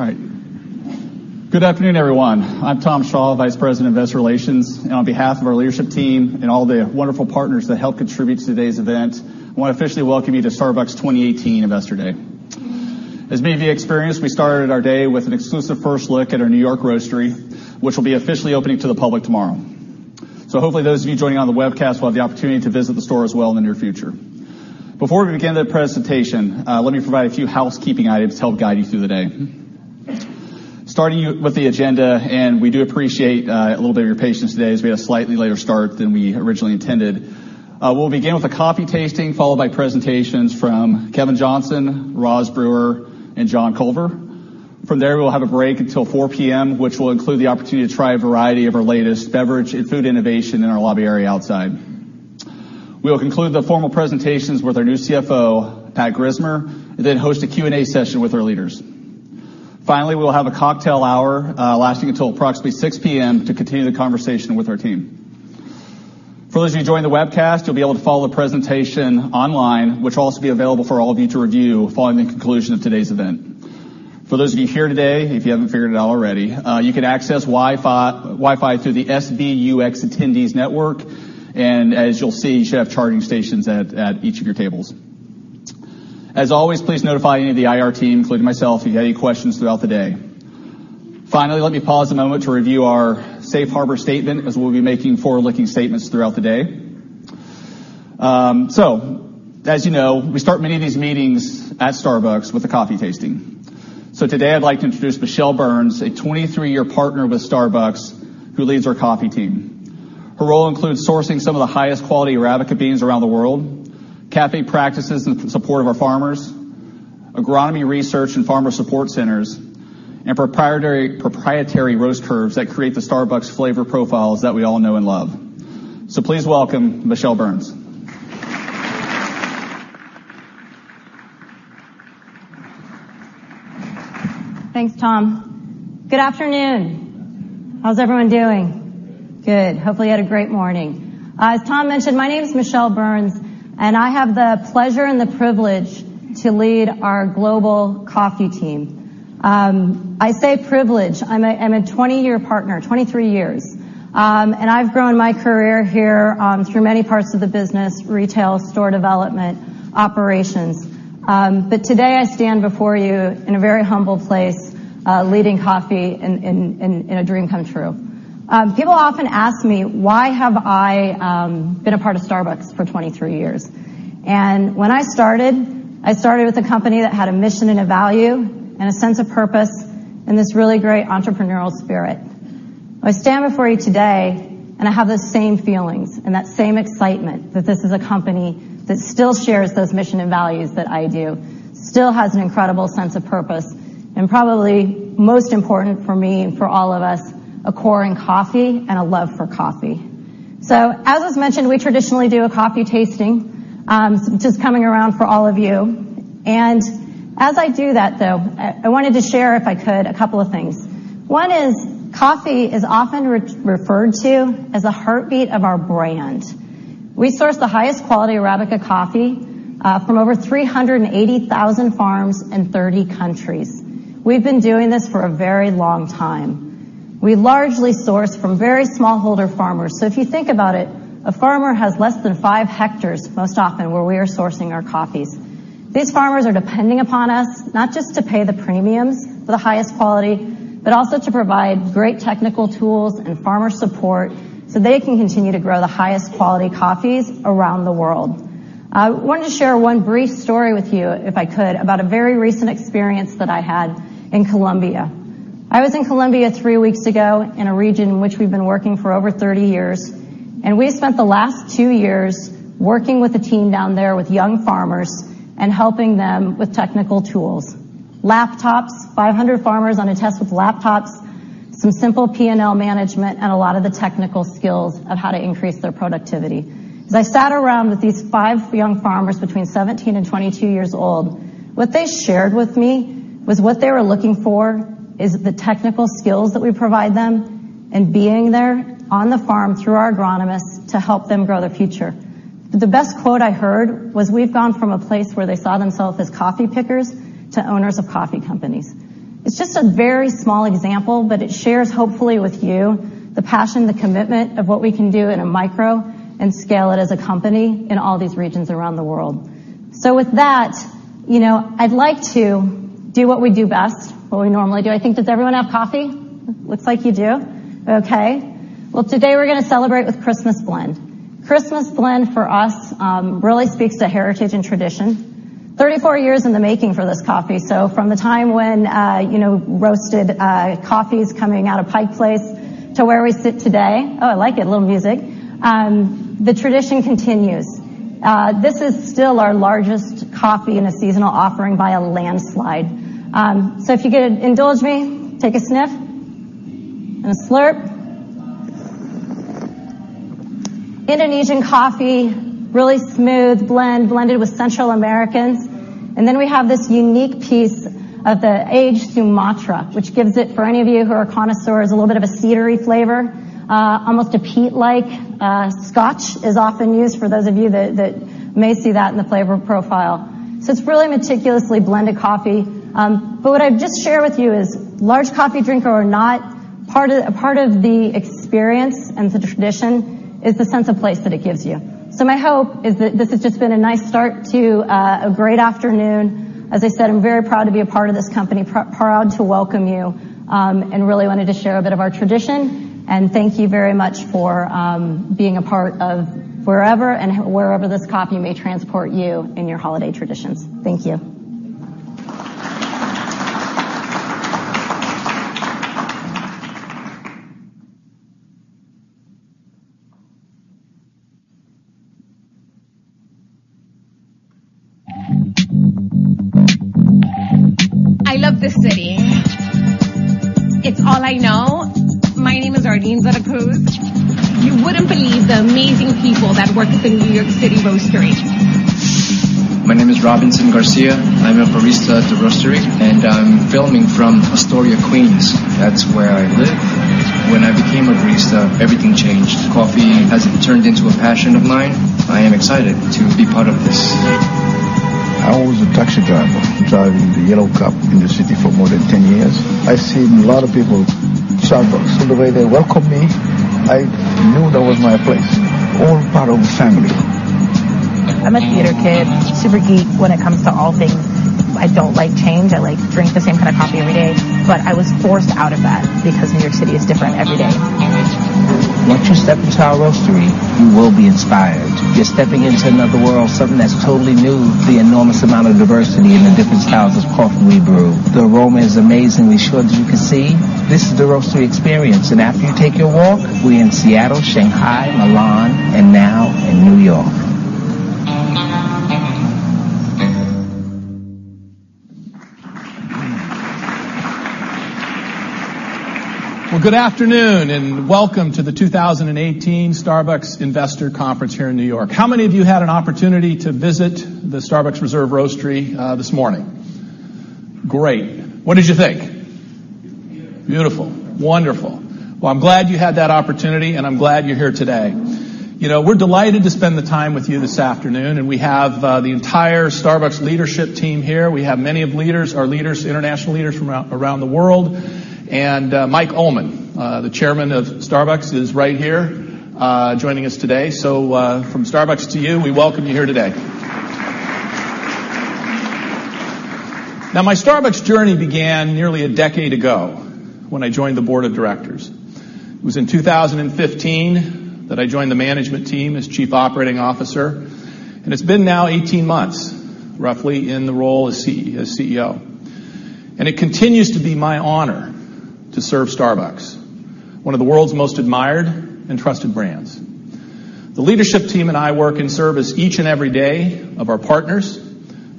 All right. Good afternoon, everyone. I'm Tom Shaw, Vice President of Investor Relations. On behalf of our leadership team and all the wonderful partners that help contribute to today's event, I want to officially welcome you to Starbucks' 2018 Investor Day. As many of you experienced, we started our day with an exclusive first look at our New York roastery, which will be officially opening to the public tomorrow. Hopefully, those of you joining on the webcast will have the opportunity to visit the store as well in the near future. Before we begin the presentation, let me provide a few housekeeping items to help guide you through the day. Starting with the agenda, we do appreciate a little bit of your patience today, as we had a slightly later start than we originally intended. We'll begin with a coffee tasting, followed by presentations from Kevin Johnson, Roz Brewer, and John Culver. From there, we will have a break until 4:00 P.M., which will include the opportunity to try a variety of our latest beverage and food innovation in our lobby area outside. We will conclude the formal presentations with our new CFO, Pat Grismer. We will host a Q&A session with our leaders. Finally, we will have a cocktail hour lasting until approximately 6:00 P.M. to continue the conversation with our team. For those of you joining the webcast, you'll be able to follow the presentation online, which will also be available for all of you to review following the conclusion of today's event. For those of you here today, if you haven't figured it out already, you can access Wi-Fi through the SBUX attendees network. As you'll see, you should have charging stations at each of your tables. As always, please notify any of the IR team, including myself, if you have any questions throughout the day. Finally, let me pause a moment to review our safe harbor statement, as we'll be making forward-looking statements throughout the day. As you know, we start many of these meetings at Starbucks with a coffee tasting. Today, I'd like to introduce Michelle Burns, a 23-year partner with Starbucks, who leads our coffee team. Her role includes sourcing some of the highest quality Arabica beans around the world, C.A.F.E. Practices in support of our farmers, agronomy research and farmer support centers, and proprietary roast curves that create the Starbucks flavor profiles that we all know and love. Please welcome Michelle Burns. Thanks, Tom. Good afternoon. How's everyone doing? Good. Hopefully, you had a great morning. As Tom mentioned, my name's Michelle Burns. I have the pleasure and the privilege to lead our global coffee team. I say privilege. I'm a 20-year partner, 23 years. I've grown my career here through many parts of the business, retail, store development, operations. Today, I stand before you in a very humble place, leading coffee and a dream come true. People often ask me why have I been a part of Starbucks for 23 years. When I started, I started with a company that had a mission and a value and a sense of purpose and this really great entrepreneurial spirit. I stand before you today. I have the same feelings and that same excitement that this is a company that still shares those mission and values that I do. Still has an incredible sense of purpose. Probably most important for me and for all of us, a core in coffee and a love for coffee. As was mentioned, we traditionally do a coffee tasting, which is coming around for all of you. As I do that, though, I wanted to share, if I could, a couple of things. One is coffee is often referred to as a heartbeat of our brand. We source the highest quality Arabica coffee from over 380,000 farms in 30 countries. We've been doing this for a very long time. We largely source from very smallholder farmers. If you think about it, a farmer has less than five hectares, most often, where we are sourcing our coffees. These farmers are depending upon us not just to pay the premiums for the highest quality, but also to provide great technical tools and farmer support so they can continue to grow the highest quality coffees around the world. I wanted to share one brief story with you, if I could, about a very recent experience that I had in Colombia. I was in Colombia three weeks ago in a region in which we've been working for over 30 years. We've spent the last two years working with a team down there with young farmers and helping them with technical tools. Laptops, 500 farmers on a test with laptops, some simple P&L management, a lot of the technical skills of how to increase their productivity. As I sat around with these five young farmers between 17 and 22 years old, what they shared with me was what they were looking for is the technical skills that we provide them and being there on the farm through our agronomists to help them grow their future. The best quote I heard was we've gone from a place where they saw themselves as coffee pickers to owners of coffee companies. It's just a very small example. It shares, hopefully with you, the passion, the commitment of what we can do in a micro and scale it as a company in all these regions around the world. With that, I'd like to do what we do best, what we normally do. I think, does everyone have coffee? Looks like you do. Okay. Today, we're going to celebrate with Christmas Blend. Christmas Blend, for us, really speaks to heritage and tradition. 34 years in the making for this coffee, so from the time when roasted coffee is coming out of Pike Place to where we sit today. Oh, I like it, a little music. The tradition continues. This is still our largest coffee in a seasonal offering by a landslide. If you could indulge me, take a sniff and a slurp. Indonesian coffee, really smooth blend, blended with Central Americans. Then we have this unique piece of the aged Sumatra, which gives it, for any of you who are connoisseurs, a little bit of a cedary flavor, almost a peat-like. Scotch is often used for those of you that may see that in the flavor profile. It is really meticulously blended coffee. What I would just share with you is, large coffee drinker or not, part of the experience and the tradition is the sense of place that it gives you. My hope is that this has just been a nice start to a great afternoon. As I said, I am very proud to be a part of this company, proud to welcome you, really wanted to share a bit of our tradition. Thank you very much for being a part of forever and wherever this coffee may transport you in your holiday traditions. Thank you. I love this city. It is all I know. My name is Ardine Zadakouz. You wouldn't believe the amazing people that work at the New York City Roastery. My name is Robinson Garcia. I am a barista at the Roastery, I am filming from Astoria, Queens. That is where I live. When I became a barista, everything changed. Coffee has turned into a passion of mine. I am excited to be part of this. I was a taxi driver, driving the yellow cab in the city for more than 10 years. I seen a lot of people at Starbucks. The way they welcomed me, I knew that was my place. All part of the family. I'm a theater kid, super geek when it comes to all things. I don't like change. I like drink the same kind of coffee every day. I was forced out of that because New York City is different every day. Once you step into our Roastery, you will be inspired. You're stepping into another world, something that's totally new. The enormous amount of diversity and the different styles of coffee we brew. The aroma is amazing, I'm sure that you can see. This is the Roastery experience. After you take your walk, we're in Seattle, Shanghai, Milan, and now in New York. Well, good afternoon. Welcome to the 2018 Starbucks Investor Conference here in New York. How many of you had an opportunity to visit the Starbucks Reserve Roastery this morning? Great. What did you think? Beautiful. Beautiful. Wonderful. Well, I'm glad you had that opportunity, and I'm glad you're here today. We're delighted to spend the time with you this afternoon, we have the entire Starbucks leadership team here. We have many of our leaders, international leaders from around the world. Mike Ullman, the Chairman of Starbucks, is right here joining us today. From Starbucks to you, we welcome you here today. Now, my Starbucks journey began nearly a decade ago when I joined the board of directors. It was in 2015 that I joined the management team as Chief Operating Officer, and it's been now 18 months, roughly, in the role as CEO. It continues to be my honor to serve Starbucks, one of the world's most admired and trusted brands. The leadership team and I work in service each and every day of our partners,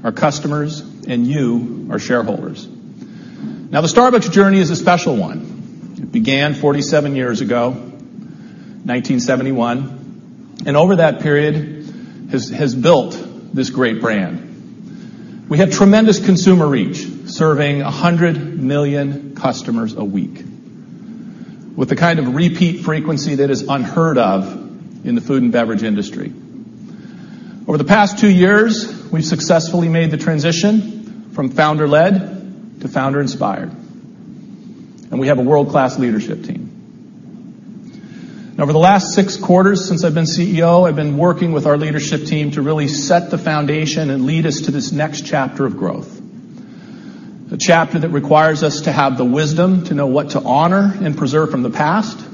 our customers, and you, our shareholders. Now, the Starbucks journey is a special one. It began 47 years ago, 1971, over that period, has built this great brand. We have tremendous consumer reach, serving 100 million customers a week with the kind of repeat frequency that is unheard of in the food and beverage industry. Over the past two years, we've successfully made the transition from founder-led to founder-inspired, we have a world-class leadership team. Now, over the last six quarters since I've been CEO, I've been working with our leadership team to really set the foundation and lead us to this next chapter of growth, a chapter that requires us to have the wisdom to know what to honor and preserve from the past,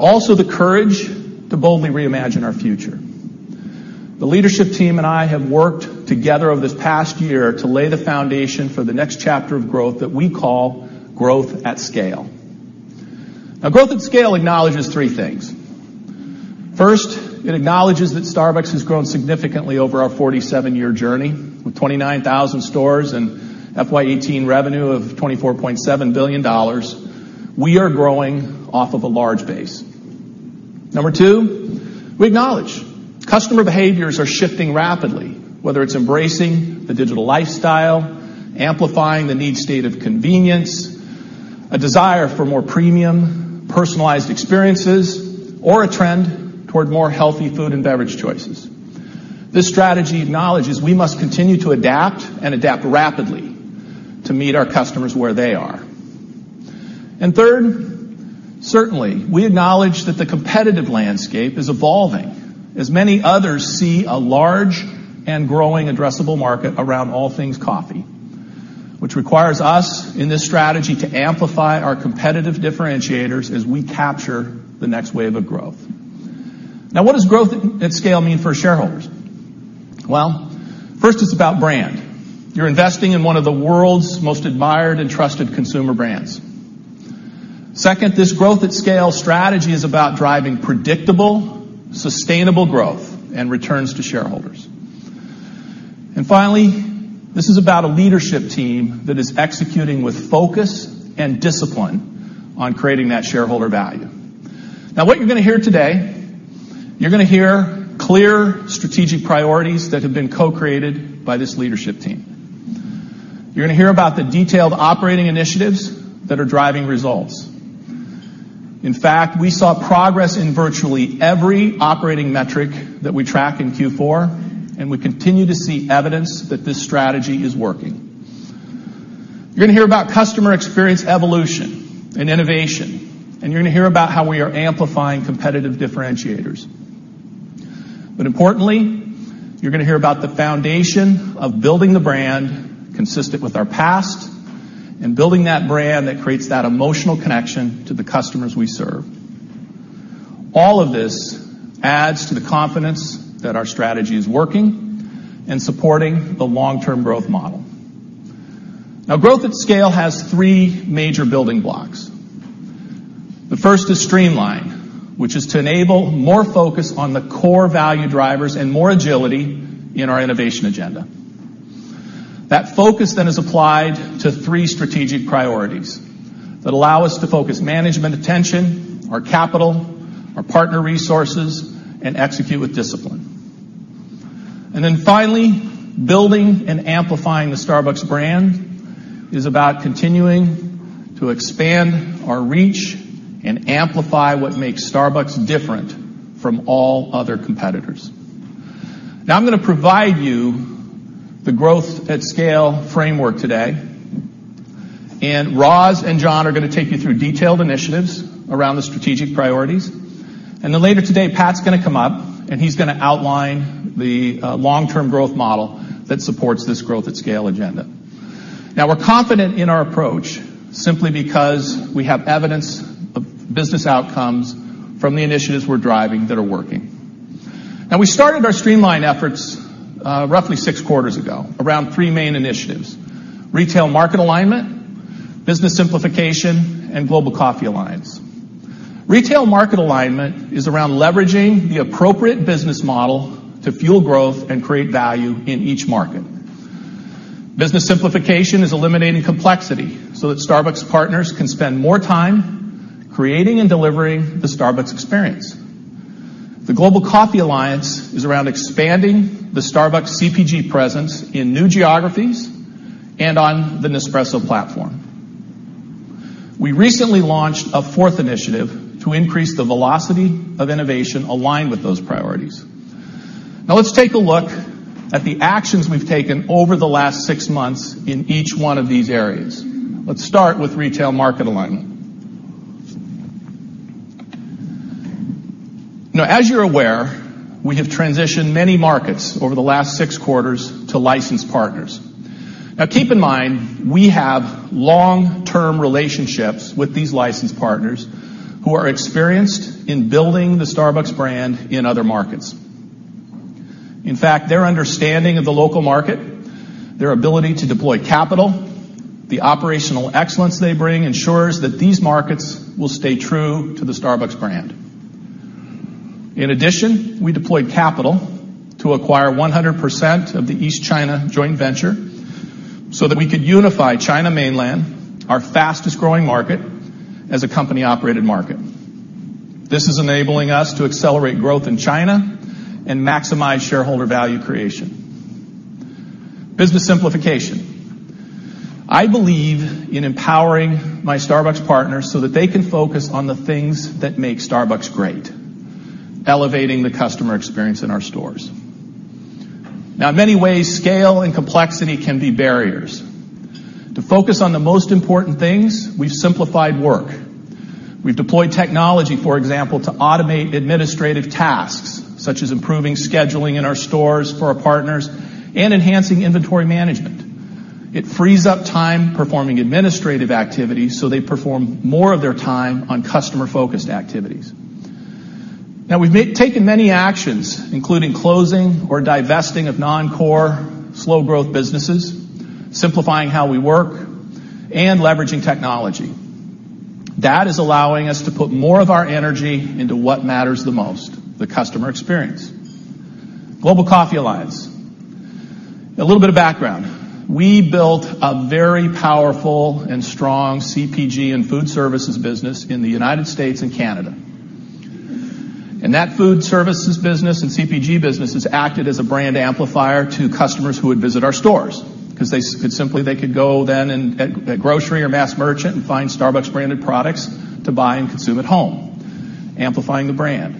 also the courage to boldly reimagine our future. The leadership team and I have worked together over this past year to lay the foundation for the next chapter of growth that we call Growth at Scale. Now, Growth at Scale acknowledges three things. First, it acknowledges that Starbucks has grown significantly over our 47-year journey. With 29,000 stores and FY 2018 revenue of $24.7 billion, we are growing off of a large base. Number two, we acknowledge customer behaviors are shifting rapidly, whether it's embracing the digital lifestyle, amplifying the need state of convenience, a desire for more premium, personalized experiences, or a trend toward more healthy food and beverage choices. This strategy acknowledges we must continue to adapt and adapt rapidly to meet our customers where they are. Third, certainly, we acknowledge that the competitive landscape is evolving as many others see a large and growing addressable market around all things coffee, which requires us, in this strategy, to amplify our competitive differentiators as we capture the next wave of growth. Now, what does Growth at Scale mean for shareholders? Well, first, it's about brand. You're investing in one of the world's most admired and trusted consumer brands. Second, this Growth at Scale strategy is about driving predictable, sustainable growth and returns to shareholders. Finally, this is about a leadership team that is executing with focus and discipline on creating that shareholder value. What you're going to hear today, you're going to hear clear strategic priorities that have been co-created by this leadership team. You're going to hear about the detailed operating initiatives that are driving results. In fact, we saw progress in virtually every operating metric that we track in Q4, and we continue to see evidence that this strategy is working. You're going to hear about customer experience evolution and innovation, and you're going to hear about how we are amplifying competitive differentiators. Importantly, you're going to hear about the foundation of building the brand consistent with our past and building that brand that creates that emotional connection to the customers we serve. All of this adds to the confidence that our strategy is working and supporting the long-term growth model. Growth at Scale has three major building blocks. The first is streamline, which is to enable more focus on the core value drivers and more agility in our innovation agenda. That focus is applied to three strategic priorities that allow us to focus management attention, our capital, our partner resources, and execute with discipline. Finally, building and amplifying the Starbucks brand is about continuing to expand our reach and amplify what makes Starbucks different from all other competitors. I'm going to provide you the Growth at Scale framework today, and Roz and John are going to take you through detailed initiatives around the strategic priorities. Later today, Pat's going to come up, and he's going to outline the long-term growth model that supports this Growth at Scale agenda. We're confident in our approach simply because we have evidence of business outcomes from the initiatives we're driving that are working. We started our streamline efforts roughly six quarters ago around three main initiatives, Retail Market Alignment, Business Simplification, and Global Coffee Alliance. Retail Market Alignment is around leveraging the appropriate business model to fuel growth and create value in each market. Business Simplification is eliminating complexity so that Starbucks partners can spend more time creating and delivering the Starbucks experience. The Global Coffee Alliance is around expanding the Starbucks CPG presence in new geographies and on the Nespresso platform. We recently launched a fourth initiative to increase the velocity of innovation aligned with those priorities. Let's take a look at the actions we've taken over the last six months in each one of these areas. Let's start with Retail Market Alignment. As you're aware, we have transitioned many markets over the last six quarters to licensed partners. Keep in mind, we have long-term relationships with these licensed partners who are experienced in building the Starbucks brand in other markets. In fact, their understanding of the local market, their ability to deploy capital, the operational excellence they bring ensures that these markets will stay true to the Starbucks brand. In addition, we deployed capital to acquire 100% of the East China joint venture so that we could unify China Mainland, our fastest-growing market, as a company-operated market. This is enabling us to accelerate growth in China and maximize shareholder value creation. Business Simplification. I believe in empowering my Starbucks partners so that they can focus on the things that make Starbucks great, elevating the customer experience in our stores. In many ways, scale and complexity can be barriers. To focus on the most important things, we've simplified work. We've deployed technology, for example, to automate administrative tasks, such as improving scheduling in our stores for our partners and enhancing inventory management. It frees up time performing administrative activities so they perform more of their time on customer-focused activities. We've taken many actions, including closing or divesting of non-core, slow-growth businesses, simplifying how we work, and leveraging technology. That is allowing us to put more of our energy into what matters the most, the customer experience. Global Coffee Alliance. A little bit of background. We built a very powerful and strong CPG and food services business in the U.S. and Canada. That food services business and CPG business has acted as a brand amplifier to customers who would visit our stores because they could go then at grocery or mass merchant and find Starbucks branded products to buy and consume at home, amplifying the brand.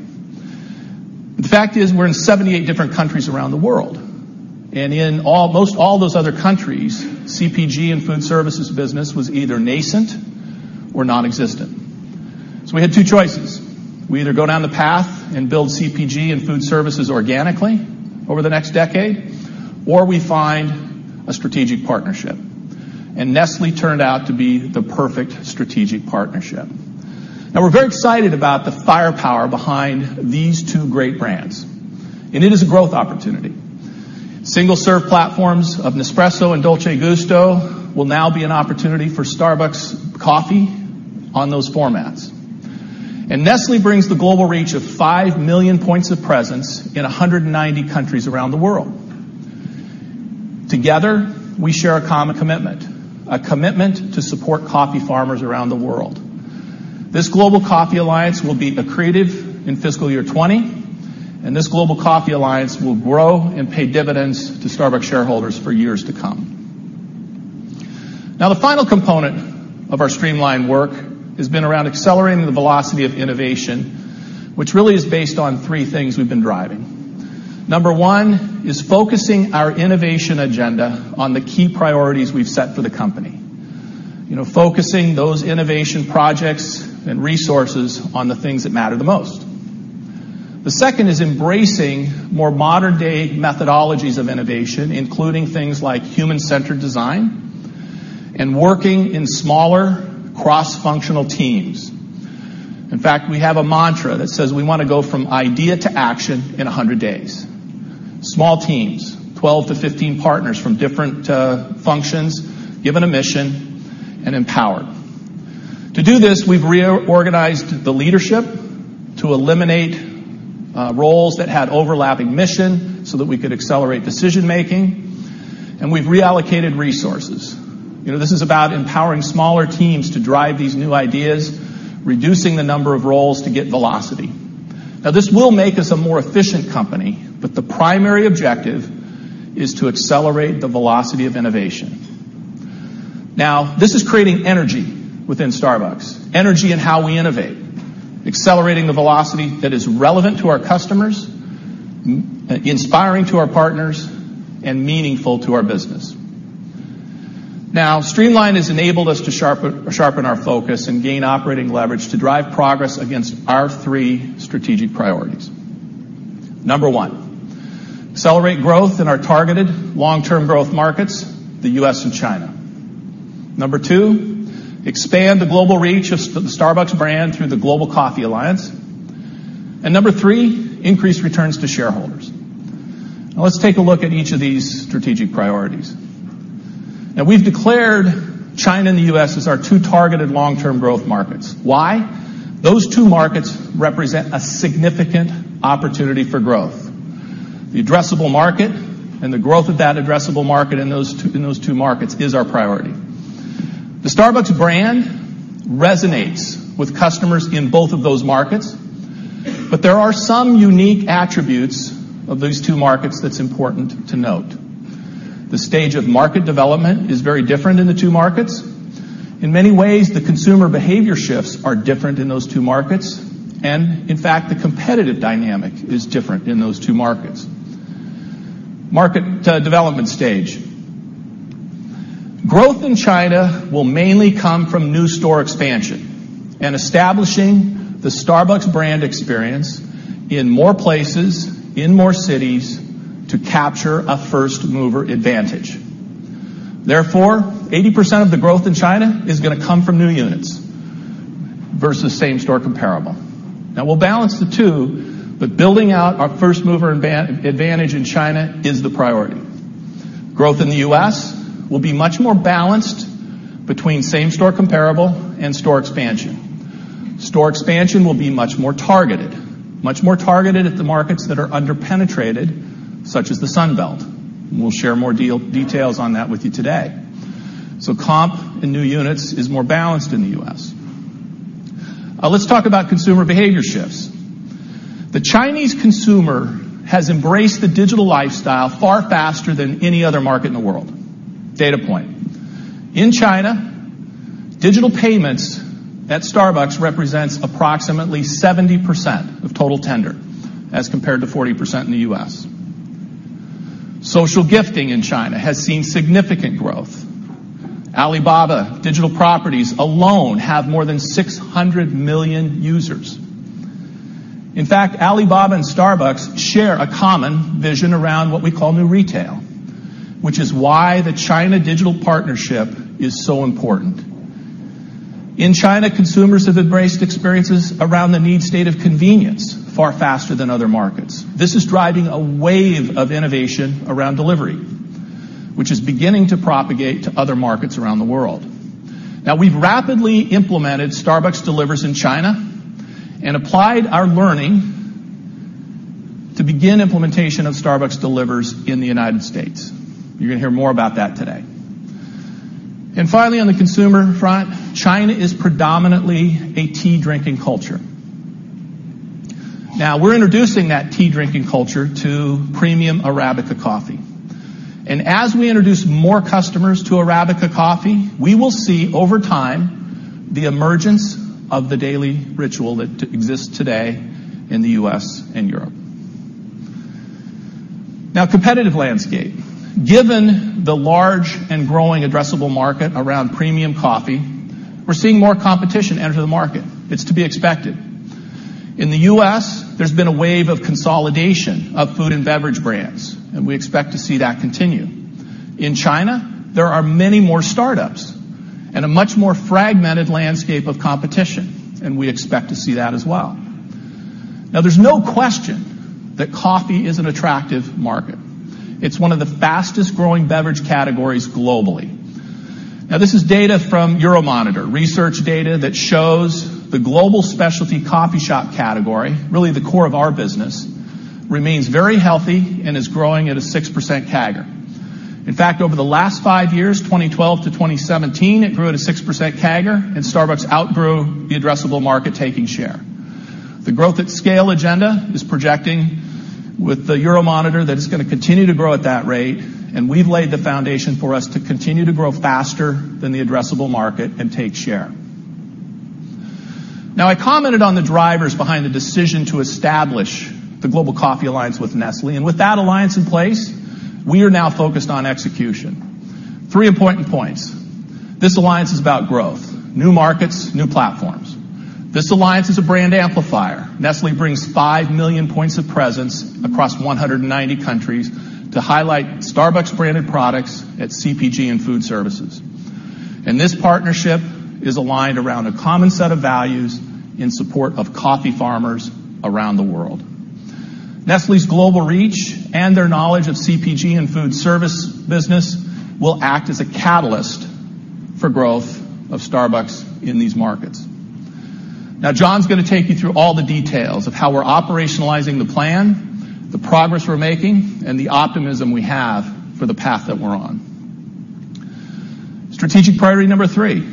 The fact is, we're in 78 different countries around the world, and in almost all those other countries, CPG and food services business was either nascent or nonexistent. We had two choices. We either go down the path and build CPG and food services organically over the next decade, or we find a strategic partnership. Nestlé turned out to be the perfect strategic partnership. We're very excited about the firepower behind these two great brands. It is a growth opportunity. Single-serve platforms of Nespresso and Dolce Gusto will now be an opportunity for Starbucks Coffee on those formats. Nestlé brings the global reach of 5 million points of presence in 190 countries around the world. Together, we share a common commitment, a commitment to support coffee farmers around the world. This Global Coffee Alliance will be accretive in FY 2020, and this Global Coffee Alliance will grow and pay dividends to Starbucks shareholders for years to come. The final component of our streamline work has been around accelerating the velocity of innovation, which really is based on three things we've been driving. Number 1 is focusing our innovation agenda on the key priorities we've set for the company. Focusing those innovation projects and resources on the things that matter the most. The second is embracing more modern-day methodologies of innovation, including things like human-centered design and working in smaller cross-functional teams. In fact, we have a mantra that says we want to go from idea to action in 100 days. Small teams, 12 to 15 partners from different functions, given a mission, and empowered. To do this, we've reorganized the leadership to eliminate roles that had overlapping mission so that we could accelerate decision-making, and we've reallocated resources. This is about empowering smaller teams to drive these new ideas, reducing the number of roles to get velocity. This will make us a more efficient company, but the primary objective is to accelerate the velocity of innovation. This is creating energy within Starbucks, energy in how we innovate, accelerating the velocity that is relevant to our customers, inspiring to our partners, and meaningful to our business. Streamline has enabled us to sharpen our focus and gain operating leverage to drive progress against our three strategic priorities. Number one, accelerate growth in our targeted long-term growth markets, the U.S. and China. Number two, expand the global reach of the Starbucks brand through the Global Coffee Alliance. Number three, increase returns to shareholders. Let's take a look at each of these strategic priorities. We've declared China and the U.S. as our two targeted long-term growth markets. Why? Those two markets represent a significant opportunity for growth. The addressable market and the growth of that addressable market in those two markets is our priority. The Starbucks brand resonates with customers in both of those markets, but there are some unique attributes of those two markets that's important to note. The stage of market development is very different in the two markets. In many ways, the consumer behavior shifts are different in those two markets, and in fact, the competitive dynamic is different in those two markets. Market development stage. Growth in China will mainly come from new store expansion and establishing the Starbucks brand experience in more places, in more cities to capture a first-mover advantage. Therefore, 80% of the growth in China is going to come from new units versus same-store comparable. We'll balance the two, but building out our first-mover advantage in China is the priority. Growth in the U.S. will be much more balanced between same-store comparable and store expansion. Store expansion will be much more targeted. Much more targeted at the markets that are under-penetrated, such as the Sun Belt. We'll share more details on that with you today. Comp in new units is more balanced in the U.S. Let's talk about consumer behavior shifts. The Chinese consumer has embraced the digital lifestyle far faster than any other market in the world. Data point. In China, digital payments at Starbucks represents approximately 70% of total tender, as compared to 40% in the U.S. Social gifting in China has seen significant growth. Alibaba digital properties alone have more than 600 million users. In fact, Alibaba and Starbucks share a common vision around what we call new retail, which is why the China digital partnership is so important. In China, consumers have embraced experiences around the need state of convenience far faster than other markets. This is driving a wave of innovation around delivery, which is beginning to propagate to other markets around the world. We've rapidly implemented Starbucks Delivers in China and applied our learning to begin implementation of Starbucks Delivers in the United States. You're going to hear more about that today. Finally, on the consumer front, China is predominantly a tea-drinking culture. We're introducing that tea-drinking culture to premium Arabica coffee. As we introduce more customers to Arabica coffee, we will see over time the emergence of the daily ritual that exists today in the U.S. and Europe. Competitive landscape. Given the large and growing addressable market around premium coffee, we're seeing more competition enter the market. It's to be expected. In the U.S., there's been a wave of consolidation of food and beverage brands, we expect to see that continue. In China, there are many more startups and a much more fragmented landscape of competition, we expect to see that as well. There's no question that coffee is an attractive market. It's one of the fastest-growing beverage categories globally. Now, this is data from Euromonitor, research data that shows the global specialty coffee shop category, really the core of our business, remains very healthy and is growing at a 6% CAGR. In fact, over the last five years, 2012 to 2017, it grew at a 6% CAGR, and Starbucks outgrew the addressable market, taking share. The Growth at Scale agenda is projecting with the Euromonitor that it's going to continue to grow at that rate, and we've laid the foundation for us to continue to grow faster than the addressable market and take share. Now, I commented on the drivers behind the decision to establish the Global Coffee Alliance with Nestlé. With that alliance in place, we are now focused on execution. Three important points. This alliance is about growth, new markets, new platforms. This alliance is a brand amplifier. Nestlé brings five million points of presence across 190 countries to highlight Starbucks-branded products at CPG and food services. This partnership is aligned around a common set of values in support of coffee farmers around the world. Nestlé's global reach and their knowledge of CPG and food service business will act as a catalyst for growth of Starbucks in these markets. Now, John's going to take you through all the details of how we're operationalizing the plan, the progress we're making, and the optimism we have for the path that we're on. Strategic priority number three,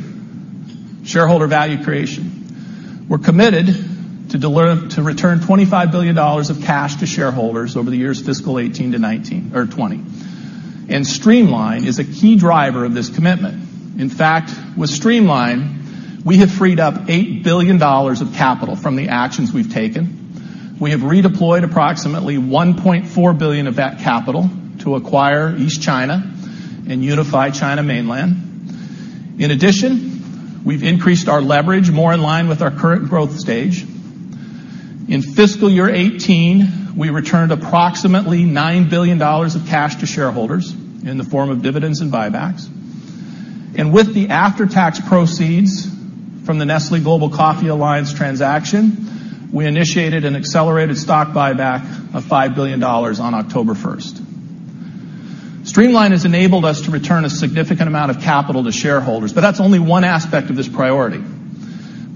shareholder value creation. We're committed to return $25 billion of cash to shareholders over the years fiscal 2018 to 2019 or 2020. Streamline is a key driver of this commitment. In fact, with Streamline, we have freed up $8 billion of capital from the actions we've taken. We have redeployed approximately $1.4 billion of that capital to acquire East China and unify China Mainland. In addition, we've increased our leverage more in line with our current growth stage. In fiscal year 2018, we returned approximately $9 billion of cash to shareholders in the form of dividends and buybacks. With the after-tax proceeds from the Nestlé Global Coffee Alliance transaction, we initiated an accelerated stock buyback of $5 billion on October 1st. Streamline has enabled us to return a significant amount of capital to shareholders, but that's only one aspect of this priority.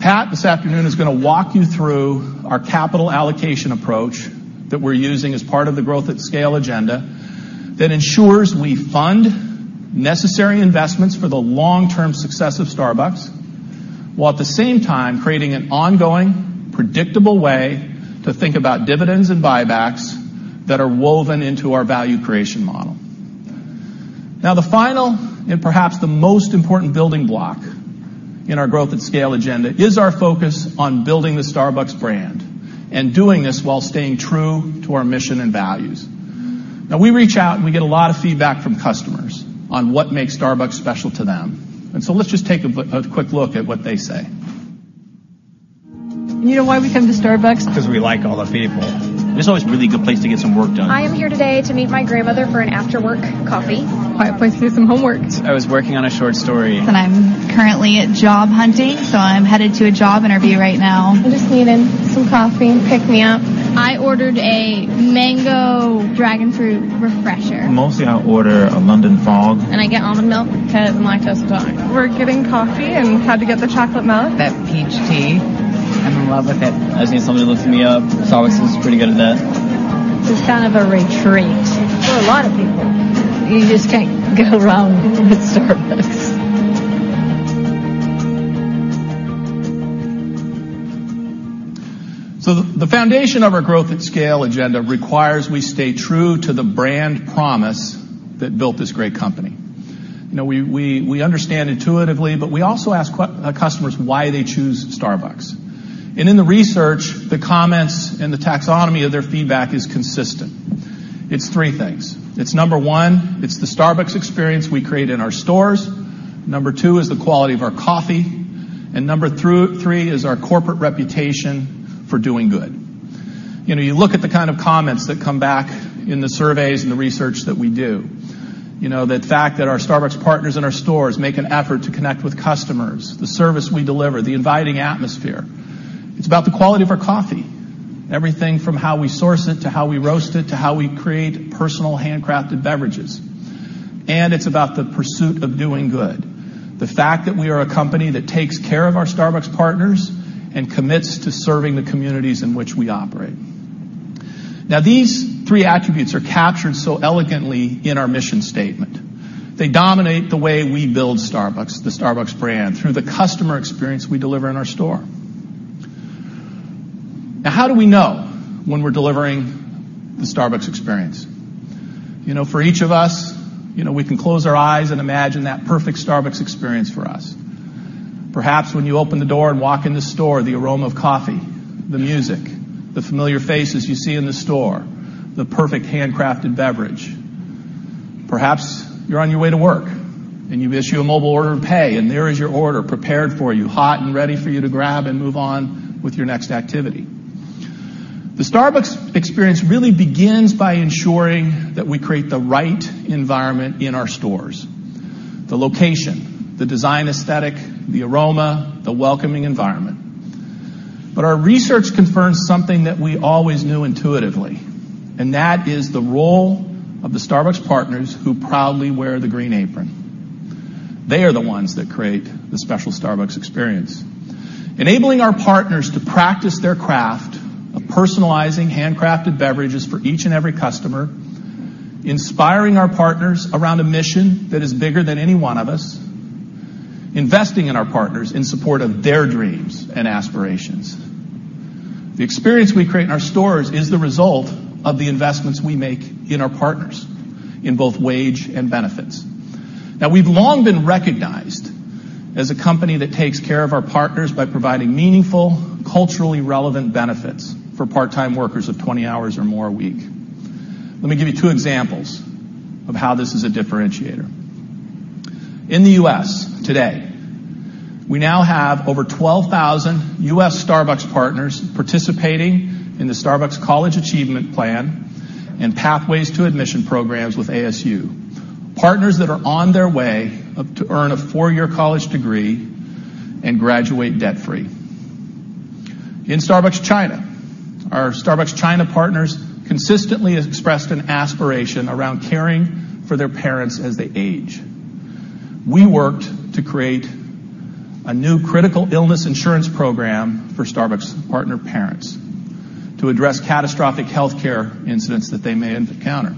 Pat, this afternoon, is going to walk you through our capital allocation approach that we're using as part of the Growth at Scale agenda that ensures we fund necessary investments for the long-term success of Starbucks, while at the same time creating an ongoing, predictable way to think about dividends and buybacks that are woven into our value creation model. Now, the final and perhaps the most important building block in our Growth at Scale agenda is our focus on building the Starbucks brand and doing this while staying true to our mission and values. Now, we reach out and we get a lot of feedback from customers on what makes Starbucks special to them. Let's just take a quick look at what they say. You know why we come to Starbucks? We like all the people. It's always a really good place to get some work done. I am here today to meet my grandmother for an after-work coffee. Quiet place to do some homework. I was working on a short story. I'm currently job hunting, so I'm headed to a job interview right now. I just needed some coffee, pick-me-up. I ordered a Mango Dragonfruit Refresher. Mostly I order a London Fog. I get almond milk. I don't like toast at all. We're getting coffee, and had to get the chocolate milk. That peach tea, I'm in love with it. I just need something to lift me up. Starbucks is pretty good at that. It's kind of a retreat for a lot of people. You just can't go wrong with Starbucks. The foundation of our Growth at Scale agenda requires we stay true to the brand promise that built this great company. We understand intuitively, but we also ask our customers why they choose Starbucks. In the research, the comments and the taxonomy of their feedback is consistent. It's three things. It's number one, it's the Starbucks experience we create in our stores. Number two is the quality of our coffee. Number three is our corporate reputation for doing good. You look at the kind of comments that come back in the surveys and the research that we do. The fact that our Starbucks partners in our stores make an effort to connect with customers, the service we deliver, the inviting atmosphere. It's about the quality of our coffee. Everything from how we source it, to how we roast it, to how we create personal handcrafted beverages. It's about the pursuit of doing good. The fact that we are a company that takes care of our Starbucks partners and commits to serving the communities in which we operate. These three attributes are captured so elegantly in our mission statement. They dominate the way we build Starbucks, the Starbucks brand, through the customer experience we deliver in our store. How do we know when we're delivering the Starbucks experience? For each of us, we can close our eyes and imagine that perfect Starbucks experience for us. Perhaps when you open the door and walk in the store, the aroma of coffee, the music, the familiar faces you see in the store, the perfect handcrafted beverage. Perhaps you're on your way to work and you issue a mobile order and pay, and there is your order prepared for you, hot and ready for you to grab and move on with your next activity. The Starbucks experience really begins by ensuring that we create the right environment in our stores. The location, the design aesthetic, the aroma, the welcoming environment. But our research confirms something that we always knew intuitively, and that is the role of the Starbucks partners who proudly wear the green apron. They are the ones that create the special Starbucks experience. Enabling our partners to practice their craft of personalizing handcrafted beverages for each and every customer, inspiring our partners around a mission that is bigger than any one of us, investing in our partners in support of their dreams and aspirations. The experience we create in our stores is the result of the investments we make in our partners in both wage and benefits. We've long been recognized as a company that takes care of our partners by providing meaningful, culturally relevant benefits for part-time workers of 20 hours or more a week. Let me give you two examples of how this is a differentiator. In the U.S. today, we now have over 12,000 U.S. Starbucks partners participating in the Starbucks College Achievement Plan and Pathways to Admission programs with ASU. Partners that are on their way up to earn a four-year college degree and graduate debt-free. In Starbucks China, our Starbucks China partners consistently expressed an aspiration around caring for their parents as they age. We worked to create a new critical illness insurance program for Starbucks partner parents to address catastrophic healthcare incidents that they may encounter.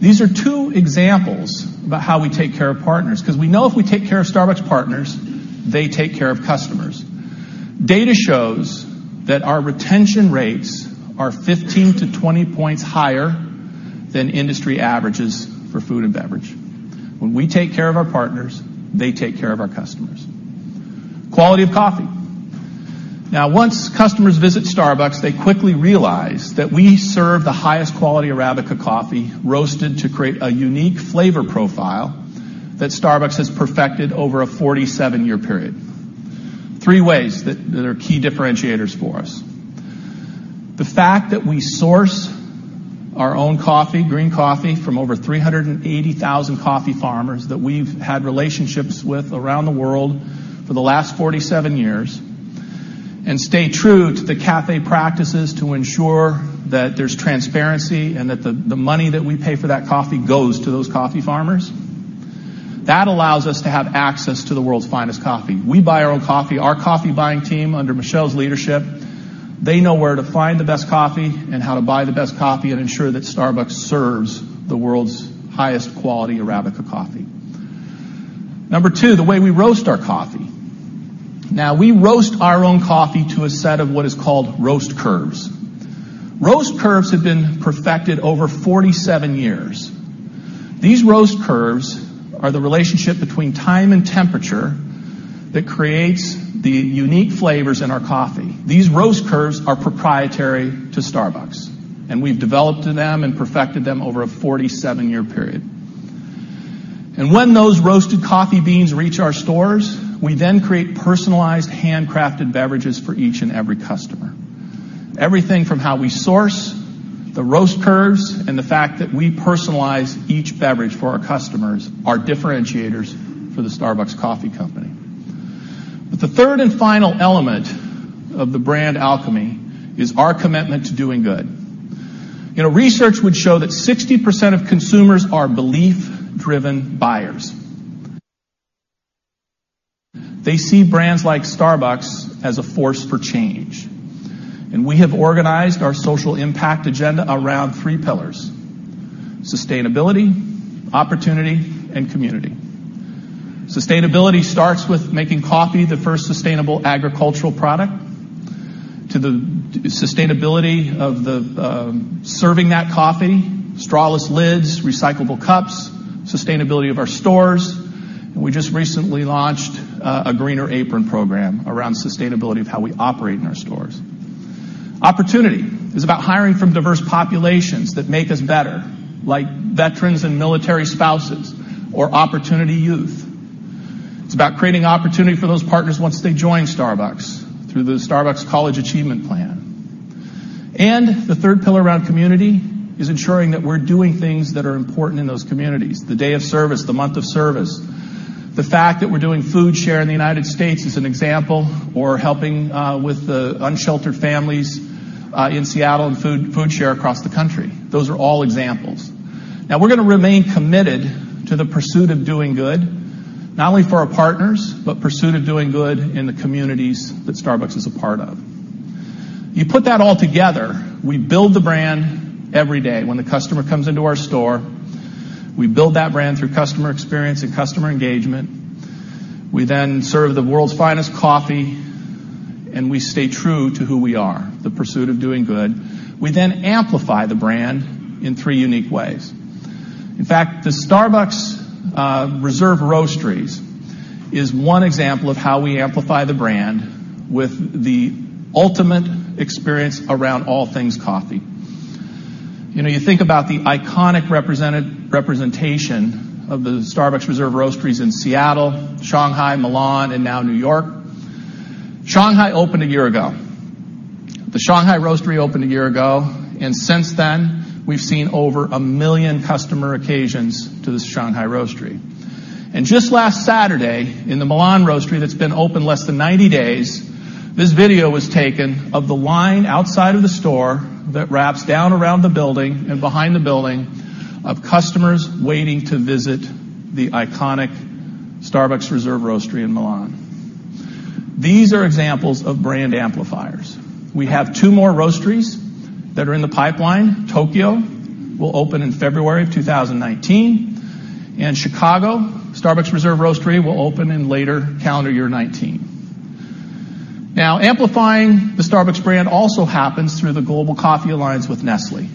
These are two examples about how we take care of partners, because we know if we take care of Starbucks partners, they take care of customers. Data shows that our retention rates are 15-20 points higher than industry averages for food and beverage. When we take care of our partners, they take care of our customers. Once customers visit Starbucks, they quickly realize that we serve the highest quality Arabica coffee, roasted to create a unique flavor profile that Starbucks has perfected over a 47-year period. Three ways that are key differentiators for us. The fact that we source our own coffee, green coffee, from over 380,000 coffee farmers that we've had relationships with around the world for the last 47 years, and stay true to the C.A.F.E. Practices to ensure that there's transparency and that the money that we pay for that coffee goes to those coffee farmers. That allows us to have access to the world's finest coffee. We buy our own coffee. Our coffee buying team, under Michelle's leadership, they know where to find the best coffee and how to buy the best coffee and ensure that Starbucks serves the world's highest quality Arabica coffee. Number two, the way we roast our coffee. We roast our own coffee to a set of what is called roast curves. Roast curves have been perfected over 47 years. These roast curves are the relationship between time and temperature that creates the unique flavors in our coffee. These roast curves are proprietary to Starbucks, and we've developed them and perfected them over a 47-year period. When those roasted coffee beans reach our stores, we then create personalized, handcrafted beverages for each and every customer. Everything from how we source, the roast curves, and the fact that we personalize each beverage for our customers are differentiators for the Starbucks Coffee Company. The third and final element of the brand alchemy is our commitment to doing good. Research would show that 60% of consumers are belief-driven buyers. They see brands like Starbucks as a force for change. We have organized our social impact agenda around three pillars: sustainability, opportunity, and community. Sustainability starts with making coffee the first sustainable agricultural product, to the sustainability of the serving that coffee, strawless lids, recyclable cups, sustainability of our stores. We just recently launched a Greener Apron program around sustainability of how we operate in our stores. Opportunity is about hiring from diverse populations that make us better, like veterans and military spouses or opportunity youth. It's about creating opportunity for those partners once they join Starbucks through the Starbucks College Achievement Plan. The third pillar around community is ensuring that we're doing things that are important in those communities. The day of service, the month of service. The fact that we're doing FoodShare in the U.S. is an example, or helping with the unsheltered families, in Seattle and FoodShare across the country. Those are all examples. We're going to remain committed to the pursuit of doing good, not only for our partners, but pursuit of doing good in the communities that Starbucks is a part of. You put that all together, we build the brand every day. When the customer comes into our store, we build that brand through customer experience and customer engagement. We then serve the world's finest coffee, and we stay true to who we are, the pursuit of doing good. We then amplify the brand in three unique ways. In fact, the Starbucks Reserve Roasteries is one example of how we amplify the brand with the ultimate experience around all things coffee. You think about the iconic representation of the Starbucks Reserve Roasteries in Seattle, Shanghai, Milan and New York. The Shanghai Roastery opened a year ago, and since then, we've seen over a million customer occasions to the Shanghai Roastery. Just last Saturday, in the Milan Roastery that's been open less than 90 days, this video was taken of the line outside of the store that wraps down around the building and behind the building of customers waiting to visit the iconic Starbucks Reserve Roastery in Milan. These are examples of brand amplifiers. We have two more roasteries that are in the pipeline. Tokyo will open in February of 2019, and Chicago Starbucks Reserve Roastery will open in later calendar year 2019. Amplifying the Starbucks brand also happens through the Global Coffee Alliance with Nestlé.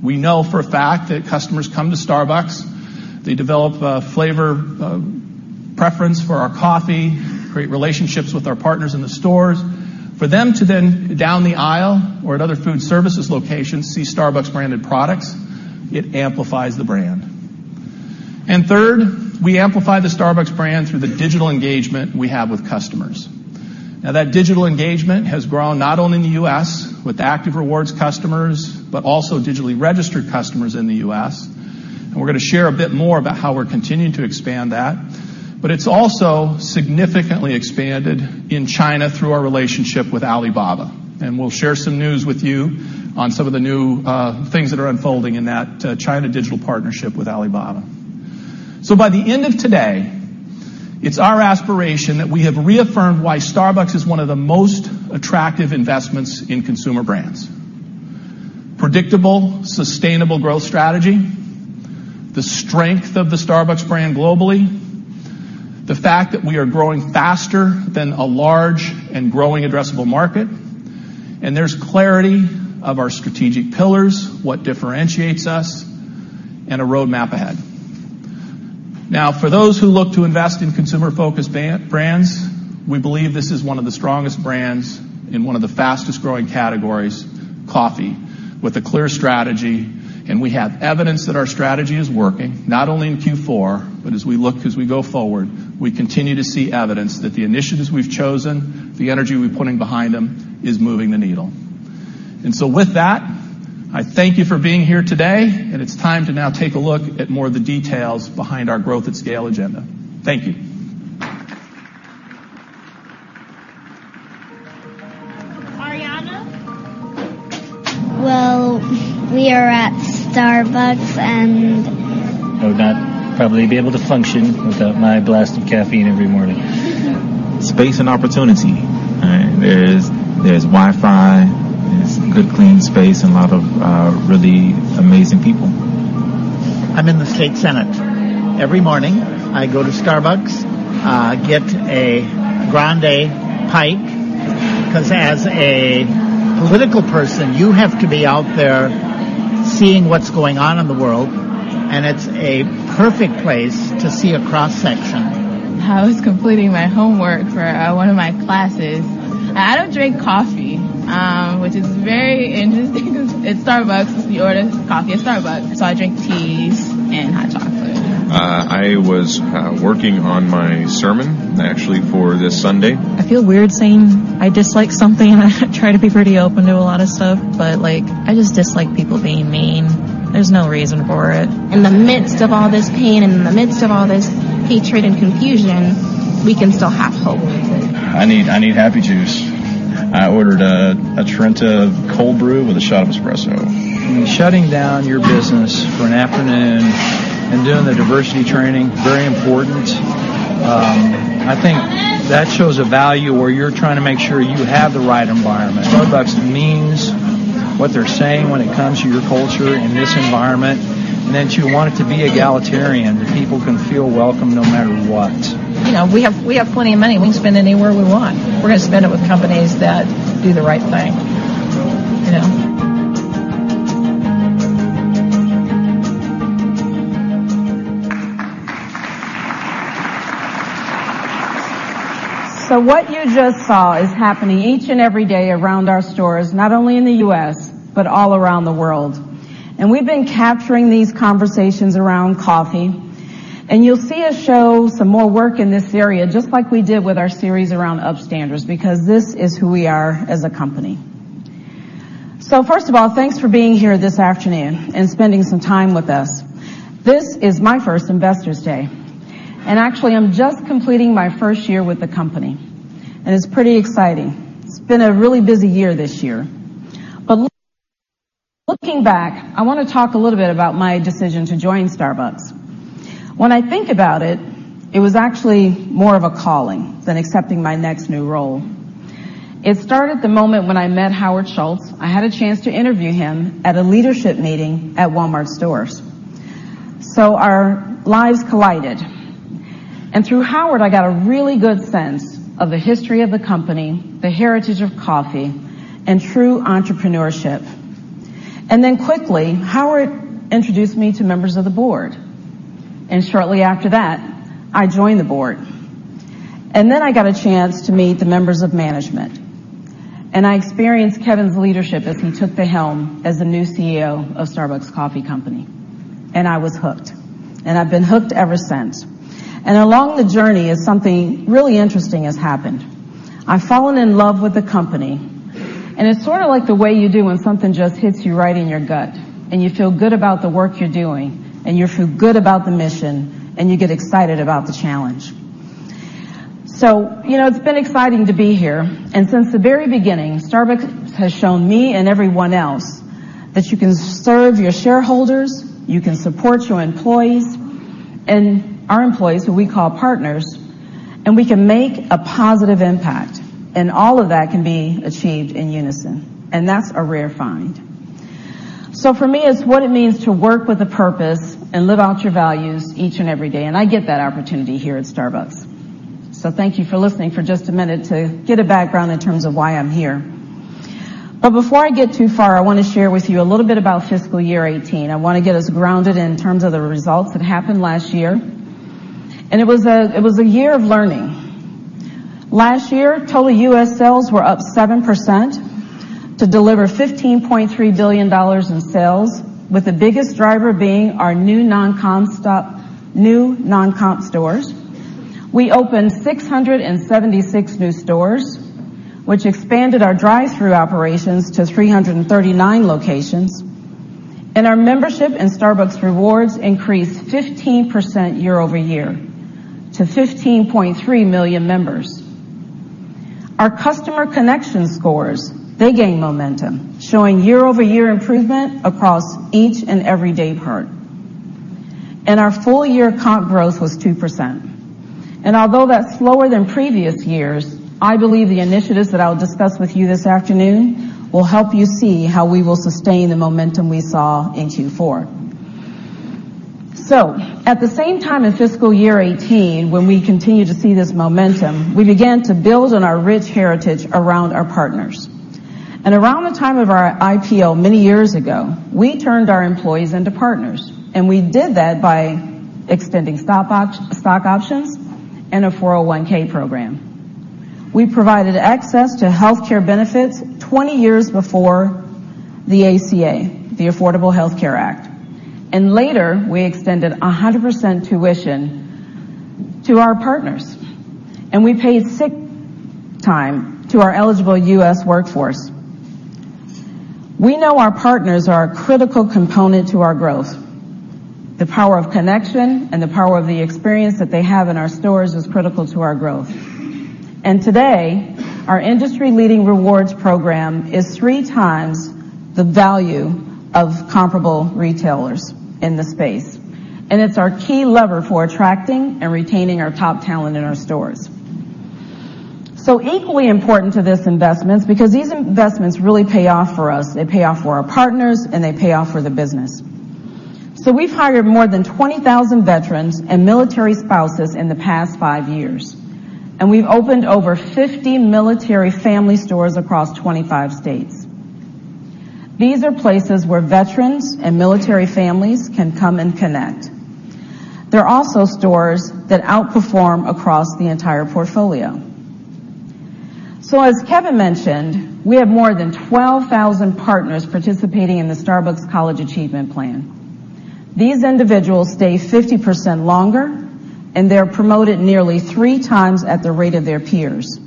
We know for a fact that customers come to Starbucks, they develop a flavor preference for our coffee, create relationships with our partners in the stores. For them to then, down the aisle or at other food services locations, see Starbucks-branded products, it amplifies the brand. Third, we amplify the Starbucks brand through the digital engagement we have with customers. That digital engagement has grown not only in the U.S. with Starbucks Rewards customers, but also digitally registered customers in the U.S. We're going to share a bit more about how we're continuing to expand that. It's also significantly expanded in China through our relationship with Alibaba. We'll share some news with you on some of the new things that are unfolding in that China digital partnership with Alibaba. By the end of today, it's our aspiration that we have reaffirmed why Starbucks is one of the most attractive investments in consumer brands. Predictable, sustainable growth strategy, the strength of the Starbucks brand globally, the fact that we are growing faster than a large and growing addressable market, and there's clarity of our strategic pillars, what differentiates us, and a roadmap ahead. For those who look to invest in consumer-focused brands, we believe this is one of the strongest brands in one of the fastest-growing categories, coffee, with a clear strategy, and we have evidence that our strategy is working, not only in Q4, but as we look as we go forward, we continue to see evidence that the initiatives we've chosen, the energy we're putting behind them, is moving the needle. With that, I thank you for being here today, and it's time to now take a look at more of the details behind our Growth at Scale agenda. Thank you. Ariana? Well, we are at Starbucks. I would not probably be able to function without my blast of caffeine every morning. Space and opportunity. There's Wi-Fi, there's good clean space, and a lot of really amazing people. I'm in the State Senate. Every morning, I go to Starbucks, get a Grande Pike, because as a political person, you have to be out there seeing what's going on in the world, and it's a perfect place to see a cross-section. I was completing my homework for one of my classes. I don't drink coffee, which is very interesting because it's Starbucks. You order coffee at Starbucks. I drink teas and hot chocolate. I was working on my sermon, actually, for this Sunday. I feel weird saying I dislike something. I try to be pretty open to a lot of stuff, but I just dislike people being mean. There's no reason for it. In the midst of all this pain and in the midst of all this hatred and confusion, we can still have hope. I need happy juice. I ordered a Trenta Cold Brew with a shot of espresso. Shutting down your business for an afternoon and doing the diversity training, very important. I think that shows a value where you're trying to make sure you have the right environment. Starbucks means what they're saying when it comes to your culture and this environment, and that you want it to be egalitarian, that people can feel welcome no matter what. We have plenty of money. We can spend anywhere we want. We're going to spend it with companies that do the right thing. What you just saw is happening each and every day around our stores, not only in the U.S., but all around the world. We've been capturing these conversations around coffee, and you'll see us show some more work in this area, just like we did with our series around Upstanders, because this is who we are as a company. First of all, thanks for being here this afternoon and spending some time with us. This is my first Investor Day. Actually, I'm just completing my first year with the company, and it's pretty exciting. It's been a really busy year this year. Looking back, I want to talk a little bit about my decision to join Starbucks. When I think about it was actually more of a calling than accepting my next new role. It started the moment when I met Howard Schultz. I had a chance to interview him at a leadership meeting at Walmart stores. Our lives collided. Through Howard, I got a really good sense of the history of the company, the heritage of coffee, and true entrepreneurship. Quickly, Howard introduced me to members of the board. Shortly after that, I joined the board. I got a chance to meet the members of management. I experienced Kevin's leadership as he took the helm as the new CEO of Starbucks Coffee Company. I was hooked. I've been hooked ever since. Along the journey something really interesting has happened. I've fallen in love with the company, and it's sort of like the way you do when something just hits you right in your gut, and you feel good about the work you're doing, and you feel good about the mission, and you get excited about the challenge. It's been exciting to be here. Since the very beginning, Starbucks has shown me and everyone else that you can serve your shareholders, you can support your employees, and our employees, who we call partners, and we can make a positive impact. All of that can be achieved in unison. That's a rare find. For me, it's what it means to work with a purpose and live out your values each and every day. I get that opportunity here at Starbucks. Thank you for listening for just a minute to get a background in terms of why I'm here. Before I get too far, I want to share with you a little bit about fiscal year 2018. I want to get us grounded in terms of the results that happened last year. It was a year of learning. Last year, total U.S. sales were up 7% to deliver $15.3 billion in sales, with the biggest driver being our new non-comp stores. We opened 676 new stores, which expanded our drive-thru operations to 339 locations. Our membership in Starbucks Rewards increased 15% year-over-year to 15.3 million members. Our customer connection scores, they gained momentum, showing year-over-year improvement across each and every day part. Our full-year comp growth was 2%. Although that's slower than previous years, I believe the initiatives that I'll discuss with you this afternoon will help you see how we will sustain the momentum we saw in Q4. At the same time in fiscal year 2018, when we continued to see this momentum, we began to build on our rich heritage around our partners. Around the time of our IPO many years ago, we turned our employees into partners, and we did that by extending stock options and a 401(k) program. We provided access to healthcare benefits 20 years before the ACA, the Affordable Care Act. Later, we extended 100% tuition to our partners. We paid sick time to our eligible U.S. workforce. We know our partners are a critical component to our growth. The power of connection and the power of the experience that they have in our stores is critical to our growth. Today, our industry-leading rewards program is three times the value of comparable retailers in the space. It's our key lever for attracting and retaining our top talent in our stores. Equally important to this investment, because these investments really pay off for us. They pay off for our partners, and they pay off for the business. We've hired more than 20,000 veterans and military spouses in the past five years. We've opened over 50 military family stores across 25 states. These are places where veterans and military families can come and connect. They're also stores that outperform across the entire portfolio. As Kevin mentioned, we have more than 12,000 partners participating in the Starbucks College Achievement Plan. These individuals stay 50% longer, and they're promoted nearly three times at the rate of their peers.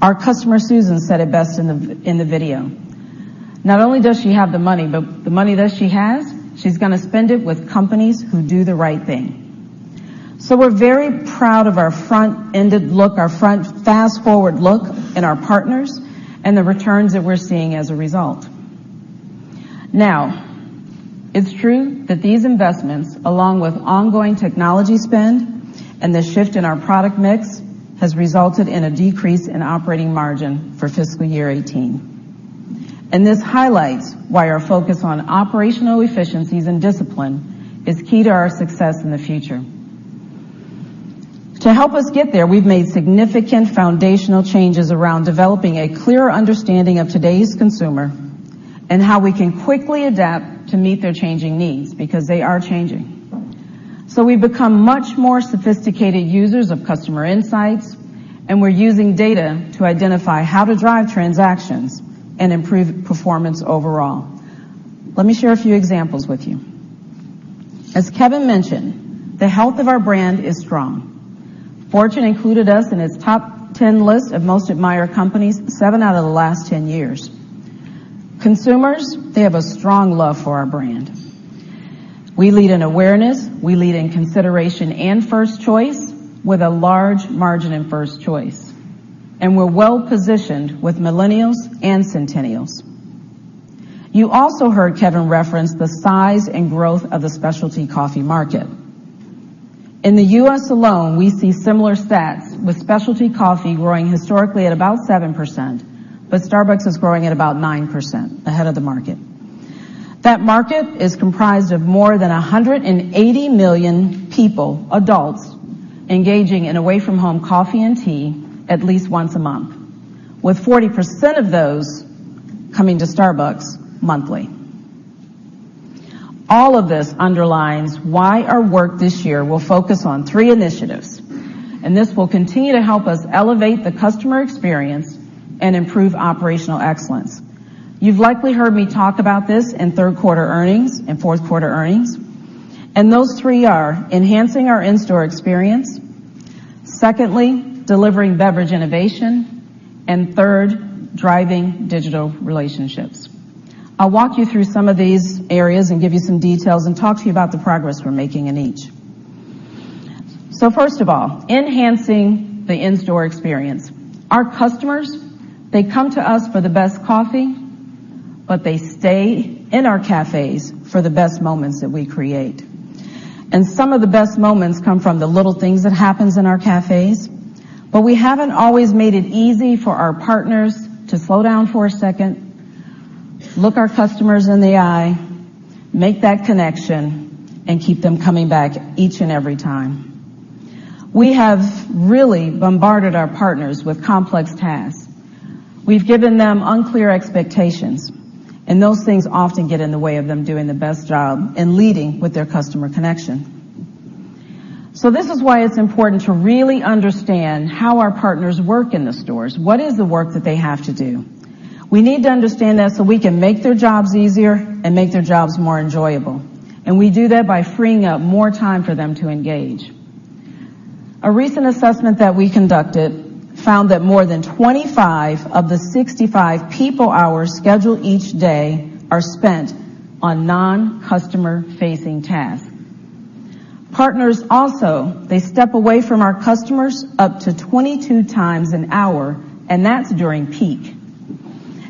Our customer, Susan, said it best in the video. Not only does she have the money, but the money that she has, she's going to spend it with companies who do the right thing. We're very proud of our front-ended look, our front fast-forward look in our partners and the returns that we're seeing as a result. It's true that these investments, along with ongoing technology spend and the shift in our product mix, has resulted in a decrease in operating margin for fiscal year 2018. This highlights why our focus on operational efficiencies and discipline is key to our success in the future. To help us get there, we've made significant foundational changes around developing a clear understanding of today's consumer and how we can quickly adapt to meet their changing needs, because they are changing. We've become much more sophisticated users of customer insights, and we're using data to identify how to drive transactions and improve performance overall. Let me share a few examples with you. As Kevin mentioned, the health of our brand is strong. Fortune included us in its top 10 list of most admired companies seven out of the last 10 years. Consumers, they have a strong love for our brand. We lead in awareness, we lead in consideration and first choice with a large margin in first choice, and we're well-positioned with millennials and centennials. You also heard Kevin reference the size and growth of the specialty coffee market. In the U.S. alone, we see similar stats, with specialty coffee growing historically at about 7%, but Starbucks is growing at about 9% ahead of the market. That market is comprised of more than 180 million people, adults, engaging in away-from-home coffee and tea at least once a month, with 40% of those coming to Starbucks monthly. All of this underlines why our work this year will focus on three initiatives. This will continue to help us elevate the customer experience and improve operational excellence. You've likely heard me talk about this in third-quarter earnings and fourth-quarter earnings. Those three are enhancing our in-store experience, secondly, delivering beverage innovation, and third, driving digital relationships. I'll walk you through some of these areas and give you some details and talk to you about the progress we're making in each. First of all, enhancing the in-store experience. Our customers, they come to us for the best coffee, but they stay in our cafes for the best moments that we create. Some of the best moments come from the little things that happens in our cafes. We haven't always made it easy for our partners to slow down for a second, look our customers in the eye, make that connection, and keep them coming back each and every time. We have really bombarded our partners with complex tasks. We've given them unclear expectations. Those things often get in the way of them doing the best job and leading with their customer connection. This is why it's important to really understand how our partners work in the stores. What is the work that they have to do? We need to understand that so we can make their jobs easier and make their jobs more enjoyable. We do that by freeing up more time for them to engage. A recent assessment that we conducted found that more than 25 of the 65 people hours scheduled each day are spent on non-customer-facing tasks. Partners also, they step away from our customers up to 22 times an hour, and that's during peak.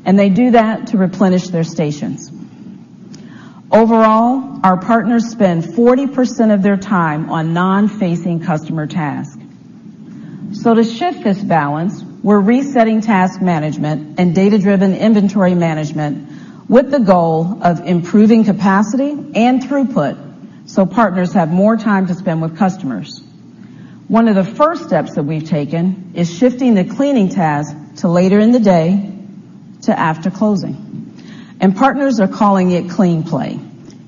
They do that to replenish their stations. Overall, our partners spend 40% of their time on non-facing customer tasks. To shift this balance, we're resetting task management and data-driven inventory management with the goal of improving capacity and throughput so partners have more time to spend with customers. One of the first steps that we've taken is shifting the cleaning task to later in the day to after closing, and partners are calling it Clean Play.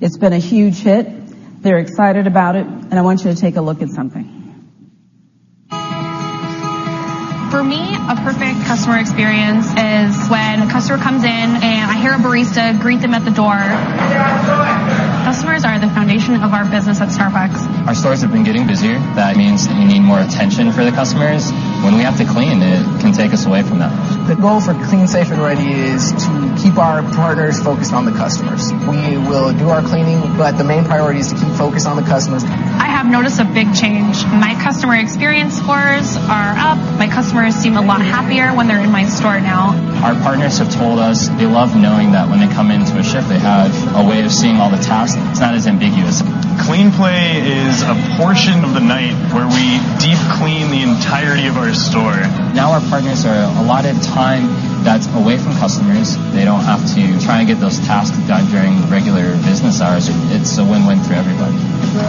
It's been a huge hit. They're excited about it, and I want you to take a look at something. For me, a perfect customer experience is when a customer comes in, and I hear a barista greet them at the door. Welcome to Starbucks. Customers are the foundation of our business at Starbucks. Our stores have been getting busier. That means that we need more attention for the customers. When we have to clean, it can take us away from that. The goal for Clean Station Ready is to keep our partners focused on the customers. We will do our cleaning, but the main priority is to keep focused on the customers. I have noticed a big change. My customer experience scores are up. My customers seem a lot happier when they're in my store now. Our partners have told us they love knowing that when they come into a shift, they have a way of seeing all the tasks. It's not as ambiguous. Clean Play is a portion of the night where we deep clean the entirety of our store. Our partners are allotted time that's away from customers. They don't have to try and get those tasks done during regular business hours. It's a win-win for everybody.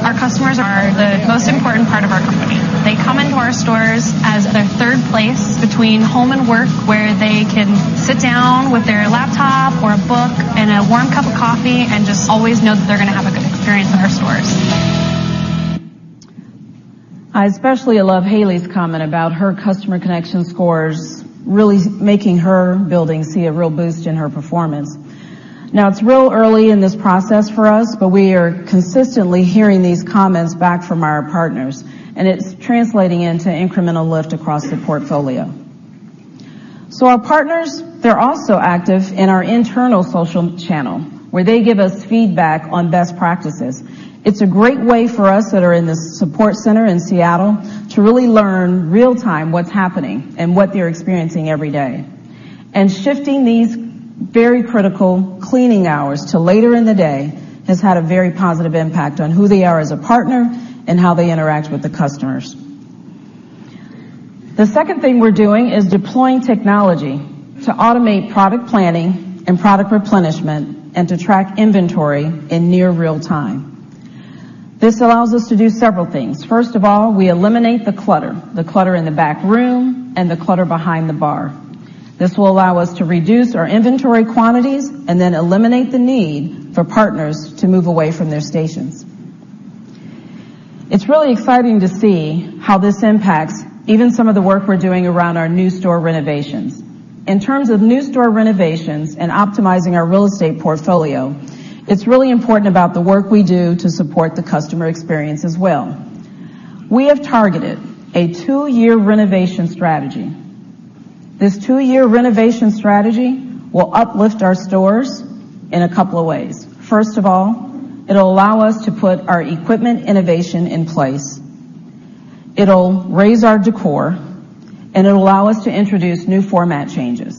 Our customers are the most important part of our company. They come into our stores as their third place between home and work, where they can sit down with their laptop or a book and a warm cup of coffee and just always know that they're going to have a good experience in our stores. I especially love Haley's comment about her customer connection scores really making her building see a real boost in her performance. It's real early in this process for us, but we are consistently hearing these comments back from our partners, and it's translating into incremental lift across the portfolio. Our partners, they're also active in our internal social channel, where they give us feedback on best practices. It's a great way for us that are in the support center in Seattle to really learn real-time what's happening and what they're experiencing every day. Shifting these very critical cleaning hours to later in the day has had a very positive impact on who they are as a partner and how they interact with the customers. The second thing we're doing is deploying technology to automate product planning and product replenishment and to track inventory in near real time. This allows us to do several things. First of all, we eliminate the clutter, the clutter in the back room, and the clutter behind the bar. This will allow us to reduce our inventory quantities and then eliminate the need for partners to move away from their stations. It's really exciting to see how this impacts even some of the work we're doing around our new store renovations. In terms of new store renovations and optimizing our real estate portfolio, it's really important about the work we do to support the customer experience as well. We have targeted a two-year renovation strategy. This two-year renovation strategy will uplift our stores in a couple of ways. First of all, it'll allow us to put our equipment innovation in place. It'll raise our decor, and it'll allow us to introduce new format changes.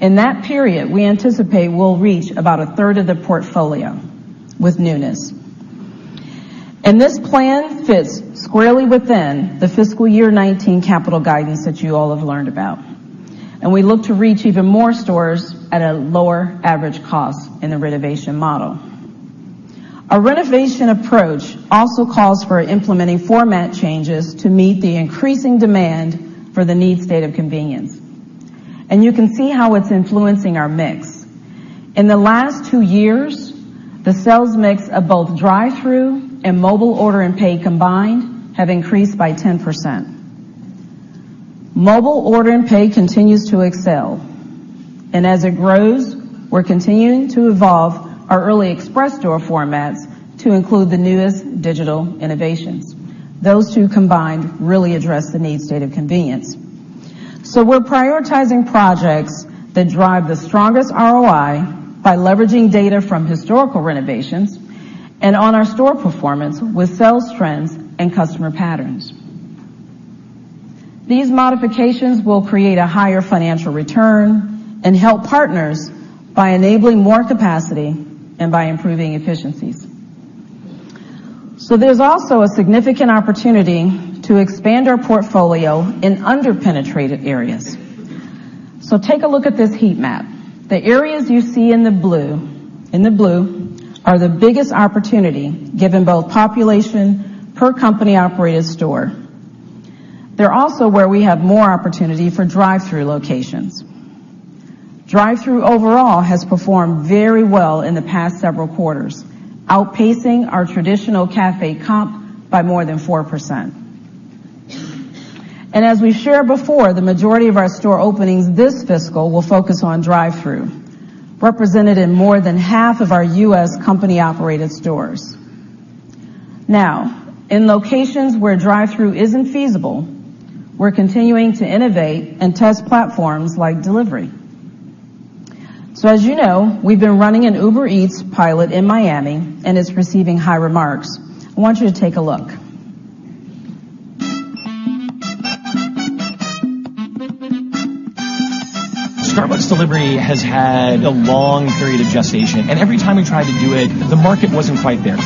In that period, we anticipate we'll reach about a third of the portfolio with newness. This plan fits squarely within the fiscal year 2019 capital guidance that you all have learned about. We look to reach even more stores at a lower average cost in the renovation model. Our renovation approach also calls for implementing format changes to meet the increasing demand for the need state of convenience. You can see how it's influencing our mix. In the last two years, the sales mix of both drive-through and mobile order and pay combined have increased by 10%. Mobile order and pay continues to excel, and as it grows, we're continuing to evolve our early express store formats to include the newest digital innovations. Those two combined really address the need state of convenience. We're prioritizing projects that drive the strongest ROI by leveraging data from historical renovations, and on our store performance with sales trends and customer patterns. These modifications will create a higher financial return and help partners by enabling more capacity and by improving efficiencies. There's also a significant opportunity to expand our portfolio in under-penetrated areas. Take a look at this heat map. The areas you see in the blue are the biggest opportunity, given both population per company-operated store. They're also where we have more opportunity for drive-through locations. Drive-through overall has performed very well in the past several quarters, outpacing our traditional cafe comp by more than 4%. As we shared before, the majority of our store openings this fiscal will focus on drive-through, represented in more than half of our U.S. company-operated stores. In locations where drive-through isn't feasible, we're continuing to innovate and test platforms like delivery. As you know, we've been running an Uber Eats pilot in Miami, and it's receiving high remarks. I want you to take a look. Starbucks Delivery has had a long period of gestation, and every time we tried to do it, the market wasn't quite there.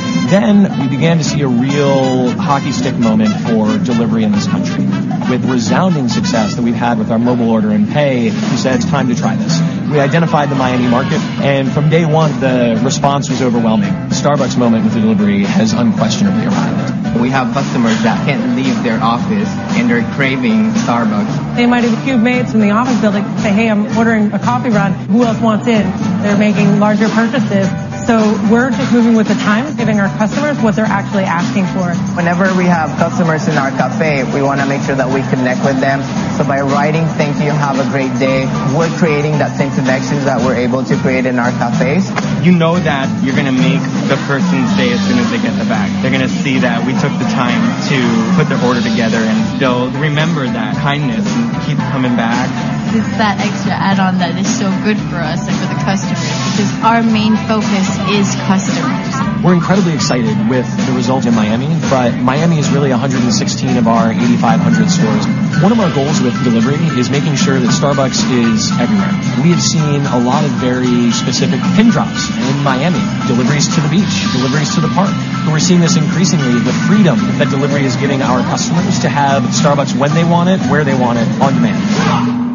We began to see a real hockey stick moment for delivery in this country. With resounding success that we've had with our Mobile Order and Pay, we said, "It's time to try this." We identified the Miami market, and from day one, the response was overwhelming. The Starbucks moment with delivery has unquestionably arrived. We have customers that can't leave their office, and they're craving Starbucks. They might have cube-mates in the office building say, "Hey, I'm ordering a coffee run. Who else wants in?" They're making larger purchases. We're just moving with the times, giving our customers what they're actually asking for. Whenever we have customers in our cafe, we want to make sure that we connect with them. By writing, "Thank you. Have a great day," we're creating that same connection that we're able to create in our cafes. You know that you're going to make the person's day as soon as they get the bag. They're going to see that we took the time to put their order together, and they'll remember that kindness and keep coming back. It's that extra add-on that is so good for us and for the customers, because our main focus is customers. We're incredibly excited with the result in Miami is really 116 of our 8,500 stores. One of our goals with delivery is making sure that Starbucks is everywhere. We have seen a lot of very specific pin drops in Miami, deliveries to the beach, deliveries to the park. We're seeing this increasingly, the freedom that delivery is giving our customers to have Starbucks when they want it, where they want it, on demand.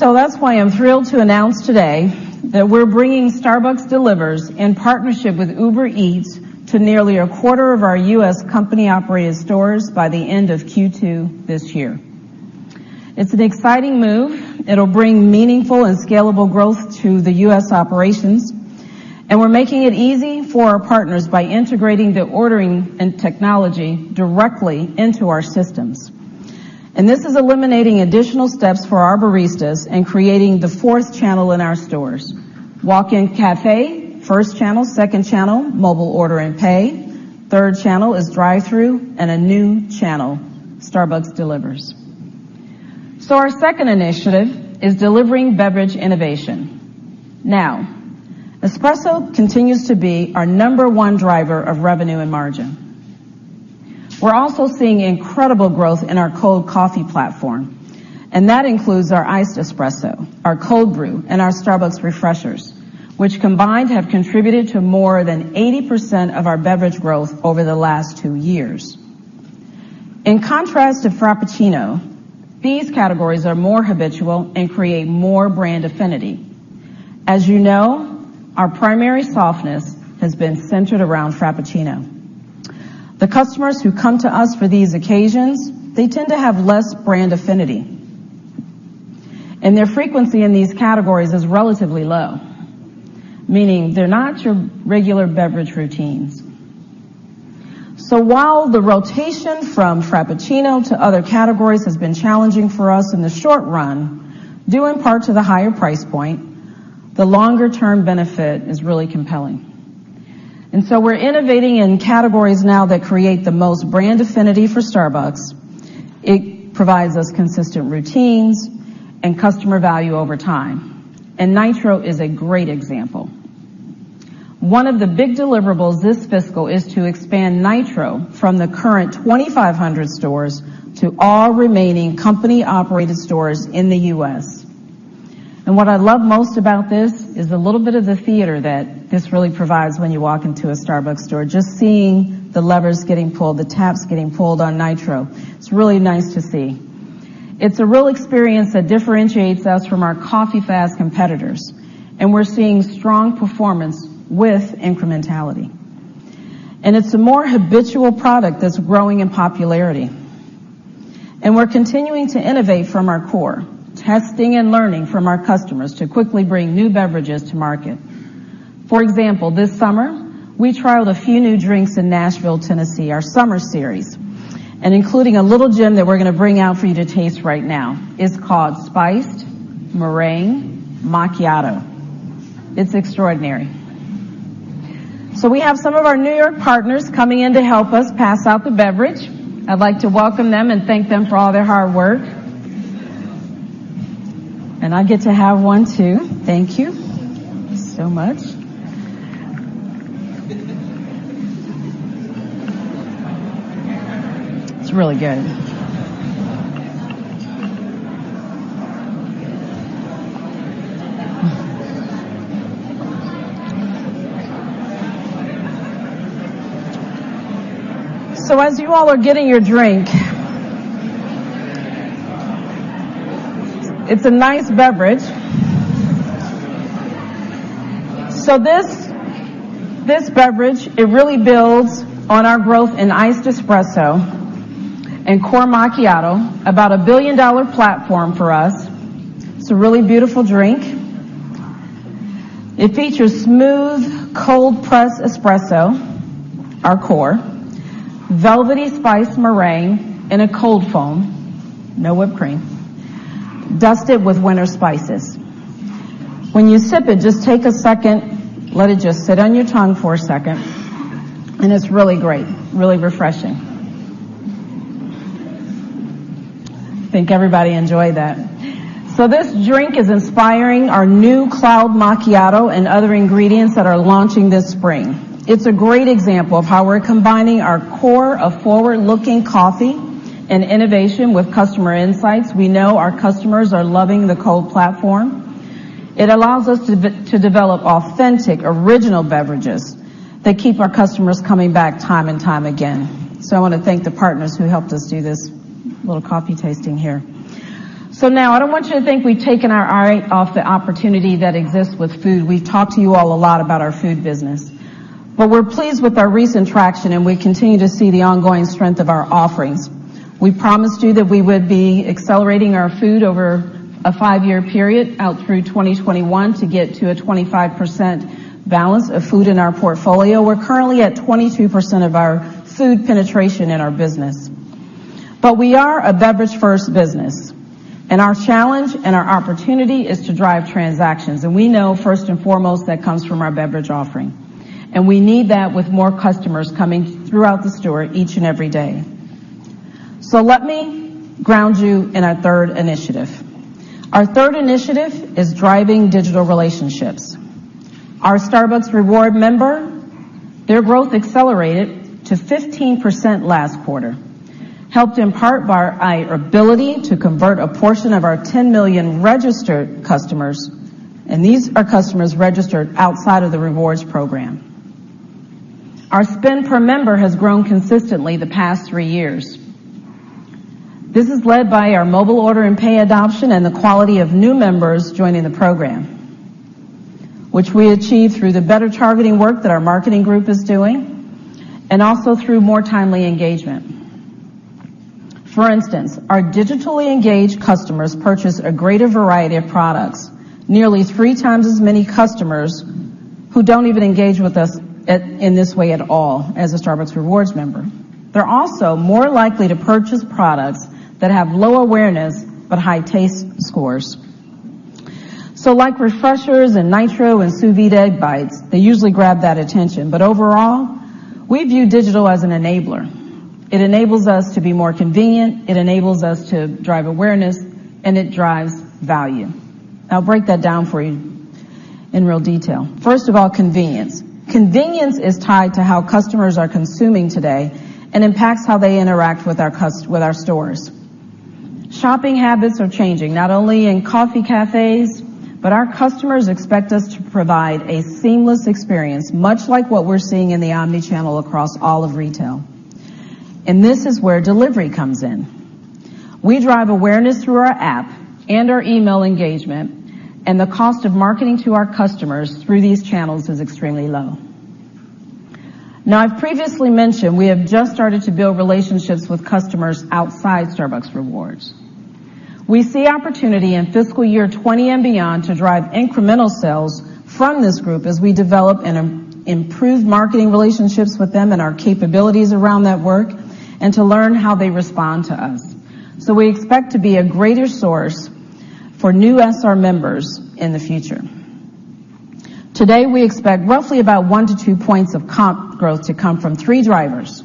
That's why I'm thrilled to announce today that we're bringing Starbucks Delivers in partnership with Uber Eats to nearly a quarter of our U.S. company-operated stores by the end of Q2 this year. It's an exciting move. It'll bring meaningful and scalable growth to the U.S. operations. We're making it easy for our partners by integrating the ordering and technology directly into our systems. This is eliminating additional steps for our baristas and creating the fourth channel in our stores. Walk-in cafe, first channel. Second channel, mobile order and pay. Third channel is drive-through. A new channel, Starbucks Delivers. Our second initiative is delivering beverage innovation. Espresso continues to be our number one driver of revenue and margin. We're also seeing incredible growth in our cold coffee platform, that includes our iced espresso, our cold brew, and our Starbucks Refreshers, which combined, have contributed to more than 80% of our beverage growth over the last two years. In contrast to Frappuccino, these categories are more habitual and create more brand affinity. As you know, our primary softness has been centered around Frappuccino. The customers who come to us for these occasions, they tend to have less brand affinity, and their frequency in these categories is relatively low, meaning they're not your regular beverage routines. While the rotation from Frappuccino to other categories has been challenging for us in the short run, due in part to the higher price point, the longer-term benefit is really compelling. We're innovating in categories now that create the most brand affinity for Starbucks. It provides us consistent routines and customer value over time, Nitro is a great example. One of the big deliverables this fiscal is to expand Nitro from the current 2,500 stores to all remaining company-operated stores in the U.S. What I love most about this is the little bit of the theater that this really provides when you walk into a Starbucks store, just seeing the levers getting pulled, the taps getting pulled on Nitro. It's really nice to see. It's a real experience that differentiates us from our coffee fast competitors, it's seeing strong performance with incrementality. It's a more habitual product that's growing in popularity. We're continuing to innovate from our core, testing and learning from our customers to quickly bring new beverages to market. For example, this summer, we trialed a few new drinks in Nashville, Tennessee, our summer series, including a little gem that we're going to bring out for you to taste right now. It's called Spiced Meringue Macchiato. It's extraordinary. We have some of our New York partners coming in to help us pass out the beverage. I'd like to welcome them and thank them for all their hard work. I get to have one too. Thank you so much. It's really good. As you all are getting your drink, it's a nice beverage. This beverage, it really builds on our growth in iced espresso and core macchiato, about a billion-dollar platform for us. It's a really beautiful drink. It features smooth, cold press espresso, our core, velvety spice meringue in a cold foam, no whipped cream, dusted with winter spices. When you sip it, just take a second, let it just sit on your tongue for a second, and it's really great, really refreshing. I think everybody enjoyed that. This drink is inspiring our new Cloud Macchiato and other ingredients that are launching this spring. It's a great example of how we're combining our core of forward-looking coffee and innovation with customer insights. We know our customers are loving the cold platform. It allows us to develop authentic, original beverages that keep our customers coming back time and time again. I want to thank the partners who helped us do this little coffee tasting here. Now, I don't want you to think we've taken our eye off the opportunity that exists with food. We've talked to you all a lot about our food business, we're pleased with our recent traction, and we continue to see the ongoing strength of our offerings. We promised you that we would be accelerating our food over a five-year period out through 2021 to get to a 25% balance of food in our portfolio. We're currently at 22% of our food penetration in our business. We are a beverage-first business, and our challenge and our opportunity is to drive transactions. We know, first and foremost, that comes from our beverage offering. We need that with more customers coming throughout the store each and every day. Let me ground you in our third initiative. Our third initiative is driving digital relationships. Our Starbucks Rewards member, their growth accelerated to 15% last quarter, helped in part by our ability to convert a portion of our 10 million registered customers, and these are customers registered outside of the rewards program. Our spend per member has grown consistently the past three years. This is led by our mobile order and pay adoption and the quality of new members joining the program, which we achieve through the better targeting work that our marketing group is doing, and also through more timely engagement. For instance, our digitally engaged customers purchase a greater variety of products, nearly three times as many customers who don't even engage with us in this way at all as a Starbucks Rewards member. They're also more likely to purchase products that have low awareness but high taste scores. Like Refreshers and Nitro and Sous Vide Egg Bites, they usually grab that attention. Overall, we view digital as an enabler. It enables us to be more convenient, it enables us to drive awareness, and it drives value. I'll break that down for you in real detail. First of all, convenience. Convenience is tied to how customers are consuming today and impacts how they interact with our stores. Shopping habits are changing, not only in coffee cafes, but our customers expect us to provide a seamless experience, much like what we're seeing in the omni-channel across all of retail. This is where delivery comes in. We drive awareness through our app and our email engagement, and the cost of marketing to our customers through these channels is extremely low. Now, I've previously mentioned we have just started to build relationships with customers outside Starbucks Rewards. We see opportunity in fiscal year 2020 and beyond to drive incremental sales from this group as we develop and improve marketing relationships with them and our capabilities around that work, and to learn how they respond to us. We expect to be a greater source for new SR members in the future. Today, we expect roughly about one to two points of comp growth to come from three drivers.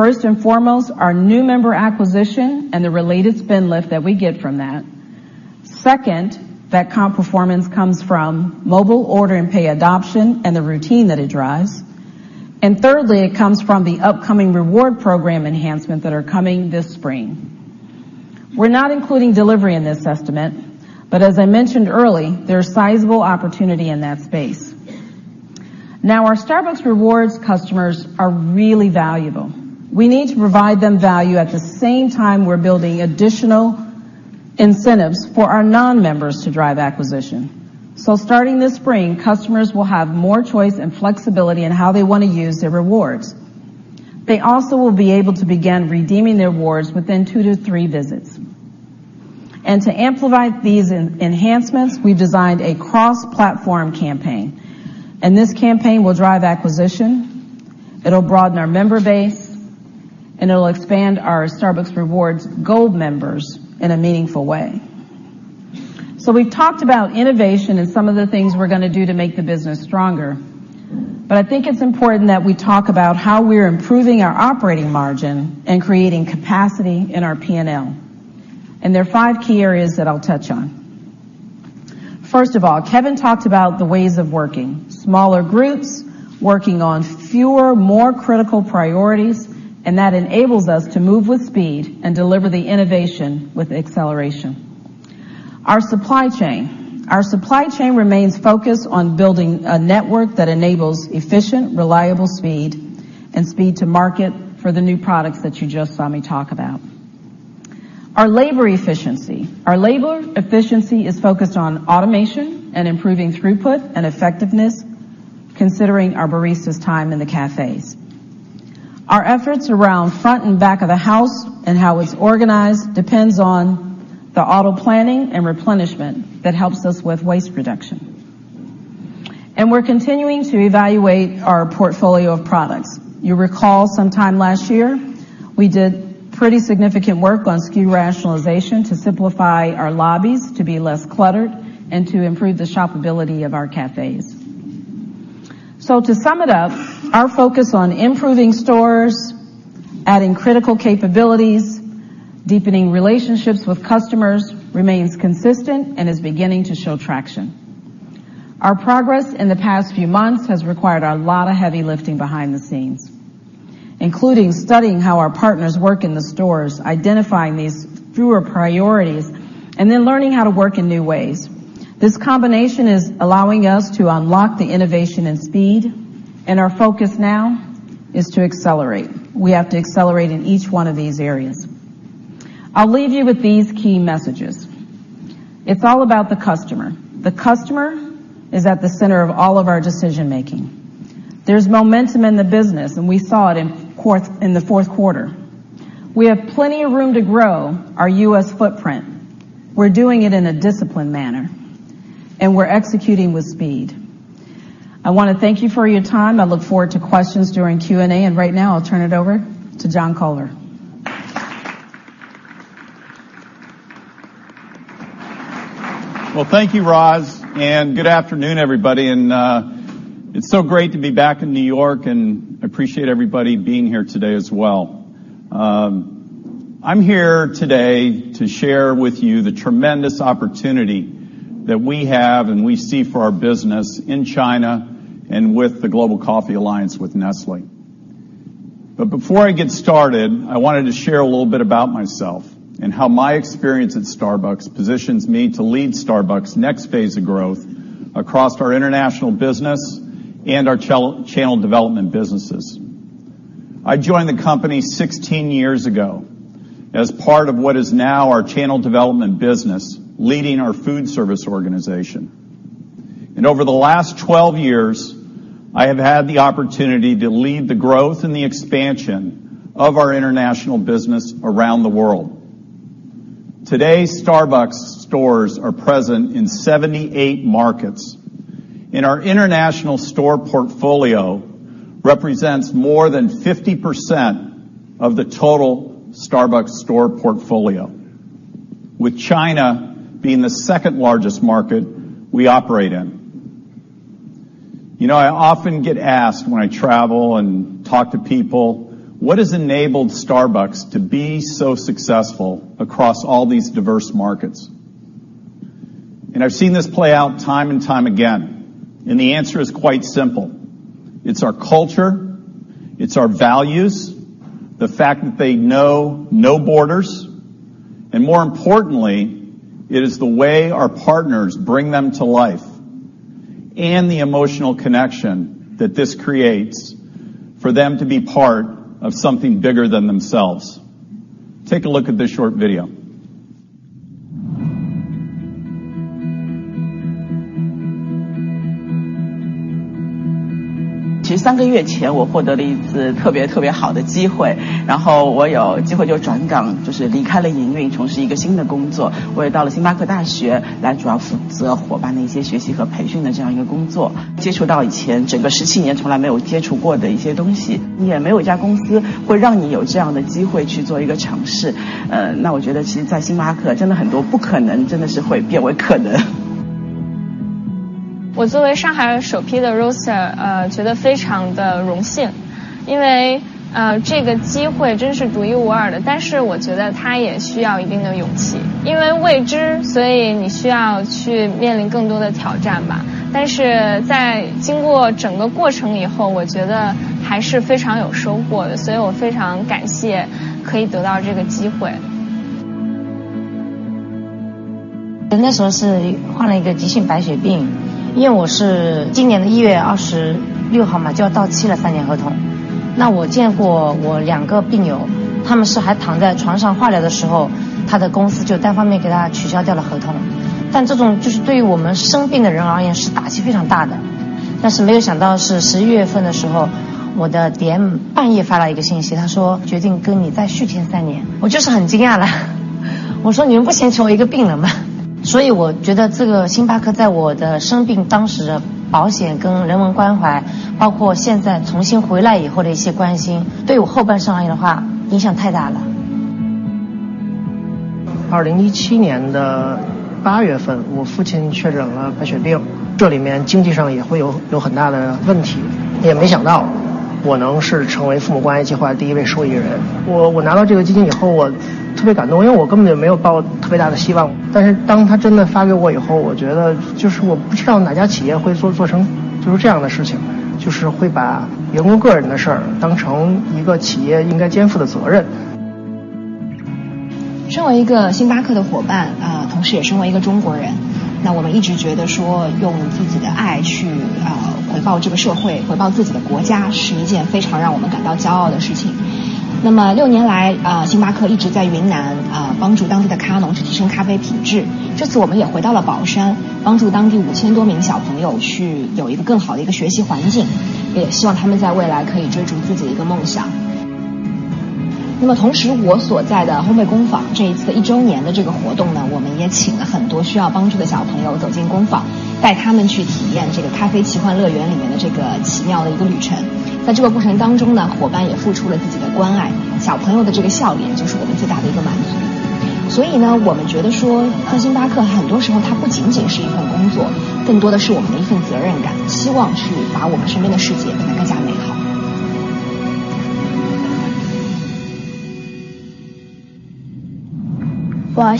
First and foremost, our new member acquisition and the related spend lift that we get from that. Second, that comp performance comes from mobile order and pay adoption and the routine that it drives. Thirdly, it comes from the upcoming Starbucks Rewards program enhancements that are coming this spring. We're not including delivery in this estimate, but as I mentioned early, there's sizable opportunity in that space. Our Starbucks Rewards customers are really valuable. We need to provide them value at the same time we're building additional incentives for our non-members to drive acquisition. Starting this spring, customers will have more choice and flexibility in how they want to use their rewards. They also will be able to begin redeeming their rewards within two to three visits. To amplify these enhancements, we've designed a cross-platform campaign, and this campaign will drive acquisition, it'll broaden our member base, and it'll expand our Starbucks Rewards Gold members in a meaningful way. We've talked about innovation and some of the things we're going to do to make the business stronger, but I think it's important that we talk about how we're improving our operating margin and creating capacity in our P&L. There are five key areas that I'll touch on. First of all, Kevin talked about the ways of working. Smaller groups working on fewer, more critical priorities, and that enables us to move with speed and deliver the innovation with acceleration. Our supply chain. Our supply chain remains focused on building a network that enables efficient, reliable speed and speed to market for the new products that you just saw me talk about. Our labor efficiency. Our labor efficiency is focused on automation and improving throughput and effectiveness, considering our baristas' time in the cafes. Our efforts around front and back of the house and how it's organized depends on the auto planning and replenishment that helps us with waste reduction. We're continuing to evaluate our portfolio of products. You'll recall sometime last year, we did pretty significant work on SKU rationalization to simplify our lobbies to be less cluttered and to improve the shopability of our cafes. To sum it up, our focus on improving stores, adding critical capabilities, deepening relationships with customers remains consistent and is beginning to show traction. Our progress in the past few months has required a lot of heavy lifting behind the scenes, including studying how our partners work in the stores, identifying these fewer priorities, and then learning how to work in new ways. This combination is allowing us to unlock the innovation and speed, and our focus now is to accelerate. We have to accelerate in each one of these areas. I'll leave you with these key messages. It's all about the customer. The customer is at the center of all of our decision-making. There's momentum in the business, and we saw it in the fourth quarter. We have plenty of room to grow our U.S. footprint. We're doing it in a disciplined manner. We're executing with speed. I want to thank you for your time. I look forward to questions during Q&A. Right now, I'll turn it over to John Culver. Well, thank you, Roz, good afternoon, everybody. It's so great to be back in New York, and I appreciate everybody being here today as well. I'm here today to share with you the tremendous opportunity that we have and we see for our business in China and with the Global Coffee Alliance with Nestlé. Before I get started, I wanted to share a little bit about myself and how my experience at Starbucks positions me to lead Starbucks' next phase of growth across our international business and our channel development businesses. I joined the company 16 years ago as part of what is now our channel development business, leading our food service organization. Over the last 12 years, I have had the opportunity to lead the growth and the expansion of our international business around the world. Today, Starbucks stores are present in 78 markets, and our international store portfolio represents more than 50% of the total Starbucks store portfolio, with China being the second-largest market we operate in. I often get asked when I travel and talk to people, "What has enabled Starbucks to be so successful across all these diverse markets?" I've seen this play out time and time again, and the answer is quite simple. It's our culture, it's our values, the fact that they know no borders, and more importantly, it is the way our partners bring them to life and the emotional connection that this creates for them to be part of something bigger than themselves. Take a look at this short video. 我希望全家都健健康康。我的心愿是把星巴克的冰淇淋和巧克力吃个遍。我的愿望是要当一个咖啡师。希望我可以再来到这里。That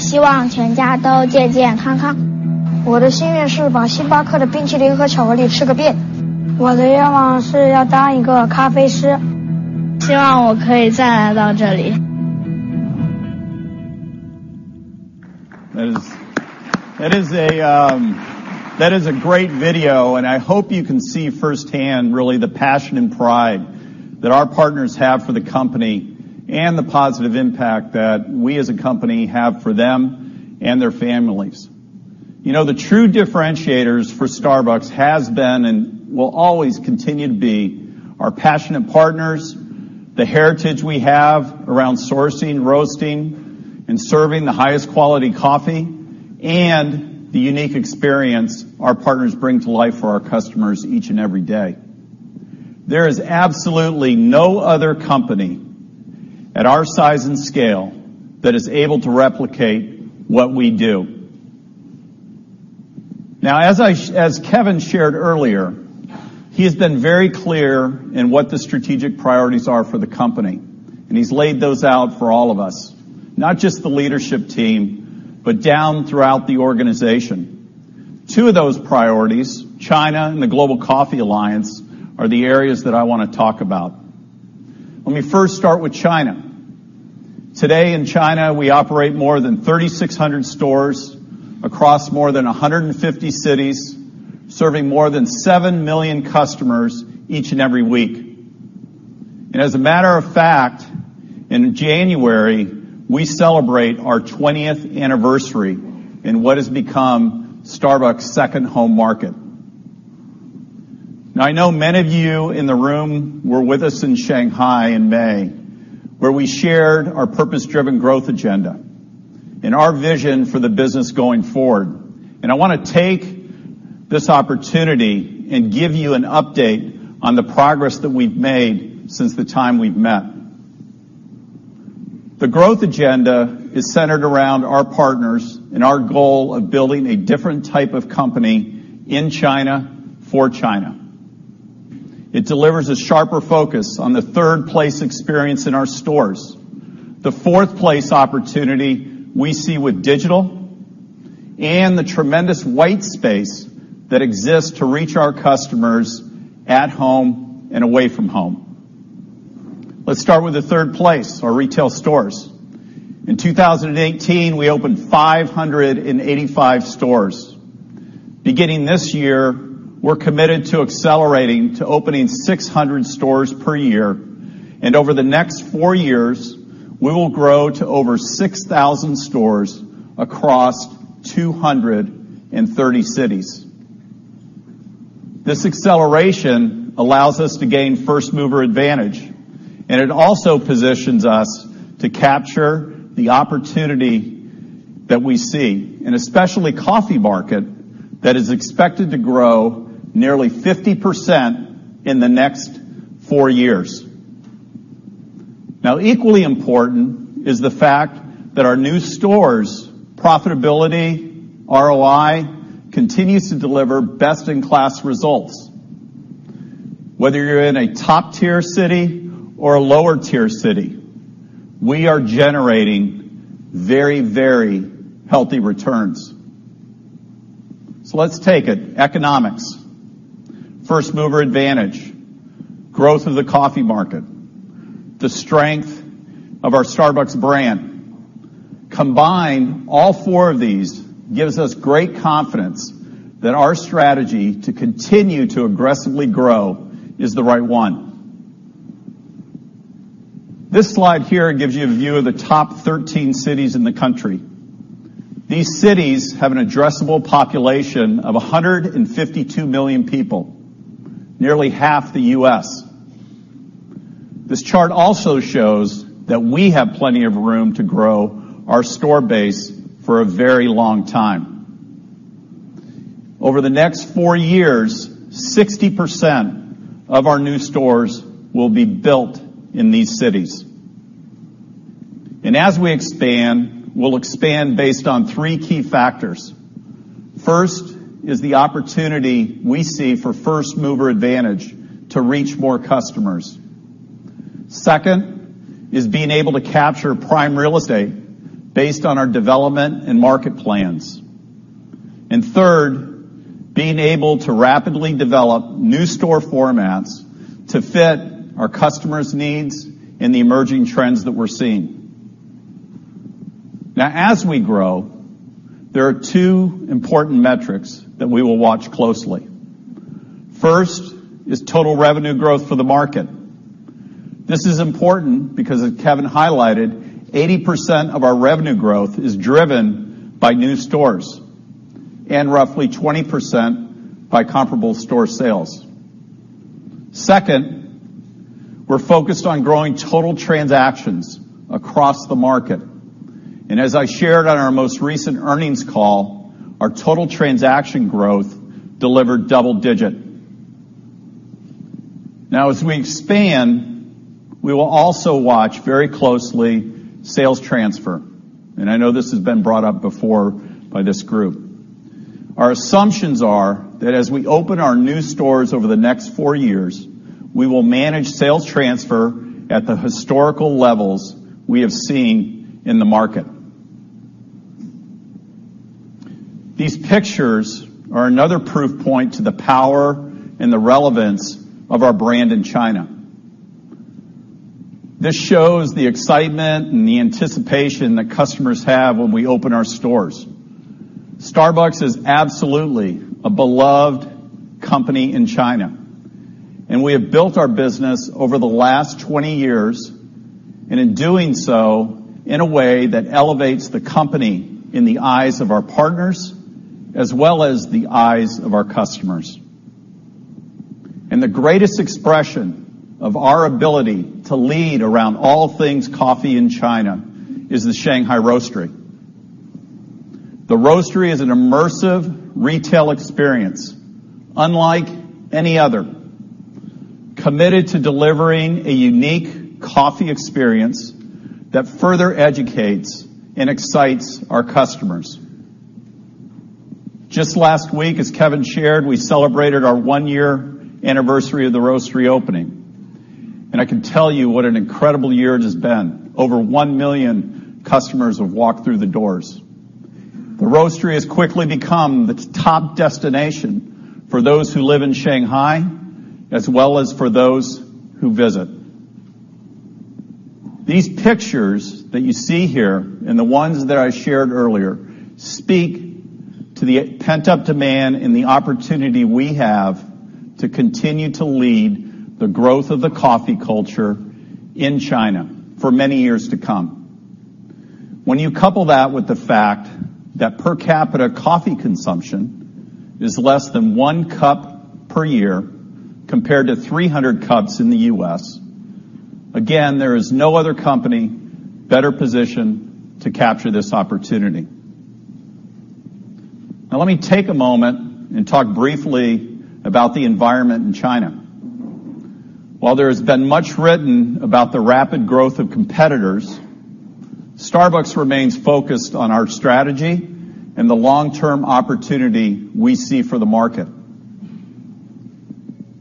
is a great video, I hope you can see firsthand really the passion and pride that our partners have for the company, and the positive impact that we as a company have for them and their families. The true differentiators for Starbucks has been and will always continue to be our passionate partners, the heritage we have around sourcing, roasting, and serving the highest quality coffee, and the unique experience our partners bring to life for our customers each and every day. There is absolutely no other company at our size and scale that is able to replicate what we do. Now, as Kevin shared earlier, he has been very clear in what the strategic priorities are for the company, he's laid those out for all of us, not just the leadership team, but down throughout the organization. Two of those priorities, China and the Global Coffee Alliance, are the areas that I want to talk about. Let me first start with China. Today in China, we operate more than 3,600 stores across more than 150 cities, serving more than seven million customers each and every week. As a matter of fact, in January, we celebrate our 20th anniversary in what has become Starbucks' second home market. Now I know many of you in the room were with us in Shanghai in May, where we shared our purpose-driven growth agenda and our vision for the business going forward. I want to take this opportunity and give you an update on the progress that we've made since the time we've met. The growth agenda is centered around our partners and our goal of building a different type of company in China for China. It delivers a sharper focus on the third place experience in our stores, the fourth place opportunity we see with digital, and the tremendous white space that exists to reach our customers at home and away from home. Let's start with the third place, our retail stores. In 2018, we opened 585 stores. Beginning this year, we're committed to accelerating to opening 600 stores per year. Over the next four years, we will grow to over 6,000 stores across 230 cities. This acceleration allows us to gain first-mover advantage, and it also positions us to capture the opportunity that we see in especially coffee market that is expected to grow nearly 50% in the next four years. Now, equally important is the fact that our new stores profitability, ROI, continues to deliver best-in-class results. Whether you're in a top-tier city or a lower-tier city, we are generating very healthy returns. Let's take it. Economics, first mover advantage, growth of the coffee market, the strength of our Starbucks brand. Combine all four of these gives us great confidence that our strategy to continue to aggressively grow is the right one. This slide here gives you a view of the top 13 cities in the country. These cities have an addressable population of 152 million people, nearly half the U.S. This chart also shows that we have plenty of room to grow our store base for a very long time. Over the next four years, 60% of our new stores will be built in these cities. As we expand, we'll expand based on three key factors. First is the opportunity we see for first mover advantage to reach more customers. Second is being able to capture prime real estate based on our development and market plans. Third, being able to rapidly develop new store formats to fit our customers' needs and the emerging trends that we're seeing. Now, as we grow, there are two important metrics that we will watch closely. First is total revenue growth for the market. This is important because, as Kevin highlighted, 80% of our revenue growth is driven by new stores, and roughly 20% by comparable store sales. Second, we're focused on growing total transactions across the market. As I shared on our most recent earnings call, our total transaction growth delivered double digit. Now as we expand, we will also watch very closely sales transfer, and I know this has been brought up before by this group. Our assumptions are that as we open our new stores over the next four years, we will manage sales transfer at the historical levels we have seen in the market. These pictures are another proof point to the power and the relevance of our brand in China. This shows the excitement and the anticipation that customers have when we open our stores. Starbucks is absolutely a beloved company in China, and we have built our business over the last 20 years, and in doing so, in a way that elevates the company in the eyes of our partners, as well as the eyes of our customers. The greatest expression of our ability to lead around all things coffee in China is the Shanghai Roastery. The Roastery is an immersive retail experience, unlike any other, committed to delivering a unique coffee experience that further educates and excites our customers. Just last week, as Kevin shared, we celebrated our one-year anniversary of the Roastery opening, and I can tell you what an incredible year it has been. Over 1 million customers have walked through the doors. The Roastery has quickly become the top destination for those who live in Shanghai, as well as for those who visit. These pictures that you see here, and the ones that I shared earlier, speak to the pent-up demand and the opportunity we have to continue to lead the growth of the coffee culture in China for many years to come. When you couple that with the fact that per capita coffee consumption is less than one cup per year, compared to 300 cups in the U.S., again, there is no other company better positioned to capture this opportunity. Let me take a moment and talk briefly about the environment in China. While there has been much written about the rapid growth of competitors, Starbucks remains focused on our strategy and the long-term opportunity we see for the market.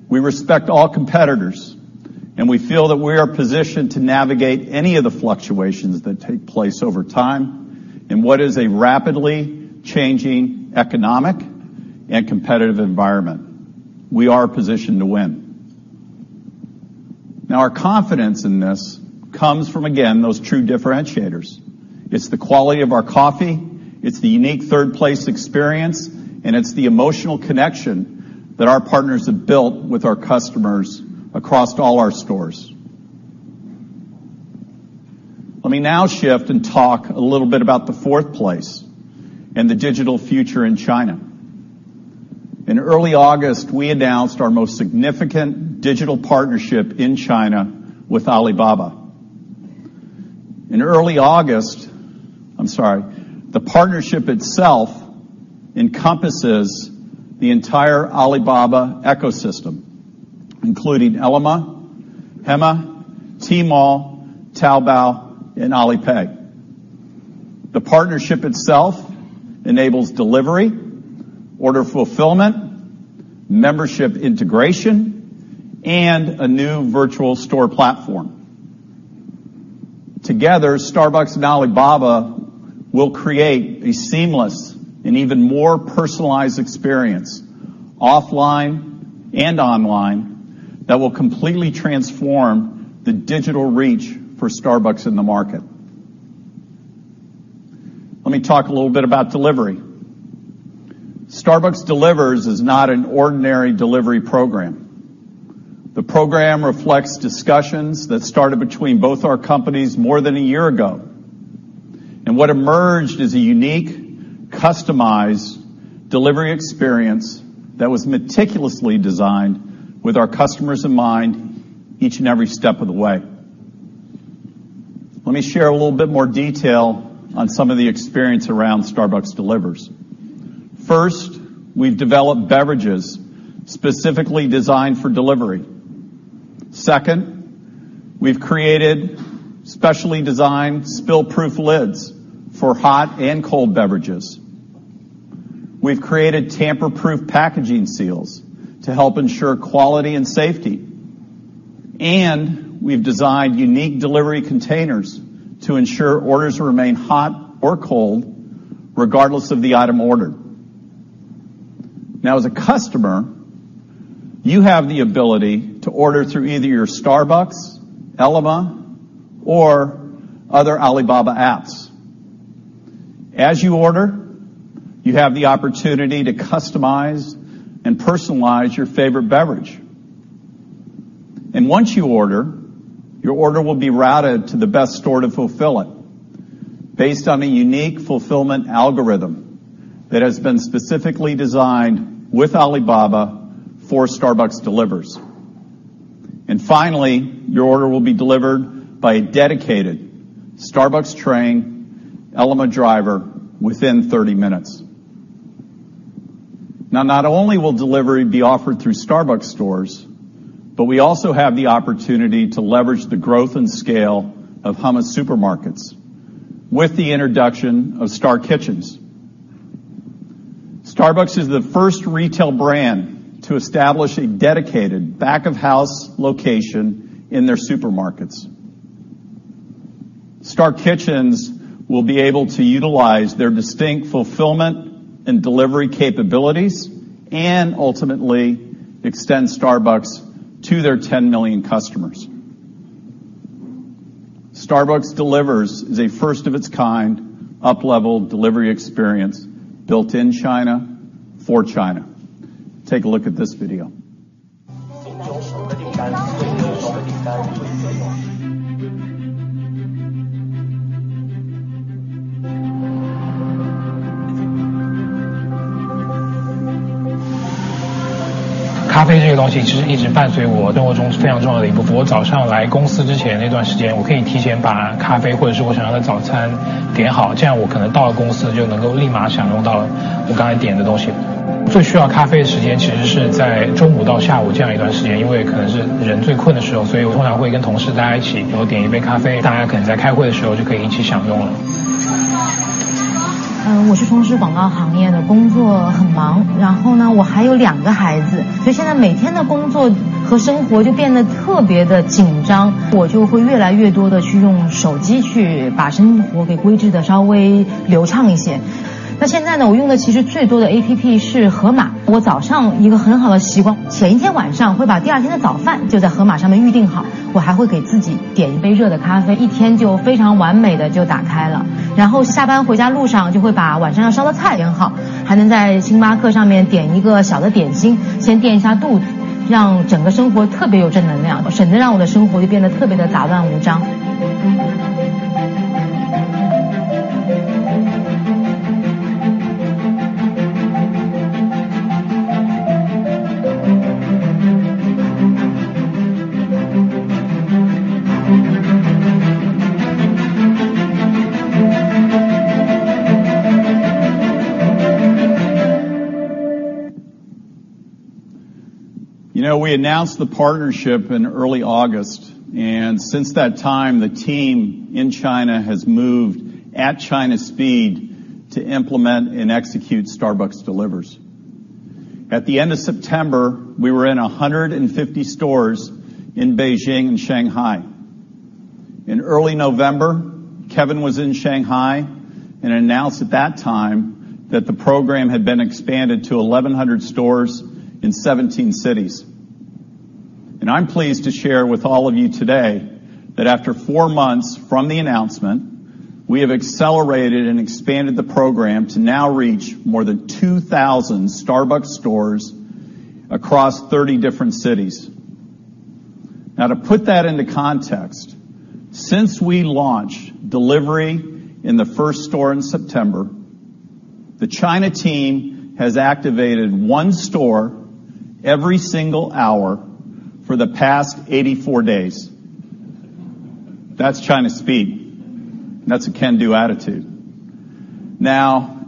We respect all competitors, and we feel that we are positioned to navigate any of the fluctuations that take place over time, in what is a rapidly changing economic and competitive environment. We are positioned to win. Our confidence in this comes from, again, those true differentiators. It's the quality of our coffee, it's the unique Third Place experience, and it's the emotional connection that our partners have built with our customers across all our stores. Let me now shift and talk a little bit about the Fourth Place and the digital future in China. In early August, we announced our most significant digital partnership in China with Alibaba. The partnership itself encompasses the entire Alibaba ecosystem, including Ele.me, Hema, Tmall, Taobao, and Alipay. The partnership itself enables delivery, order fulfillment, membership integration, and a new virtual store platform. Together, Starbucks and Alibaba will create a seamless and even more personalized experience, offline and online, that will completely transform the digital reach for Starbucks in the market. Let me talk a little bit about delivery. Starbucks Delivers is not an ordinary delivery program. The program reflects discussions that started between both our companies more than one year ago. What emerged is a unique, customized delivery experience that was meticulously designed with our customers in mind each and every step of the way. Let me share a little bit more detail on some of the experience around Starbucks Delivers. First, we've developed beverages specifically designed for delivery. Second, we've created specially designed spill-proof lids for hot and cold beverages. We've created tamper-proof packaging seals to help ensure quality and safety. We've designed unique delivery containers to ensure orders remain hot or cold regardless of the item ordered. As a customer, you have the ability to order through either your Starbucks, Ele.me, or other Alibaba apps. As you order, you have the opportunity to customize and personalize your favorite beverage. Once you order, your order will be routed to the best store to fulfill it based on a unique fulfillment algorithm that has been specifically designed with Alibaba for Starbucks Delivers. Finally, your order will be delivered by a dedicated Starbucks-trained Ele.me driver within 30 minutes. Not only will delivery be offered through Starbucks stores, but we also have the opportunity to leverage the growth and scale of Hema supermarkets with the introduction of Star Kitchens. Starbucks is the first retail brand to establish a dedicated back-of-house location in their supermarkets. Star Kitchens will be able to utilize their distinct fulfillment and delivery capabilities and ultimately extend Starbucks to their 10 million customers. Starbucks Delivers is a first-of-its-kind, up-level delivery experience built in China for China. Take a look at this video. Coffee has always been an important part of my life. Before I come to the office in the morning, I can order coffee or breakfast in advance. This way, I can enjoy what I ordered as soon as I arrive at the office. The time when I most need coffee is actually between noon and late afternoon. That's when I feel the most tired. So I usually order a cup of coffee with my colleagues, and we can all enjoy it together during the meeting. I work in the advertising industry. My work is very busy, and I have two children. So now my daily work and life have become particularly tight. I use my phone more and more to make my life a little smoother. The app I use the most is Ele.me. I have a very good habit in the morning. The night before, I will place my next day's breakfast on Ele.me. I will also order myself a hot cup of coffee, and my day starts perfectly. On the way home from get off work, I will order the dinner to be cooked. I can also order a small snack from Starbucks to fill my stomach, making my whole life particularly energetic. It saves my life from being particularly chaotic. We announced the partnership in early August, since that time, the team in China has moved at China speed to implement and execute Starbucks Delivers. At the end of September, we were in 150 stores in Beijing and Shanghai. In early November, Kevin Johnson was in Shanghai and announced at that time that the program had been expanded to 1,100 stores in 17 cities. I'm pleased to share with all of you today that after four months from the announcement, we have accelerated and expanded the program to now reach more than 2,000 Starbucks stores across 30 different cities. To put that into context, since we launched delivery in the first store in September, the China team has activated one store every single hour for the past 84 days. That's China speed. That's a can-do attitude.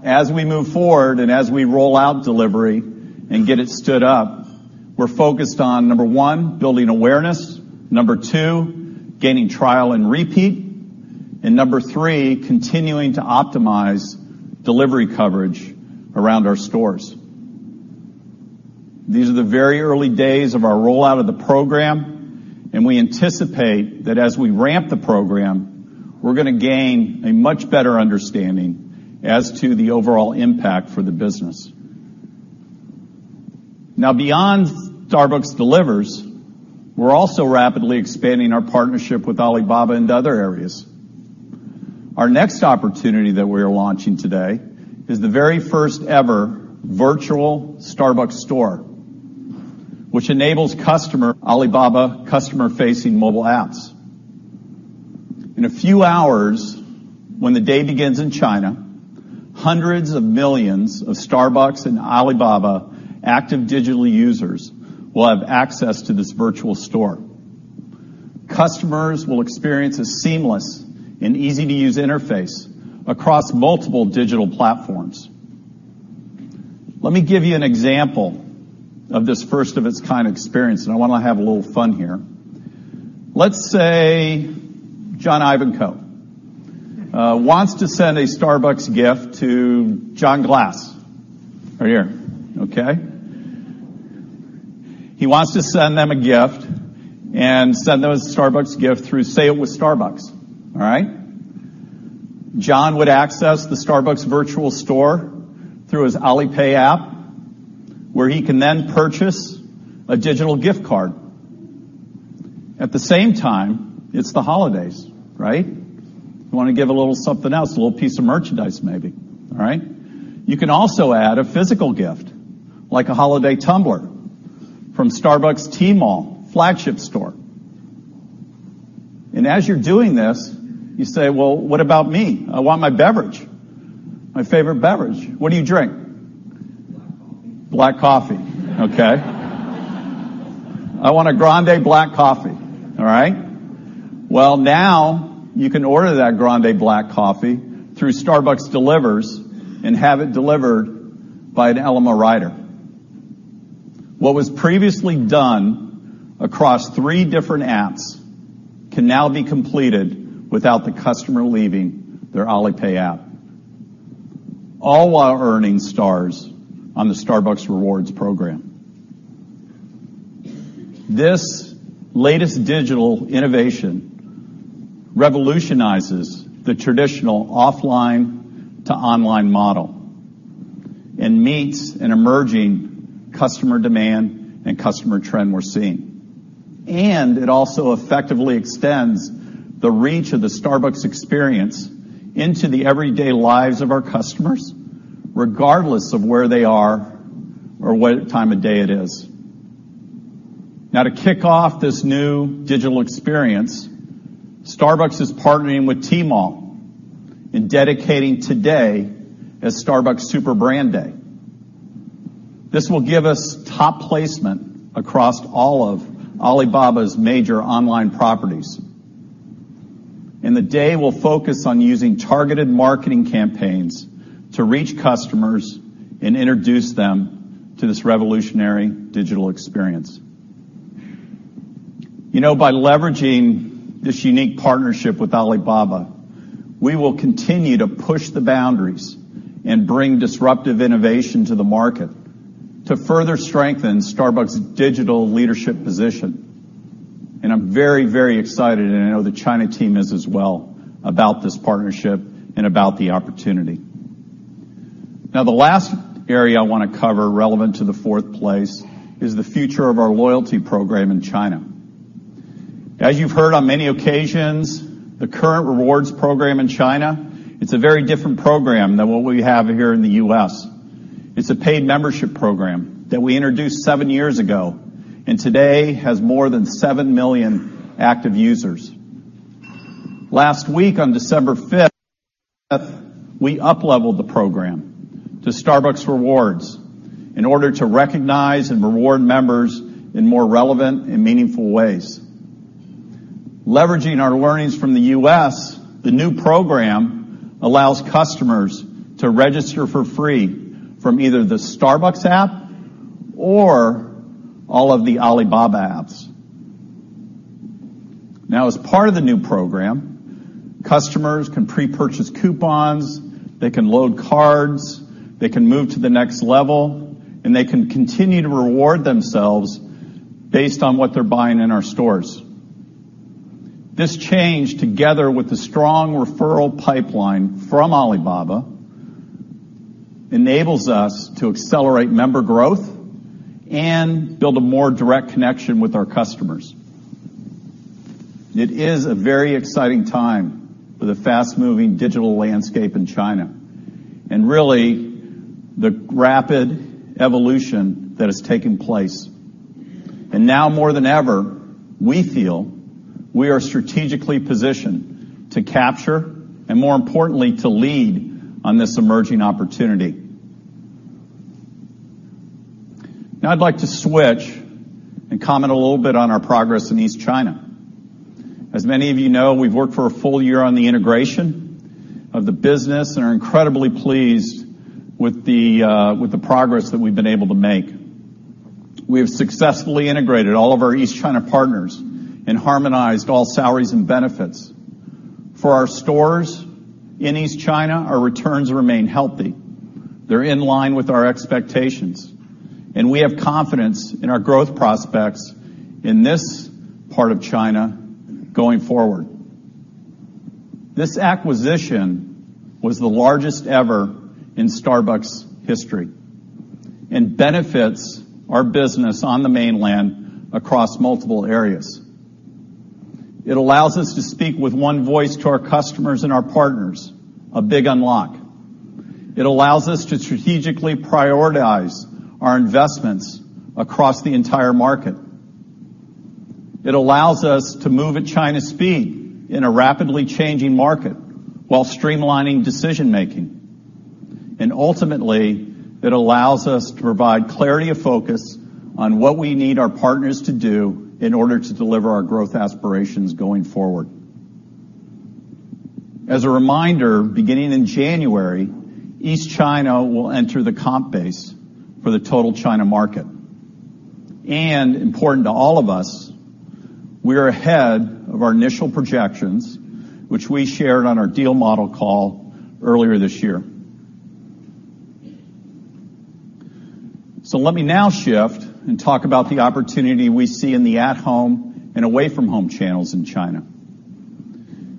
As we move forward and as we roll out delivery and get it stood up, we're focused on, number 1, building awareness, number 2, gaining trial and repeat, and number 3, continuing to optimize delivery coverage around our stores. These are the very early days of our rollout of the program, and we anticipate that as we ramp the program, we're going to gain a much better understanding as to the overall impact for the business. Beyond Starbucks Delivers, we're also rapidly expanding our partnership with Alibaba into other areas. Our next opportunity that we are launching today is the very first ever virtual Starbucks store, which enables Alibaba customer-facing mobile apps. In a few hours, when the day begins in China, hundreds of millions of Starbucks and Alibaba active digital users will have access to this virtual store. Customers will experience a seamless and easy-to-use interface across multiple digital platforms. Let me give you an example of this first-of-its-kind experience, and I want to have a little fun here. Let's say John Ivankoe wants to send a Starbucks gift to John Glass, right here. Okay? He wants to send them a gift and send them a Starbucks gift through Say it with Starbucks. All right? John would access the Starbucks virtual store through his Alipay app, where he can then purchase a digital gift card. At the same time, it's the holidays, right? You want to give a little something else, a little piece of merchandise, maybe. All right? You can also add a physical gift, like a holiday tumbler from Starbucks Tmall flagship store. Well, what about me? I want my beverage, my favorite beverage. What do you drink? Black coffee. Black coffee. Okay. I want a Grande black coffee. All right? Well, now you can order that Grande black coffee through Starbucks Delivers and have it delivered by an Ele.me rider. What was previously done across three different apps can now be completed without the customer leaving their Alipay app, all while earning stars on the Starbucks Rewards program. This latest digital innovation revolutionizes the traditional offline to online model and meets an emerging customer demand and customer trend we're seeing. It also effectively extends the reach of the Starbucks Experience into the everyday lives of our customers, regardless of where they are or what time of day it is. To kick off this new digital experience, Starbucks is partnering with Tmall and dedicating today as Tmall Super Brand Day. This will give us top placement across all of Alibaba's major online properties. The day will focus on using targeted marketing campaigns to reach customers and introduce them to this revolutionary digital experience. By leveraging this unique partnership with Alibaba, we will continue to push the boundaries and bring disruptive innovation to the market to further strengthen Starbucks' digital leadership position. I'm very, very excited, and I know the China team is as well, about this partnership and about the opportunity. The last area I want to cover relevant to the fourth place is the future of our loyalty program in China. As you've heard on many occasions, the current rewards program in China, it's a very different program than what we have here in the U.S. It's a paid membership program that we introduced 7 years ago, and today has more than 7 million active users. Last week, on December 5th, we upleveled the program to Starbucks Rewards in order to recognize and reward members in more relevant and meaningful ways. Leveraging our learnings from the U.S., the new program allows customers to register for free from either the Starbucks app or all of the Alibaba apps. As part of the new program, customers can pre-purchase coupons, they can load cards, they can move to the next level, and they can continue to reward themselves based on what they're buying in our stores. This change, together with the strong referral pipeline from Alibaba, enables us to accelerate member growth and build a more direct connection with our customers. It is a very exciting time for the fast-moving digital landscape in China and really the rapid evolution that has taken place. Now more than ever, we feel we are strategically positioned to capture and, more importantly, to lead on this emerging opportunity. I'd like to switch and comment a little bit on our progress in East China. As many of you know, we've worked for a full year on the integration of the business and are incredibly pleased with the progress that we've been able to make. We have successfully integrated all of our East China partners and harmonized all salaries and benefits. For our stores in East China, our returns remain healthy. They're in line with our expectations, and we have confidence in our growth prospects in this part of China going forward. This acquisition was the largest ever in Starbucks history and benefits our business on the mainland across multiple areas. It allows us to speak with one voice to our customers and our partners, a big unlock. It allows us to strategically prioritize our investments across the entire market. It allows us to move at China's speed in a rapidly changing market while streamlining decision-making. Ultimately, it allows us to provide clarity of focus on what we need our partners to do in order to deliver our growth aspirations going forward. As a reminder, beginning in January, East China will enter the comp base for the total China market. Important to all of us, we are ahead of our initial projections, which we shared on our deal model call earlier this year. Let me now shift and talk about the opportunity we see in the at-home and away-from-home channels in China.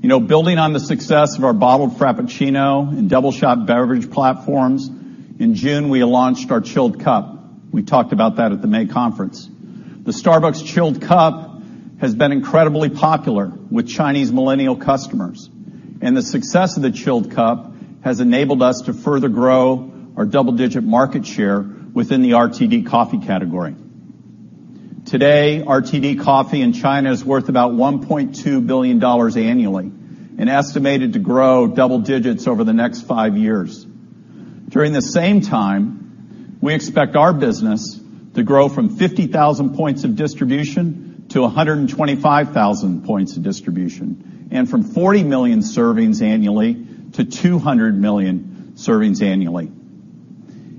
Building on the success of our bottled Frappuccino and Doubleshot beverage platforms, in June, we launched our Chilled Cup. We talked about that at the May conference. The Starbucks Chilled Cup has been incredibly popular with Chinese millennial customers. The success of the Chilled Cup has enabled us to further grow our double-digit market share within the RTD coffee category. Today, RTD coffee in China is worth about $1.2 billion annually and estimated to grow double digits over the next five years. During the same time, we expect our business to grow from 50,000 points of distribution to 125,000 points of distribution and from 40 million servings annually to 200 million servings annually.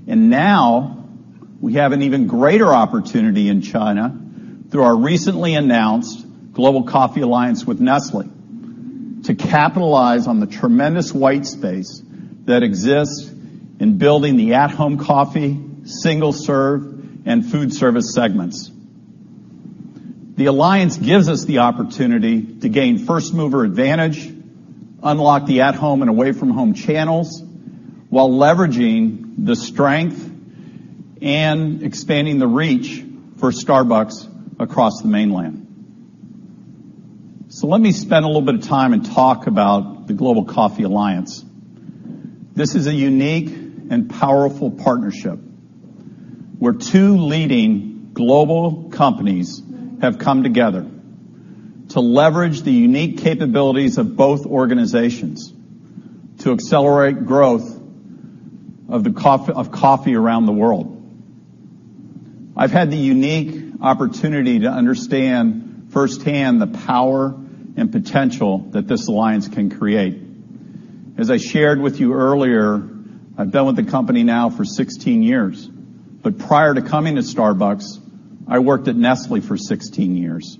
Now we have an even greater opportunity in China through our recently announced Global Coffee Alliance with Nestlé to capitalize on the tremendous white space that exists in building the at-home coffee, single-serve, and food service segments. The alliance gives us the opportunity to gain first-mover advantage, unlock the at-home and away-from-home channels while leveraging the strength and expanding the reach for Starbucks across the mainland. Let me spend a little bit of time and talk about the Global Coffee Alliance. This is a unique and powerful partnership, where two leading global companies have come together to leverage the unique capabilities of both organizations to accelerate growth of coffee around the world. I've had the unique opportunity to understand firsthand the power and potential that this alliance can create. As I shared with you earlier, I've been with the company now for 16 years. Prior to coming to Starbucks, I worked at Nestlé for 16 years.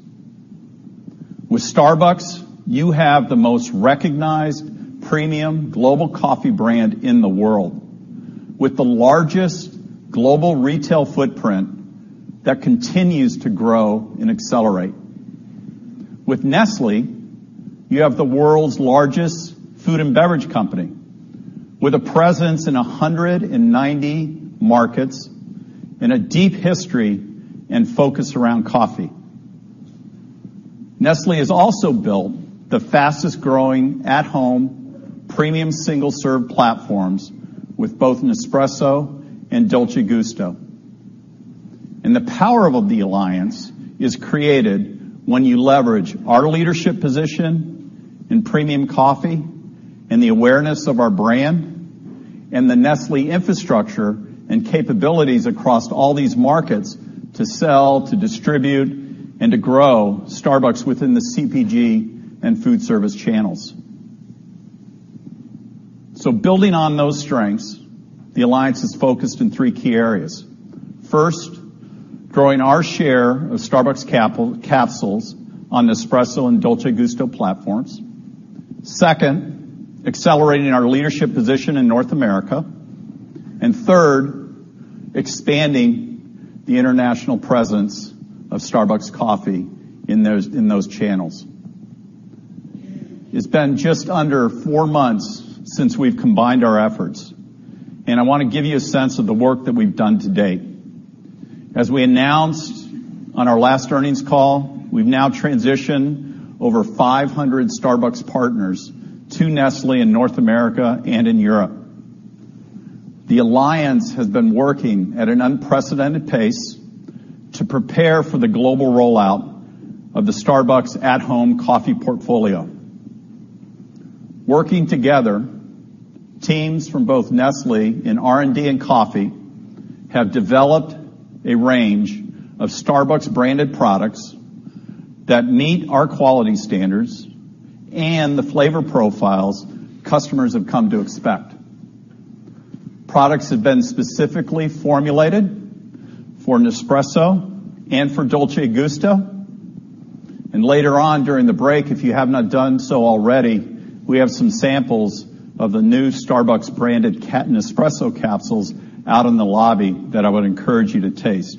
With Starbucks, you have the most recognized premium global coffee brand in the world, with the largest global retail footprint that continues to grow and accelerate. With Nestlé, you have the world's largest food and beverage company, with a presence in 190 markets and a deep history and focus around coffee. Nestlé has also built the fastest-growing at-home premium single-serve platforms with both Nespresso and Dolce Gusto. The power of the alliance is created when you leverage our leadership position in premium coffee and the awareness of our brand and the Nestlé infrastructure and capabilities across all these markets to sell, to distribute, and to grow Starbucks within the CPG and food service channels. Building on those strengths, the alliance is focused in three key areas. First, growing our share of Starbucks capsules on Nespresso and Dolce Gusto platforms. Second, accelerating our leadership position in North America. Third, expanding the international presence of Starbucks Coffee in those channels. It's been just under four months since we've combined our efforts, and I want to give you a sense of the work that we've done to date. As we announced on our last earnings call, we've now transitioned over 500 Starbucks partners to Nestlé in North America and in Europe. The alliance has been working at an unprecedented pace to prepare for the global rollout of the Starbucks at-home coffee portfolio. Working together, teams from both Nestlé in R&D and coffee have developed a range of Starbucks-branded products that meet our quality standards and the flavor profiles customers have come to expect. Products have been specifically formulated for Nespresso and for Dolce Gusto. Later on during the break, if you have not done so already, we have some samples of the new Starbucks branded Nespresso capsules out in the lobby that I would encourage you to taste.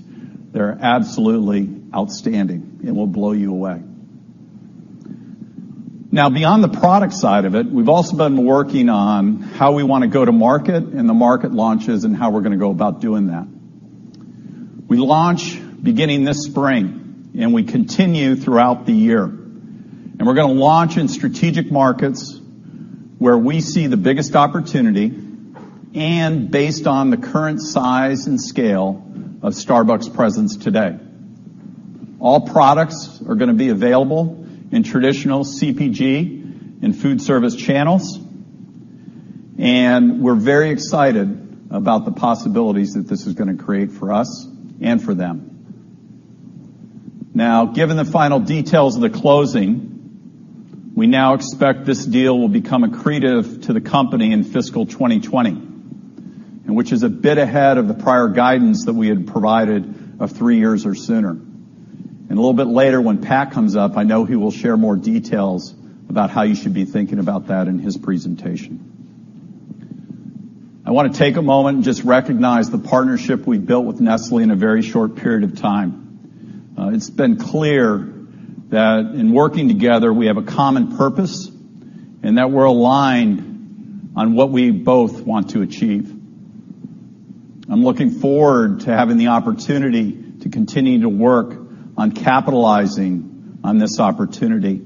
They're absolutely outstanding. It will blow you away. Beyond the product side of it, we've also been working on how we want to go to market and the market launches and how we're going to go about doing that. We launch beginning this spring, we continue throughout the year. We're going to launch in strategic markets where we see the biggest opportunity and based on the current size and scale of Starbucks presence today. All products are going to be available in traditional CPG and food service channels, we're very excited about the possibilities that this is going to create for us and for them. Given the final details of the closing, we now expect this deal will become accretive to the company in fiscal 2020, which is a bit ahead of the prior guidance that we had provided of three years or sooner. A little bit later, when Pat comes up, I know he will share more details about how you should be thinking about that in his presentation. I want to take a moment and just recognize the partnership we've built with Nestlé in a very short period of time. It's been clear that in working together, we have a common purpose and that we're aligned on what we both want to achieve. I'm looking forward to having the opportunity to continue to work on capitalizing on this opportunity,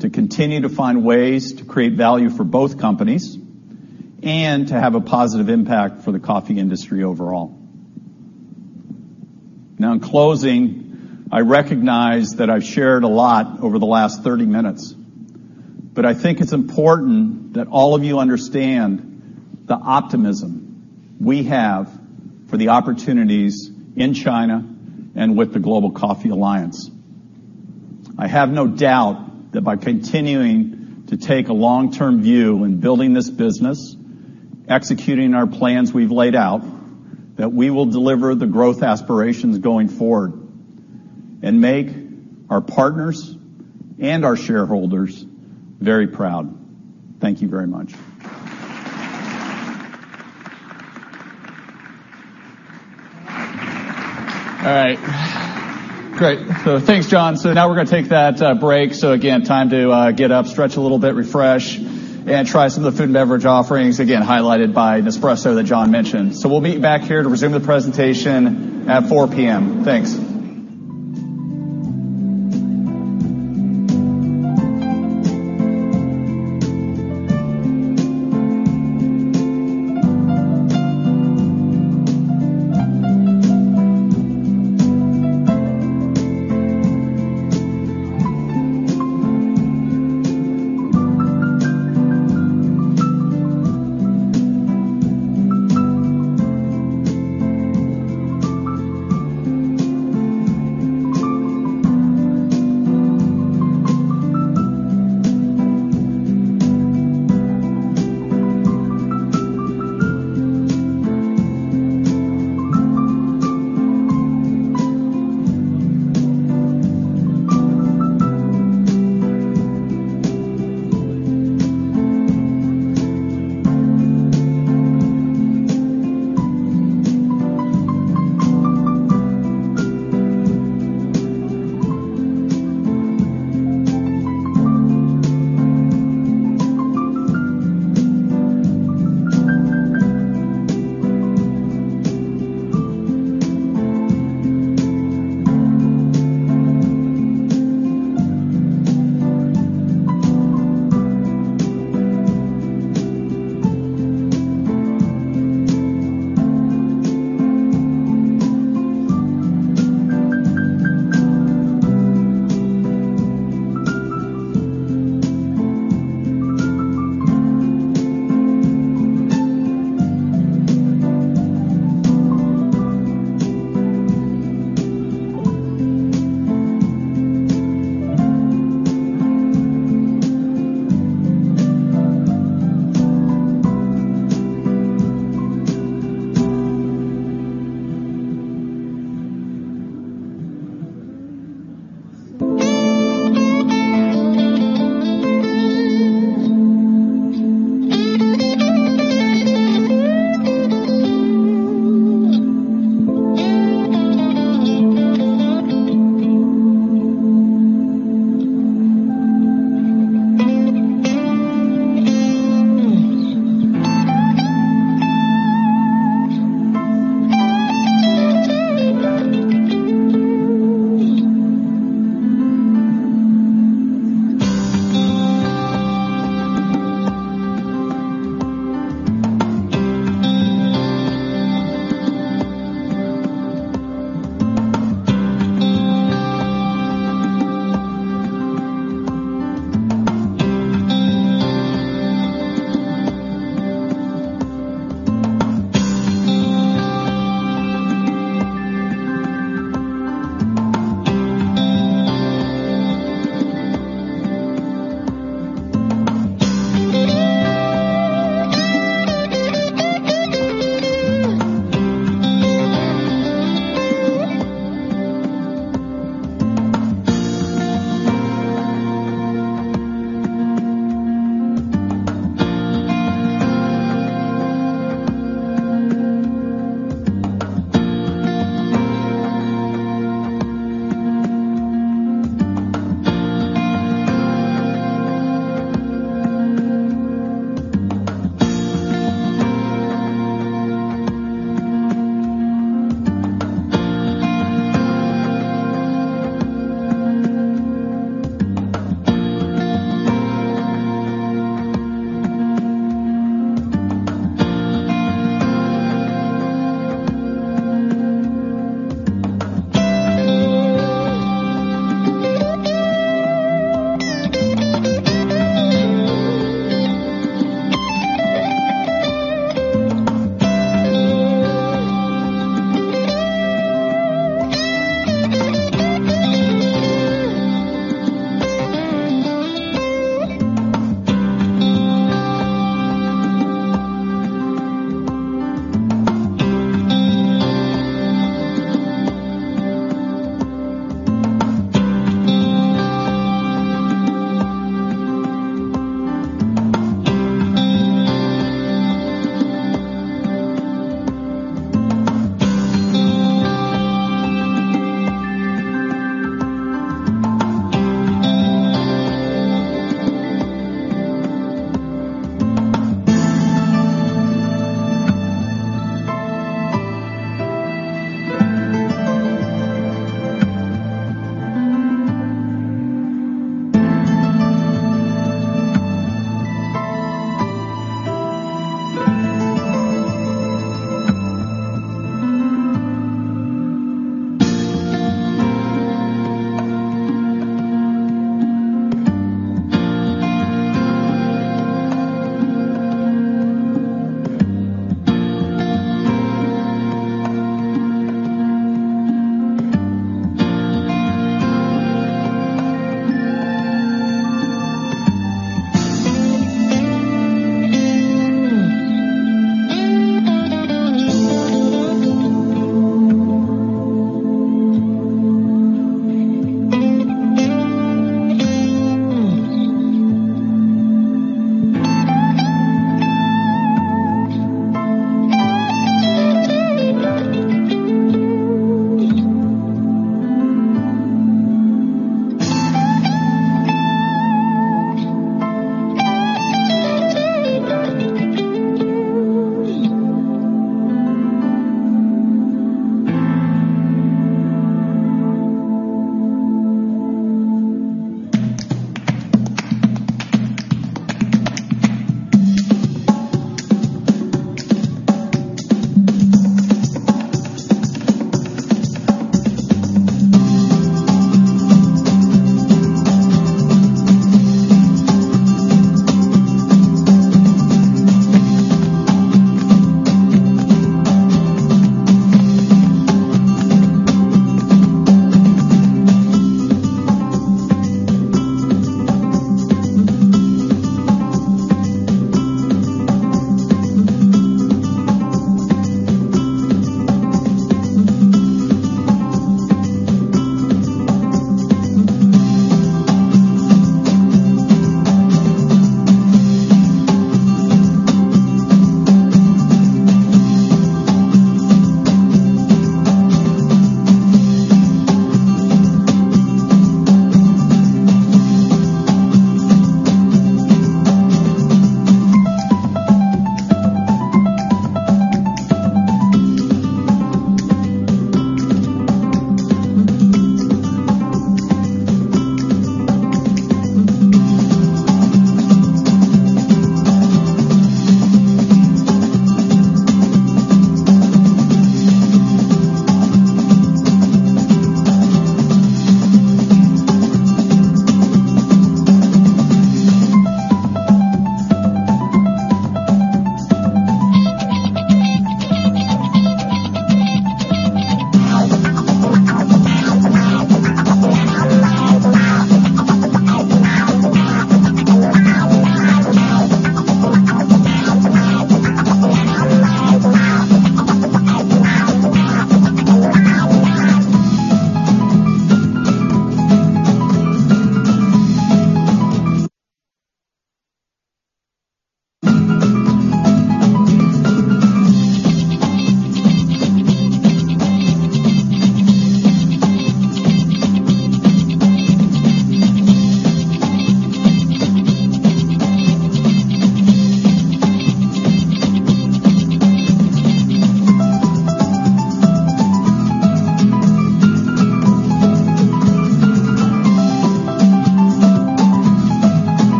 to continue to find ways to create value for both companies, and to have a positive impact for the coffee industry overall. In closing, I recognize that I've shared a lot over the last 30 minutes, but I think it's important that all of you understand the optimism we have for the opportunities in China and with the Global Coffee Alliance. I have no doubt that by continuing to take a long-term view in building this business, executing our plans we've laid out, that we will deliver the growth aspirations going forward and make our partners and our shareholders very proud. Thank you very much. All right. Great. Thanks, John. Now we're going to take that break. Again, time to get up, stretch a little bit, refresh, and try some of the food and beverage offerings, again, highlighted by Nespresso that John mentioned. We'll meet back here to resume the presentation at 4:00 P.M. Thanks.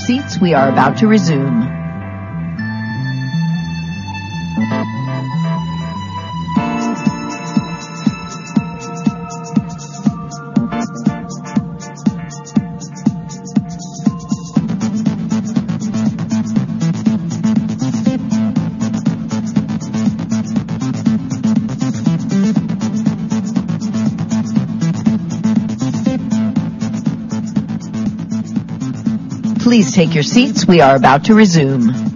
Please take your seats. We are about to resume. Please take your seats. We are about to resume.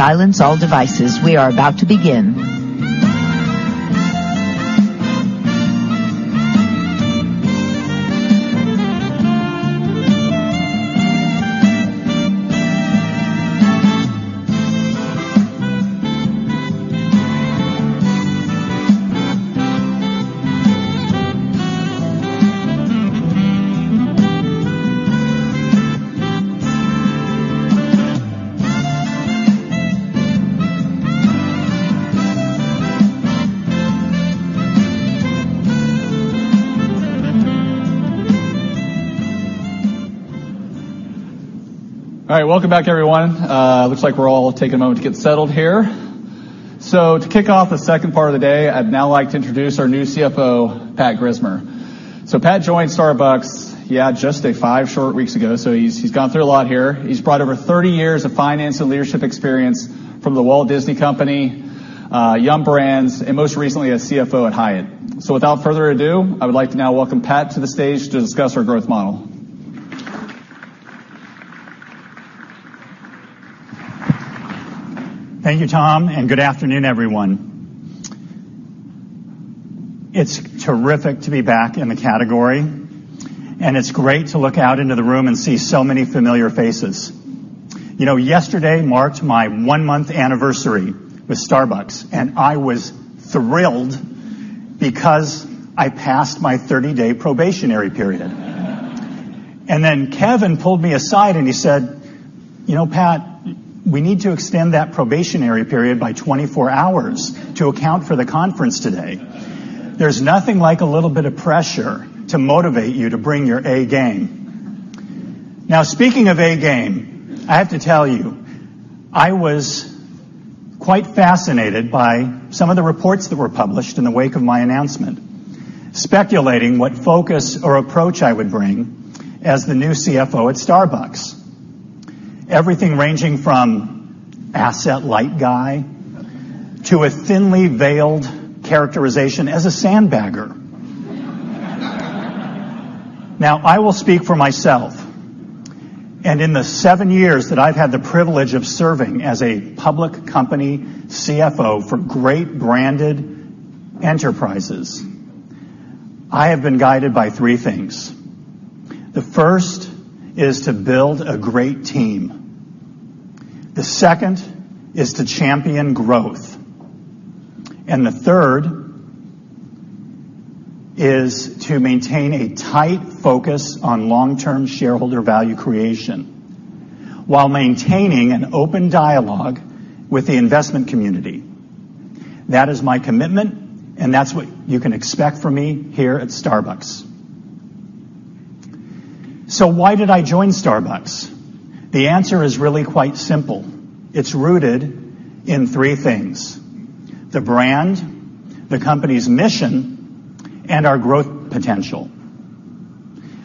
Please take your seats and silence all devices. We are about to begin. All right. Welcome back, everyone. Looks like we're all taking a moment to get settled here. To kick off the second part of the day, I'd now like to introduce our new CFO, Pat Grismer. Pat joined Starbucks, yeah, just five short weeks ago, he's gone through a lot here. He's brought over 30 years of finance and leadership experience from The Walt Disney Company, Yum! Brands, and most recently as CFO at Hyatt. Without further ado, I would like to now welcome Pat to the stage to discuss our growth model. Thank you, Tom, and good afternoon, everyone. It's terrific to be back in the category, and it's great to look out into the room and see so many familiar faces. Yesterday marked my one-month anniversary with Starbucks, and I was thrilled because I passed my 30-day probationary period. Kevin pulled me aside and he said, "You know, Pat, we need to extend that probationary period by 24 hours to account for the conference today." There's nothing like a little bit of pressure to motivate you to bring your A game. Speaking of A game, I have to tell you, I was quite fascinated by some of the reports that were published in the wake of my announcement, speculating what focus or approach I would bring as the new CFO at Starbucks. Everything ranging from asset light guy to a thinly veiled characterization as a sandbagger. I will speak for myself, and in the seven years that I've had the privilege of serving as a public company CFO for great branded enterprises, I have been guided by three things. The first is to build a great team. The second is to champion growth. The third is to maintain a tight focus on long-term shareholder value creation while maintaining an open dialogue with the investment community. That is my commitment, and that's what you can expect from me here at Starbucks. Why did I join Starbucks? The answer is really quite simple. It's rooted in three things. The brand, the company's mission, and our growth potential.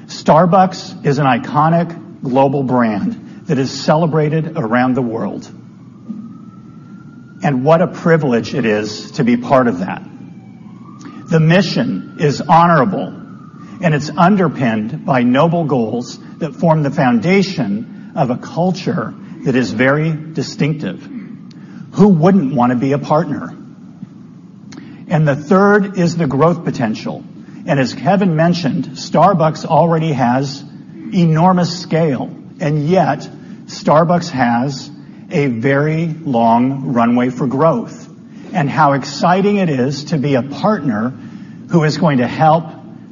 Starbucks is an iconic global brand that is celebrated around the world. What a privilege it is to be part of that. The mission is honorable, and it's underpinned by noble goals that form the foundation of a culture that is very distinctive. Who wouldn't want to be a partner? The third is the growth potential. As Kevin mentioned, Starbucks already has enormous scale, yet Starbucks has a very long runway for growth. How exciting it is to be a partner who is going to help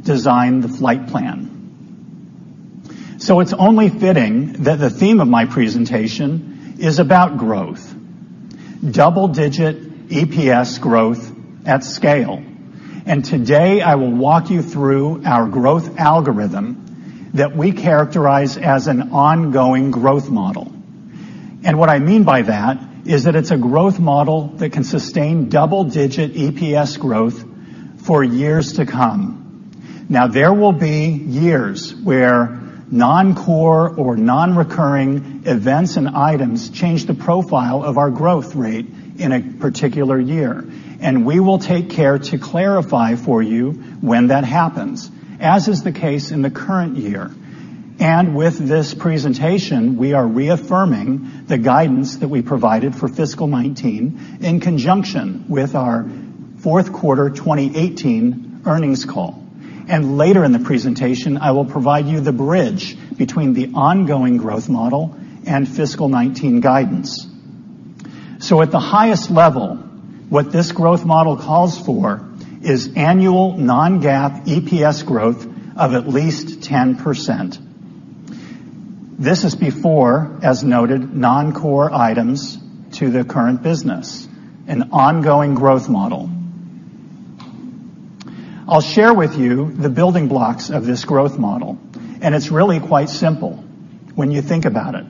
design the flight plan. It's only fitting that the theme of my presentation is about growth, double-digit EPS growth at scale. Today, I will walk you through our growth algorithm that we characterize as an ongoing growth model. What I mean by that is that it's a growth model that can sustain double-digit EPS growth for years to come. There will be years where non-core or non-recurring events and items change the profile of our growth rate in a particular year. We will take care to clarify for you when that happens, as is the case in the current year. With this presentation, we are reaffirming the guidance that we provided for fiscal 2019 in conjunction with our fourth quarter 2018 earnings call. Later in the presentation, I will provide you the bridge between the ongoing growth model and fiscal 2019 guidance. At the highest level, what this growth model calls for is annual non-GAAP EPS growth of at least 10%. This is before, as noted, non-core items to the current business, an ongoing growth model. I'll share with you the building blocks of this growth model, it's really quite simple when you think about it.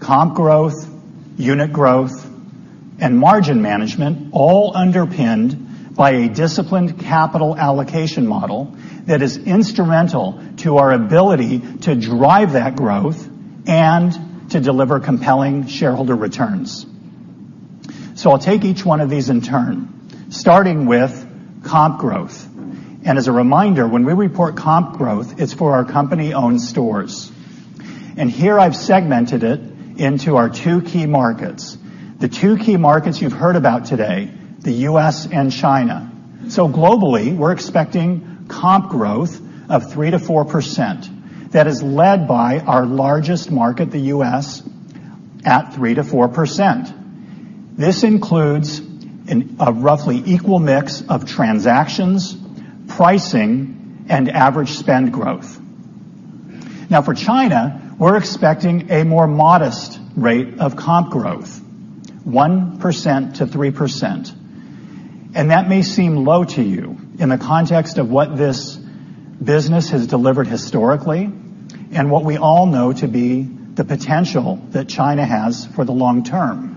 Comp growth, unit growth, and margin management, all underpinned by a disciplined capital allocation model that is instrumental to our ability to drive that growth and to deliver compelling shareholder returns. I'll take each one of these in turn, starting with comp growth. As a reminder, when we report comp growth, it's for our company-owned stores. Here I've segmented it into our two key markets, the two key markets you've heard about today, the U.S. and China. Globally, we're expecting comp growth of 3%-4%. That is led by our largest market, the U.S., at 3%-4%. This includes a roughly equal mix of transactions, pricing, and average spend growth. For China, we're expecting a more modest rate of comp growth, 1%-3%. That may seem low to you in the context of what this business has delivered historically and what we all know to be the potential that China has for the long term.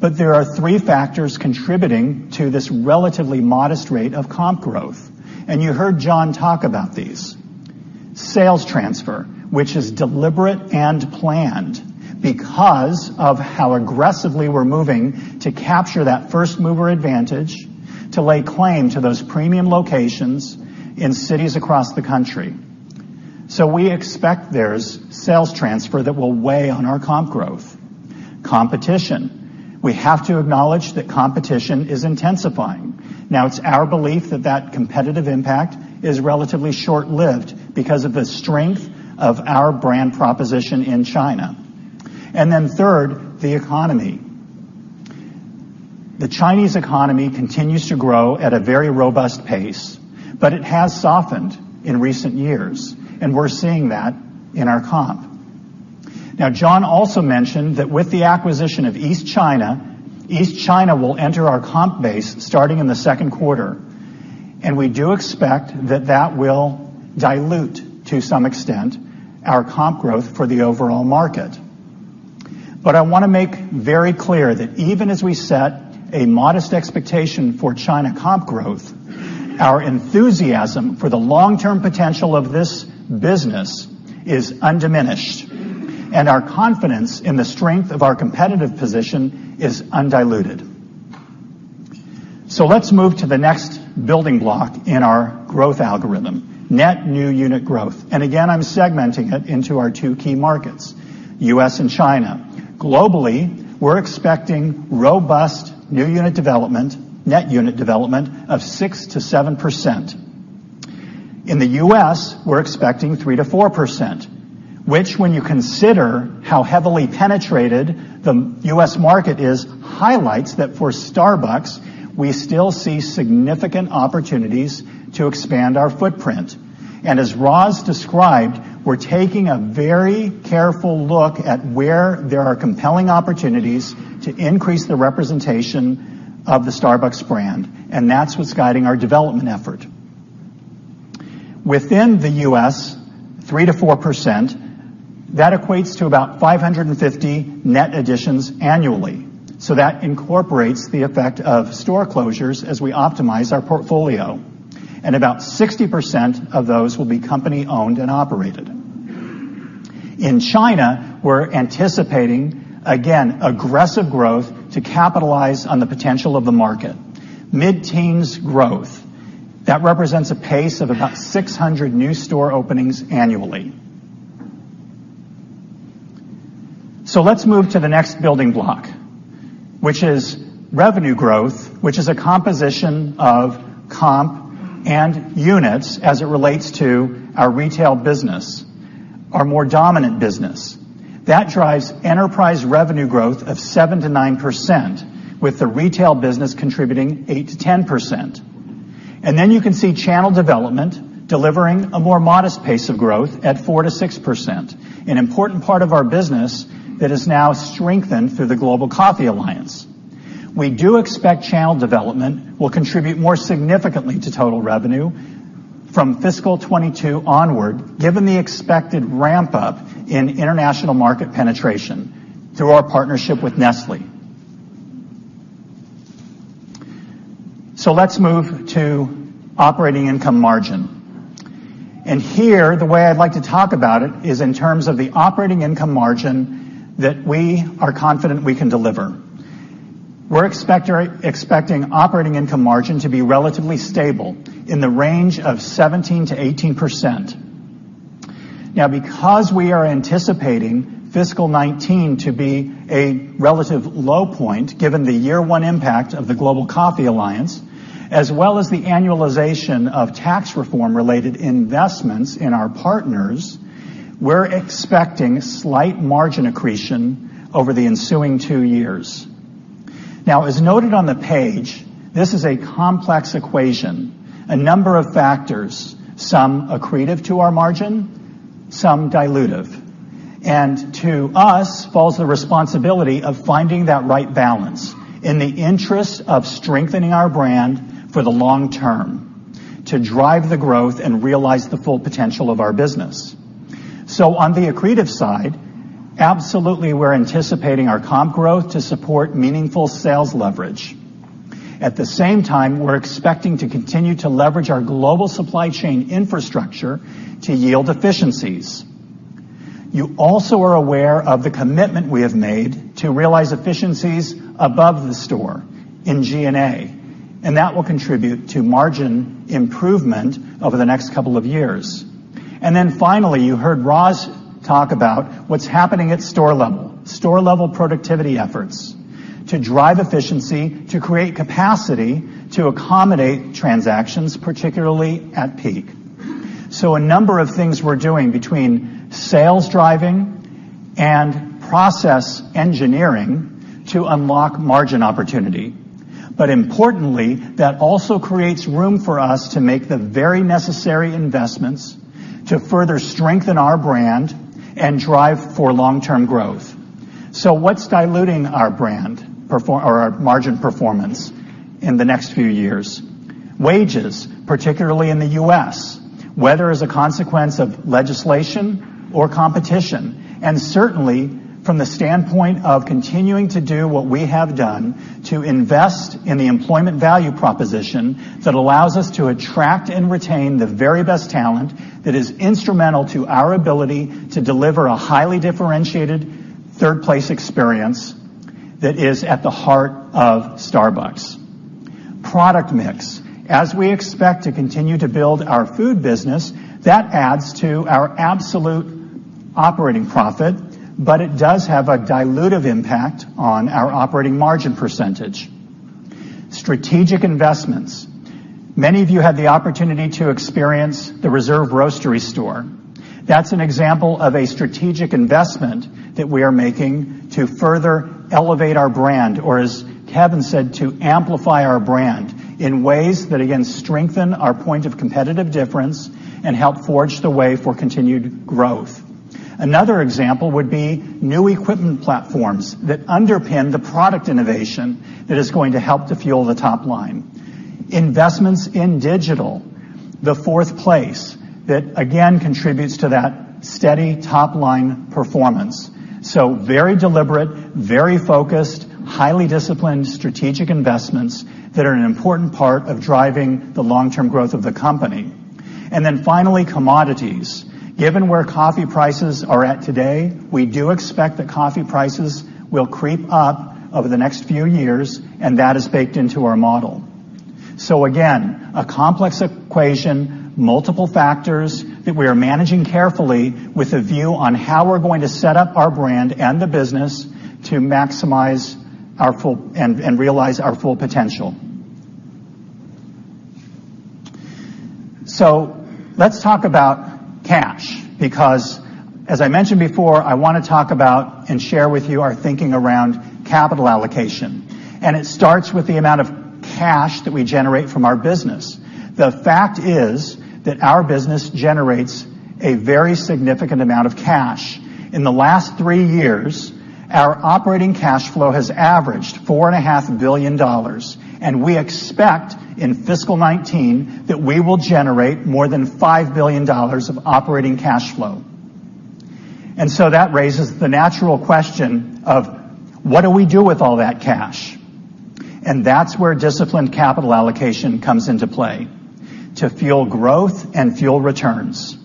There are three factors contributing to this relatively modest rate of comp growth. You heard John talk about these. Sales transfer, which is deliberate and planned because of how aggressively we're moving to capture that first-mover advantage to lay claim to those premium locations in cities across the country. We expect there's sales transfer that will weigh on our comp growth. Competition. We have to acknowledge that competition is intensifying. It's our belief that that competitive impact is relatively short-lived because of the strength of our brand proposition in China. Then third, the economy. The Chinese economy continues to grow at a very robust pace, but it has softened in recent years, and we're seeing that in our comp. John also mentioned that with the acquisition of East China, East China will enter our comp base starting in the second quarter, and we do expect that that will dilute, to some extent, our comp growth for the overall market. I want to make very clear that even as we set a modest expectation for China comp growth, our enthusiasm for the long-term potential of this business is undiminished, and our confidence in the strength of our competitive position is undiluted. Let's move to the next building block in our growth algorithm, net new unit growth. Again, I'm segmenting it into our two key markets, U.S. and China. Globally, we're expecting robust net unit development of 6%-7%. In the U.S., we're expecting 3%-4%, which when you consider how heavily penetrated the U.S. market is, highlights that for Starbucks, we still see significant opportunities to expand our footprint. As Roz described, we're taking a very careful look at where there are compelling opportunities to increase the representation of the Starbucks brand, and that's what's guiding our development effort. Within the U.S., 3%-4%, that equates to about 550 net additions annually. That incorporates the effect of store closures as we optimize our portfolio. About 60% of those will be company-owned and operated. In China, we're anticipating, again, aggressive growth to capitalize on the potential of the market. Mid-teens growth. That represents a pace of about 600 new store openings annually. Let's move to the next building block, which is revenue growth, which is a composition of comp and units as it relates to our retail business, our more dominant business. That drives enterprise revenue growth of 7%-9%, with the retail business contributing 8%-10%. You can see channel development delivering a more modest pace of growth at 4%-6%, an important part of our business that is now strengthened through the Global Coffee Alliance. We do expect channel development will contribute more significantly to total revenue from FY 2022 onward, given the expected ramp-up in international market penetration through our partnership with Nestlé. Let's move to operating income margin. Here, the way I'd like to talk about it is in terms of the operating income margin that we are confident we can deliver. We're expecting operating income margin to be relatively stable, in the range of 17%-18%. Because we are anticipating FY 2019 to be a relative low point, given the year one impact of the Global Coffee Alliance, as well as the annualization of tax reform-related investments in our partners, we're expecting slight margin accretion over the ensuing two years. As noted on the page, this is a complex equation. A number of factors, some accretive to our margin, some dilutive. To us falls the responsibility of finding that right balance in the interest of strengthening our brand for the long term to drive the growth and realize the full potential of our business. On the accretive side, absolutely, we're anticipating our comp growth to support meaningful sales leverage. At the same time, we're expecting to continue to leverage our global supply chain infrastructure to yield efficiencies. You also are aware of the commitment we have made to realize efficiencies above the store in G&A. That will contribute to margin improvement over the next couple of years. Finally, you heard Roz talk about what's happening at store level. Store-level productivity efforts to drive efficiency, to create capacity to accommodate transactions, particularly at peak. A number of things we're doing between sales driving and process engineering to unlock margin opportunity. Importantly, that also creates room for us to make the very necessary investments to further strengthen our brand and drive for long-term growth. What's diluting our margin performance in the next few years? Wages, particularly in the U.S., whether as a consequence of legislation or competition. Certainly, from the standpoint of continuing to do what we have done to invest in the employment value proposition that allows us to attract and retain the very best talent that is instrumental to our ability to deliver a highly differentiated Third Place experience that is at the heart of Starbucks. Product mix. As we expect to continue to build our food business, that adds to our absolute operating profit, but it does have a dilutive impact on our operating margin percentage. Strategic investments. Many of you had the opportunity to experience the Reserve Roastery store. That's an example of a strategic investment that we are making to further elevate our brand, or as Kevin said, to amplify our brand in ways that, again, strengthen our point of competitive difference and help forge the way for continued growth. Another example would be new equipment platforms that underpin the product innovation that is going to help to fuel the top line. Investments in digital, the Fourth Place, that again contributes to that steady top-line performance. Very deliberate, very focused, highly disciplined strategic investments that are an important part of driving the long-term growth of the company. Finally, commodities. Given where coffee prices are at today, we do expect that coffee prices will creep up over the next few years, and that is baked into our model. Again, a complex equation, multiple factors that we are managing carefully with a view on how we're going to set up our brand and the business to maximize and realize our full potential. Let's talk about cash, because, as I mentioned before, I want to talk about and share with you our thinking around capital allocation. It starts with the amount of cash that we generate from our business. The fact is that our business generates a very significant amount of cash. In the last three years, our operating cash flow has averaged $4.5 billion. We expect in fiscal 2019 that we will generate more than $5 billion of operating cash flow. That raises the natural question of what do we do with all that cash? That's where disciplined capital allocation comes into play, to fuel growth and fuel returns.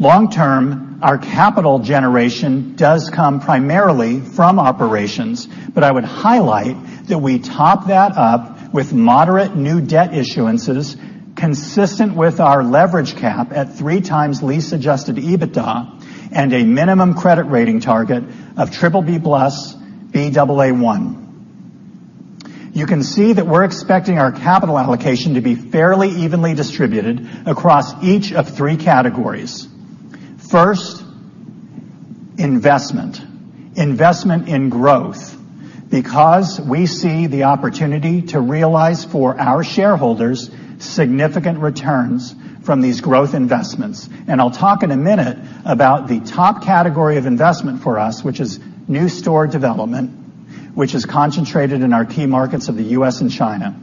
Long term, our capital generation does come primarily from operations, but I would highlight that we top that up with moderate new debt issuances consistent with our leverage cap at 3x lease-adjusted EBITDA and a minimum credit rating target of BBB+, Baa1. You can see that we're expecting our capital allocation to be fairly evenly distributed across each of 3 categories. First, investment. Investment in growth, because we see the opportunity to realize for our shareholders significant returns from these growth investments. I'll talk in a minute about the top category of investment for us, which is new store development, which is concentrated in our key markets of the U.S. and China.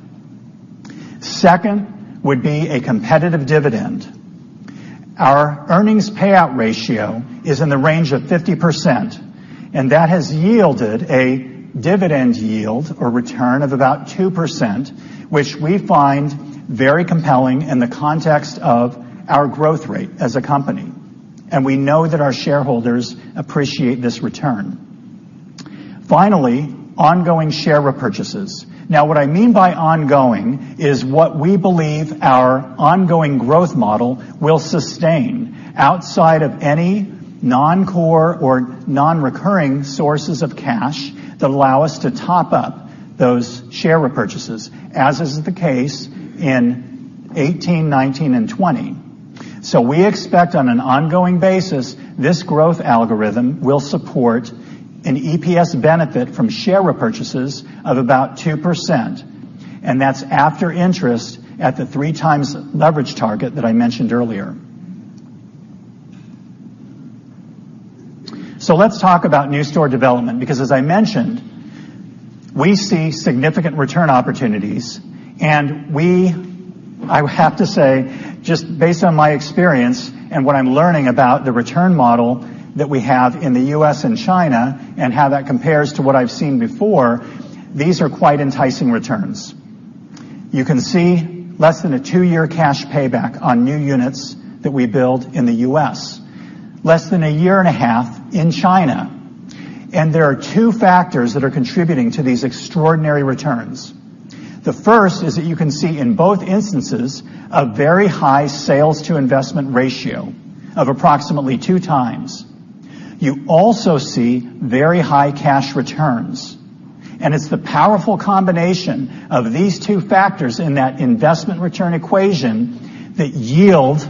Second would be a competitive dividend. Our earnings payout ratio is in the range of 50%, and that has yielded a dividend yield or return of about 2%, which we find very compelling in the context of our growth rate as a company. We know that our shareholders appreciate this return. Finally, ongoing share repurchases. Now, what I mean by ongoing is what we believe our ongoing growth model will sustain outside of any non-core or non-recurring sources of cash that allow us to top up those share repurchases, as is the case in 2018, 2019, and 2020. We expect on an ongoing basis, this growth algorithm will support an EPS benefit from share repurchases of about 2%, and that's after interest at the three times leverage target that I mentioned earlier. Let's talk about new store development, because as I mentioned, we see significant return opportunities. We, I would have to say, just based on my experience and what I'm learning about the return model that we have in the U.S. and China and how that compares to what I've seen before, these are quite enticing returns. You can see less than a two-year cash payback on new units that we build in the U.S. Less than a year and a half in China. There are two factors that are contributing to these extraordinary returns. The first is that you can see in both instances, a very high sales-to-investment ratio of approximately two times. You also see very high cash returns. It's the powerful combination of these two factors in that investment return equation that yield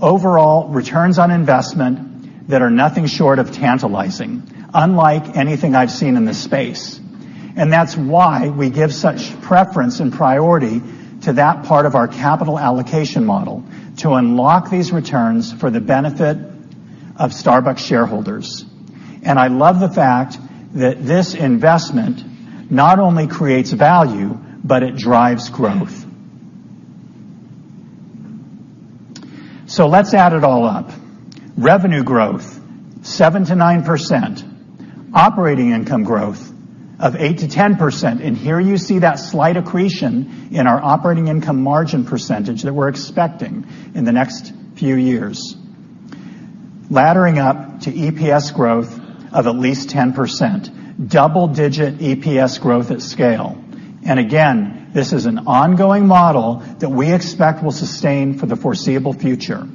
overall returns on investment that are nothing short of tantalizing, unlike anything I've seen in this space. I love the fact that this investment not only creates value, but it drives growth. Let's add it all up. Revenue growth, 7%-9%. Operating income growth of 8%-10%. Here you see that slight accretion in our operating income margin percentage that we're expecting in the next few years. Laddering up to EPS growth of at least 10%, double-digit EPS growth at scale. Again, this is an ongoing model that we expect will sustain for the foreseeable future.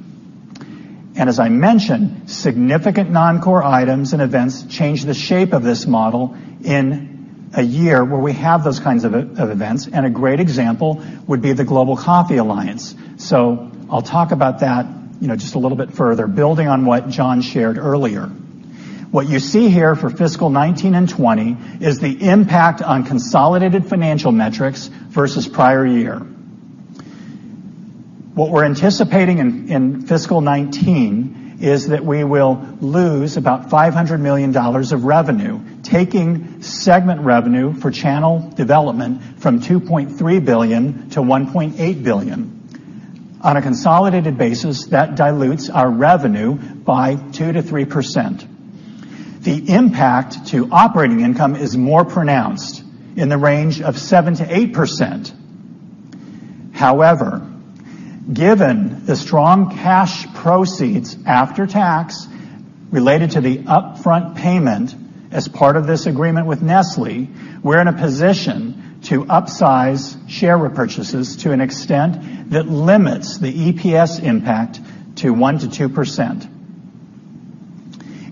As I mentioned, significant non-core items and events change the shape of this model in a year where we have those kinds of events, and a great example would be the Global Coffee Alliance. I'll talk about that just a little bit further, building on what John shared earlier. What you see here for fiscal 2019 and 2020 is the impact on consolidated financial metrics versus prior year. What we're anticipating in fiscal 2019 is that we will lose about $500 million of revenue, taking segment revenue for channel development from $2.3 billion to $1.8 billion. On a consolidated basis, that dilutes our revenue by 2%-3%. The impact to operating income is more pronounced, in the range of 7%-8%. However, given the strong cash proceeds after tax related to the upfront payment as part of this agreement with Nestlé, we're in a position to upsize share repurchases to an extent that limits the EPS impact to 1%-2%.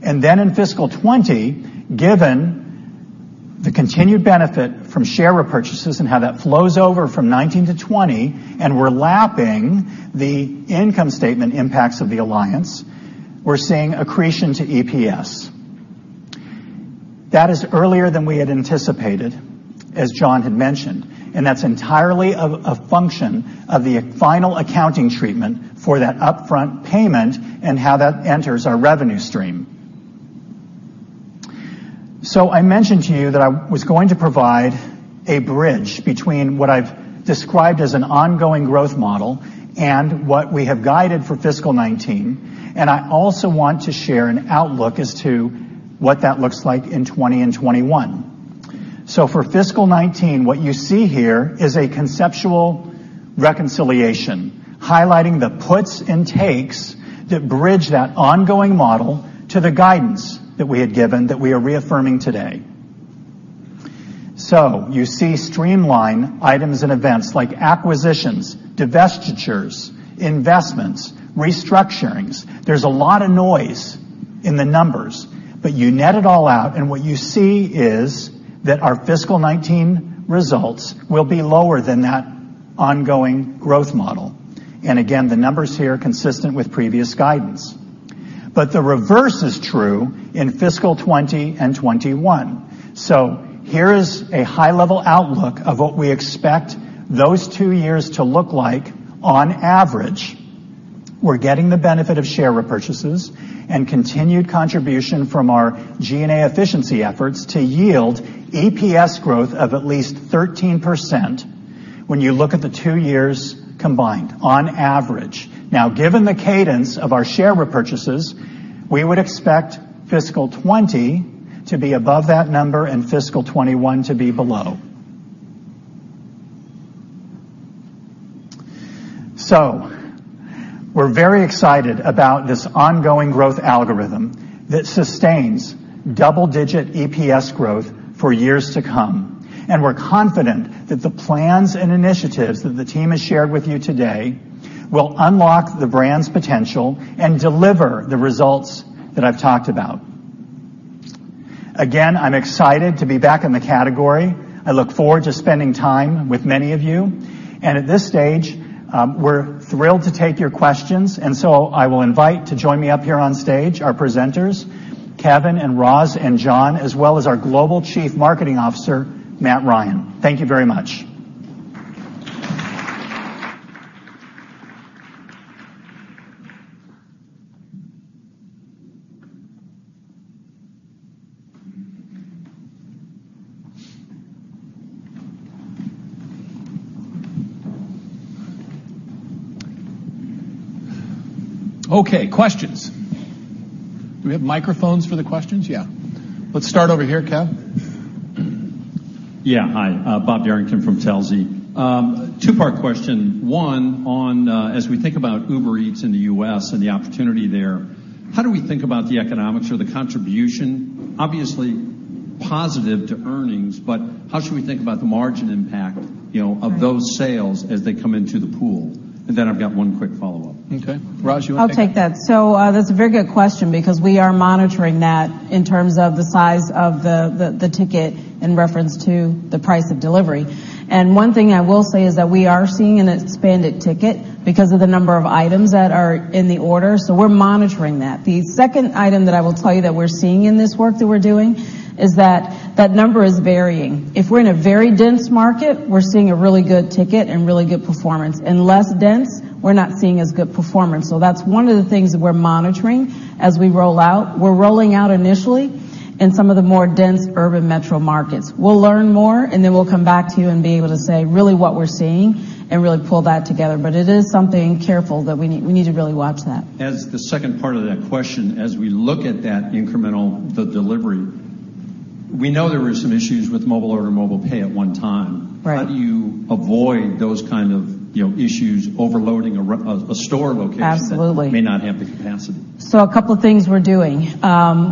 In fiscal 2020, given the continued benefit from share repurchases and how that flows over from 2019 to 2020, and we're lapping the income statement impacts of the alliance, we're seeing accretion to EPS. That is earlier than we had anticipated, as John had mentioned, that's entirely a function of the final accounting treatment for that upfront payment and how that enters our revenue stream. I mentioned to you that I was going to provide a bridge between what I've described as an ongoing growth model and what we have guided for fiscal 2019, I also want to share an outlook as to what that looks like in 2020 and 2021. For fiscal 2019, what you see here is a conceptual reconciliation highlighting the puts and takes that bridge that ongoing model to the guidance that we had given that we are reaffirming today. You see streamline items and events like acquisitions, divestitures, investments, restructurings. There's a lot of noise in the numbers, you net it all out and what you see is that our fiscal 2019 results will be lower than that ongoing growth model. Again, the numbers here are consistent with previous guidance. The reverse is true in fiscal 2020 and 2021. Here is a high-level outlook of what we expect those two years to look like on average. We're getting the benefit of share repurchases and continued contribution from our G&A efficiency efforts to yield EPS growth of at least 13% when you look at the two years combined on average. Given the cadence of our share repurchases, we would expect fiscal 2020 to be above that number and fiscal 2021 to be below. We're very excited about this ongoing growth algorithm that sustains double-digit EPS growth for years to come. We're confident that the plans and initiatives that the team has shared with you today will unlock the brand's potential and deliver the results that I've talked about. Again, I'm excited to be back in the category. I look forward to spending time with many of you. At this stage, we're thrilled to take your questions. I will invite to join me up here on stage our presenters, Kevin and Roz and John, as well as our Global Chief Marketing Officer, Matthew Ryan. Thank you very much. Questions. Do we have microphones for the questions? Let's start over here, Kev. Yeah. Hi, Bob Yarrington from Telsey. Two-part question. One, as we think about Uber Eats in the U.S. and the opportunity there, how do we think about the economics or the contribution? Obviously positive to earnings, how should we think about the margin impact of those sales as they come into the pool? I've got one quick follow-up. Okay. Roz, you want to take that? I'll take that. That's a very good question because we are monitoring that in terms of the size of the ticket in reference to the price of delivery. One thing I will say is that we are seeing an expanded ticket because of the number of items that are in the order, we're monitoring that. The second item that I will tell you that we're seeing in this work that we're doing is that that number is varying. If we're in a very dense market, we're seeing a really good ticket and really good performance. In less dense, we're not seeing as good performance. That's one of the things that we're monitoring as we roll out. We're rolling out initially in some of the more dense urban metro markets. We'll learn more, we'll come back to you and be able to say really what we're seeing and really pull that together. It is something careful that we need to really watch that. As the second part of that question, as we look at that incremental, the delivery, We know there were some issues with mobile order mobile pay at one time. Right. How do you avoid those kind of issues overloading a store location, Absolutely that may not have the capacity? A couple of things we're doing.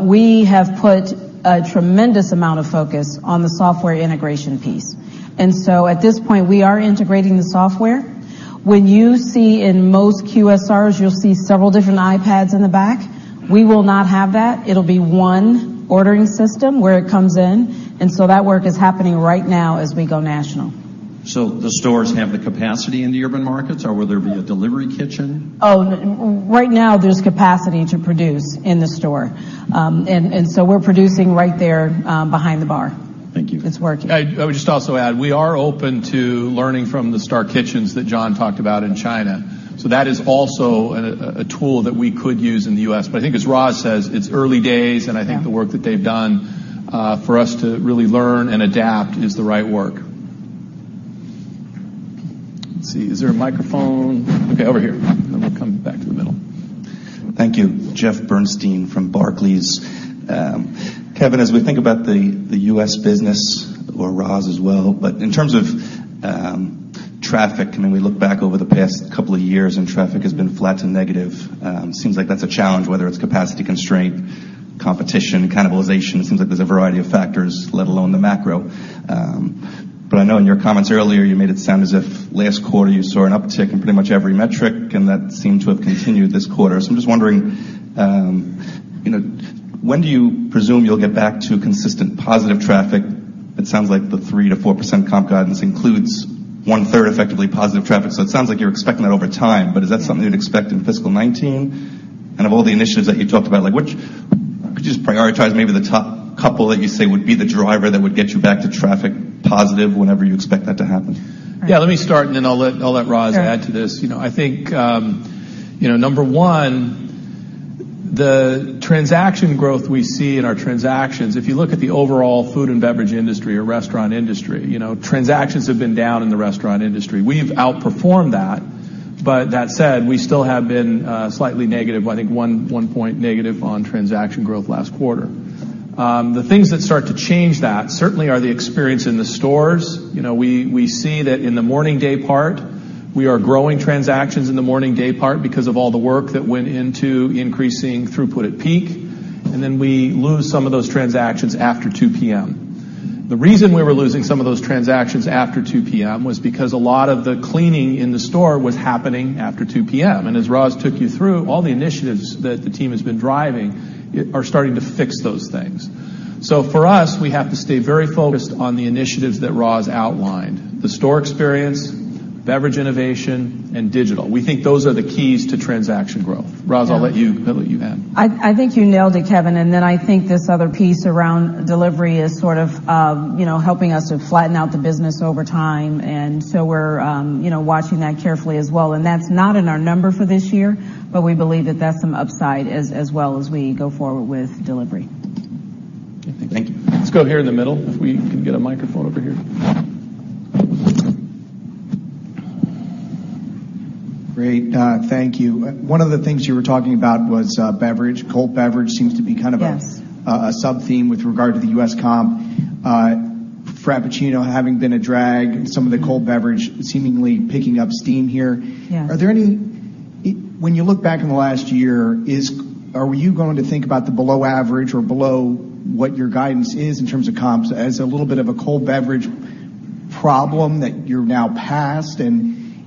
We have put a tremendous amount of focus on the software integration piece. At this point, we are integrating the software. When you see in most QSRs, you'll see several different iPads in the back. We will not have that. It'll be one ordering system where it comes in. That work is happening right now as we go national. The stores have the capacity in the urban markets, or will there be a delivery kitchen? Right now there's capacity to produce in the store. We're producing right there, behind the bar. Thank you. It's working. I would just also add, we are open to learning from the Star Kitchens that John talked about in China. That is also a tool that we could use in the U.S. I think as Roz says, it's early days, and I think the work that they've done, for us to really learn and adapt is the right work. Let's see. Is there a microphone? Okay, over here. We'll come back to the middle. Thank you. Jeffrey Bernstein from Barclays. Kevin, as we think about the U.S. business, or Roz as well, in terms of traffic, when we look back over the past couple of years and traffic has been flat to negative, it seems like that's a challenge, whether it's capacity constraint, competition, cannibalization. It seems like there's a variety of factors, let alone the macro. I know in your comments earlier, you made it sound as if last quarter you saw an uptick in pretty much every metric, and that seemed to have continued this quarter. I'm just wondering, when do you presume you'll get back to consistent positive traffic? It sounds like the 3%-4% comp guidance includes one-third effectively positive traffic. It sounds like you're expecting that over time. Is that something you'd expect in fiscal 2019? Of all the initiatives that you talked about, could you just prioritize maybe the top couple that you say would be the driver that would get you back to traffic positive whenever you expect that to happen? Yeah, let me start. Then I'll let Roz add to this. I think, number 1, the transaction growth we see in our transactions, if you look at the overall food and beverage industry or restaurant industry, transactions have been down in the restaurant industry. We've outperformed that. That said, we still have been slightly negative, I think 1 point negative on transaction growth last quarter. The things that start to change that certainly are the experience in the stores. We see that in the morning day part, we are growing transactions in the morning day part because of all the work that went into increasing throughput at peak. Then we lose some of those transactions after 2:00 P.M. The reason we were losing some of those transactions after 2:00 P.M. was because a lot of the cleaning in the store was happening after 2:00 P.M. As Roz took you through, all the initiatives that the team has been driving are starting to fix those things. For us, we have to stay very focused on the initiatives that Roz outlined. The store experience, beverage innovation, and digital. We think those are the keys to transaction growth. Roz, I'll let you add. I think you nailed it, Kevin. Then I think this other piece around delivery is sort of helping us to flatten out the business over time. We're watching that carefully as well. That's not in our number for this year, but we believe that that's some upside as well as we go forward with delivery. Thank you. Let's go here in the middle, if we can get a microphone over here. Great. Thank you. One of the things you were talking about was beverage. Cold beverage seems to be kind of. Yes a sub-theme with regard to the U.S. comp. Frappuccino having been a drag, some of the cold beverage seemingly picking up steam here. Yes. When you look back in the last year, are you going to think about the below average or below what your guidance is in terms of comps as a little bit of a cold beverage problem that you're now past?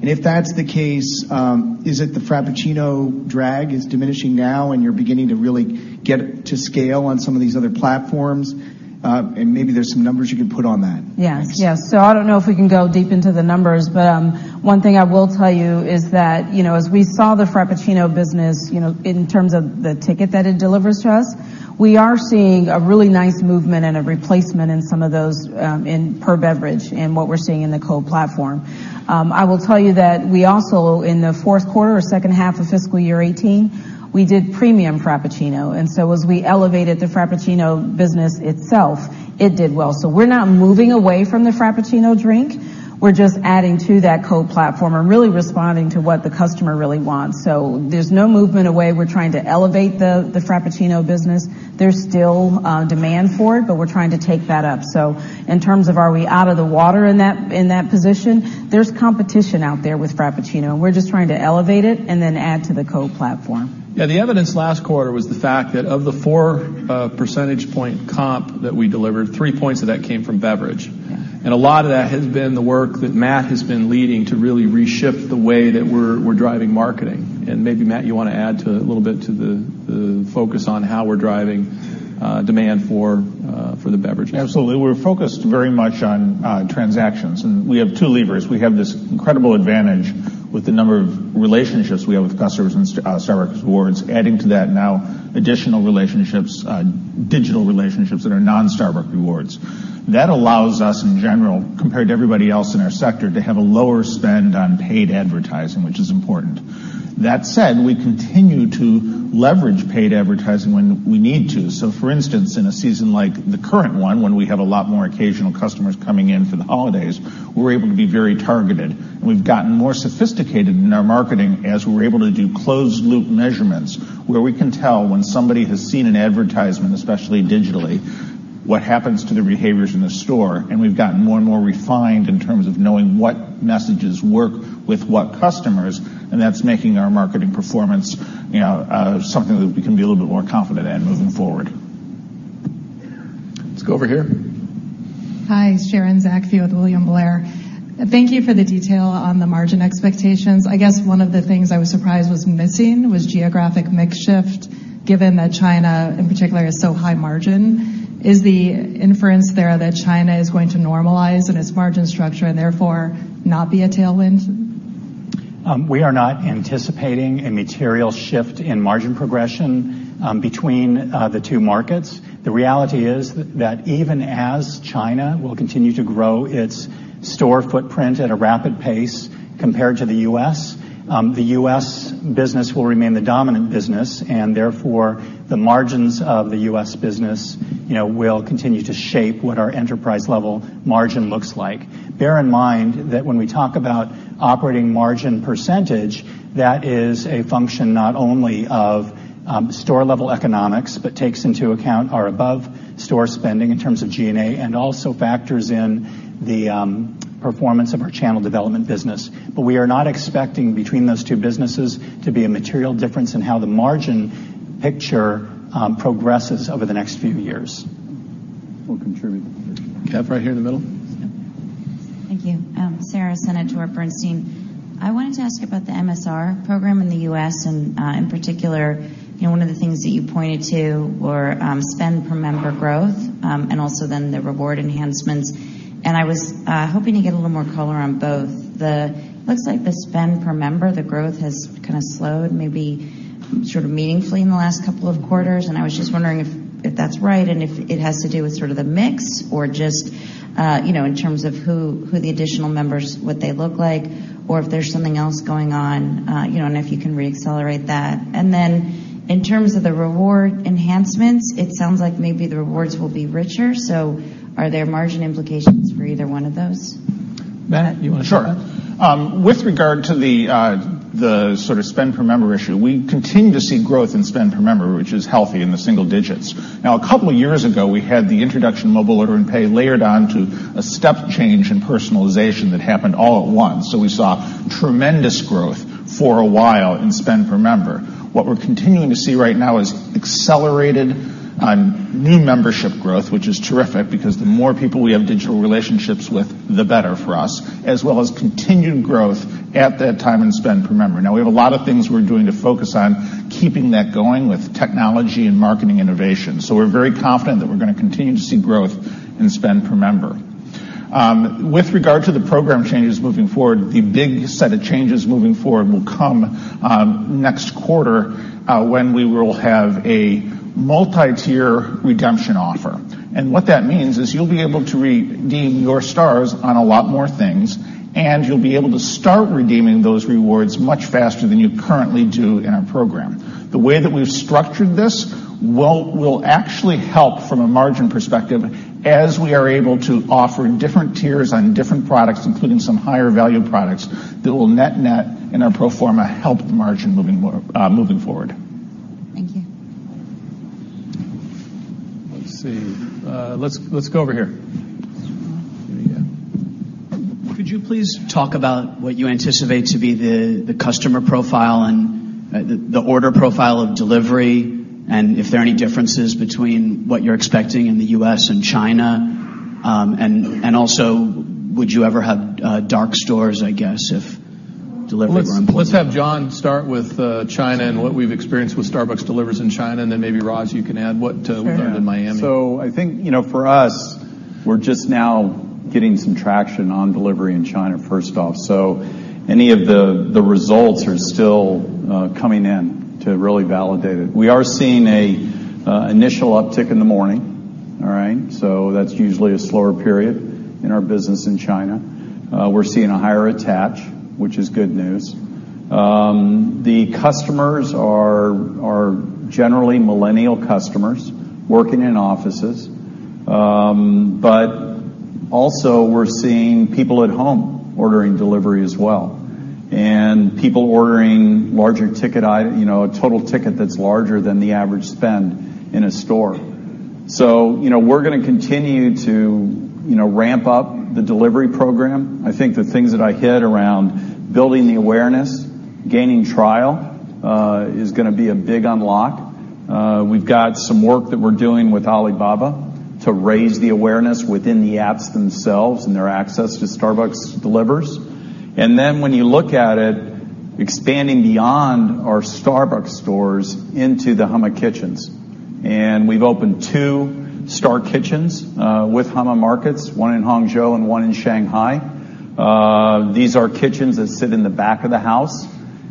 If that's the case, is it the Frappuccino drag is diminishing now and you're beginning to really get to scale on some of these other platforms? Maybe there's some numbers you can put on that. Yes. I don't know if we can go deep into the numbers, but one thing I will tell you is that as we saw the Frappuccino business, in terms of the ticket that it delivers to us, we are seeing a really nice movement and a replacement in some of those per beverage in what we're seeing in the cold platform. I will tell you that we also, in the fourth quarter or second half of fiscal year 2018, we did premium Frappuccino, as we elevated the Frappuccino business itself, it did well. We're not moving away from the Frappuccino drink, we're just adding to that cold platform and really responding to what the customer really wants. There's no movement away. We're trying to elevate the Frappuccino business. There's still demand for it, we're trying to take that up. In terms of are we out of the water in that position, there's competition out there with Frappuccino. We're just trying to elevate it and add to the cold platform. Yeah, the evidence last quarter was the fact that of the four percentage point comp that we delivered, three points of that came from beverage. A lot of that has been the work that Matt has been leading to really reshift the way that we're driving marketing. Maybe, Matt, you want to add a little bit to the focus on how we're driving demand for the beverages. Absolutely. We're focused very much on transactions, we have two levers. We have this incredible advantage with the number of relationships we have with customers and Starbucks Rewards. Adding to that now, additional relationships, digital relationships that are non-Starbucks Rewards. That allows us, in general, compared to everybody else in our sector, to have a lower spend on paid advertising, which is important. That said, we continue to leverage paid advertising when we need to. For instance, in a season like the current one when we have a lot more occasional customers coming in for the holidays, we're able to be very targeted. We've gotten more sophisticated in our marketing as we're able to do closed-loop measurements where we can tell when somebody has seen an advertisement, especially digitally. What happens to the behaviors in the store. We've gotten more and more refined in terms of knowing what messages work with what customers, and that's making our marketing performance something that we can be a little bit more confident in moving forward. Let's go over here. Hi. Sharon Zackfia with William Blair. Thank you for the detail on the margin expectations. I guess one of the things I was surprised was missing was geographic mix shift, given that China, in particular, is so high margin. Is the inference there that China is going to normalize in its margin structure and therefore not be a tailwind? We are not anticipating a material shift in margin progression between the two markets. The reality is that even as China will continue to grow its store footprint at a rapid pace compared to the U.S., the U.S. business will remain the dominant business, and therefore, the margins of the U.S. business will continue to shape what our enterprise-level margin looks like. Bear in mind that when we talk about operating margin percentage, that is a function not only of store-level economics, but takes into account our above-store spending in terms of G&A, and also factors in the performance of our channel development business. We are not expecting between those two businesses to be a material difference in how the margin picture progresses over the next few years. We'll contribute. Kev, right here in the middle. Thank you. Sara Senatore, Bernstein. I wanted to ask about the MSR program in the U.S., in particular, one of the things that you pointed to were spend per member growth, also then the Reward enhancements, I was hoping to get a little more color on both. It looks like the spend per member, the growth has kind of slowed, maybe sort of meaningfully in the last couple of quarters, I was just wondering if that's right, if it has to do with sort of the mix or just in terms of who the additional members, what they look like, or if there's something else going on, if you can re-accelerate that. In terms of the Reward enhancements, it sounds like maybe the Rewards will be richer. Are there margin implications for either one of those? Ben, Sure. With regard to the sort of spend per member issue, we continue to see growth in spend per member, which is healthy in the single digits. A couple of years ago, we had the introduction of mobile order and pay layered onto a step change in personalization that happened all at once. We saw tremendous growth for a while in spend per member. What we're continuing to see right now is accelerated new membership growth, which is terrific because the more people we have digital relationships with, the better for us, as well as continued growth at that time in spend per member. We have a lot of things we're doing to focus on keeping that going with technology and marketing innovation. We're very confident that we're going to continue to see growth in spend per member. With regard to the program changes moving forward, the big set of changes moving forward will come next quarter, when we will have a multi-tier redemption offer. What that means is you'll be able to redeem your Stars on a lot more things, you'll be able to start redeeming those Rewards much faster than you currently do in our program. The way that we've structured this will actually help from a margin perspective as we are able to offer different tiers on different products, including some higher value products that will net-net in our pro forma help the margin moving forward. Thank you. Let's see. Let's go over here. Could you please talk about what you anticipate to be the customer profile and the order profile of delivery, and if there are any differences between what you're expecting in the U.S. and China. Also, would you ever have dark stores, I guess, if delivery were important? Let's have John start with China and what we've experienced with Starbucks Delivers in China, then maybe, Roz, you can add what we've done in Miami. Sure. I think for us, we're just now getting some traction on delivery in China, first off. Any of the results are still coming in to really validate it. We are seeing an initial uptick in the morning. All right. That's usually a slower period in our business in China. We're seeing a higher attach, which is good news. The customers are generally millennial customers working in offices. Also, we're seeing people at home ordering delivery as well, and people ordering a total ticket that's larger than the average spend in a store. We're going to continue to ramp up the delivery program. I think the things that I hit around building the awareness, gaining trial, is going to be a big unlock. We've got some work that we're doing with Alibaba to raise the awareness within the apps themselves and their access to Starbucks Delivers. When you look at it, expanding beyond our Starbucks stores into the Hema kitchens. We've opened two Star Kitchens with Hema markets, one in Hangzhou and one in Shanghai. These are kitchens that sit in the back of the house,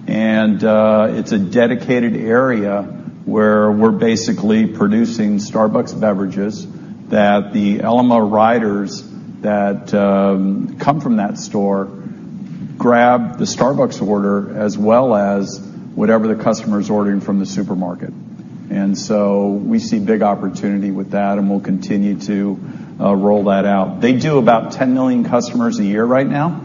and it's a dedicated area where we're basically producing Starbucks beverages that the Ele.me riders that come from that store grab the Starbucks order as well as whatever the customer is ordering from the supermarket. We see big opportunity with that, and we'll continue to roll that out. They do about 10 million customers a year right now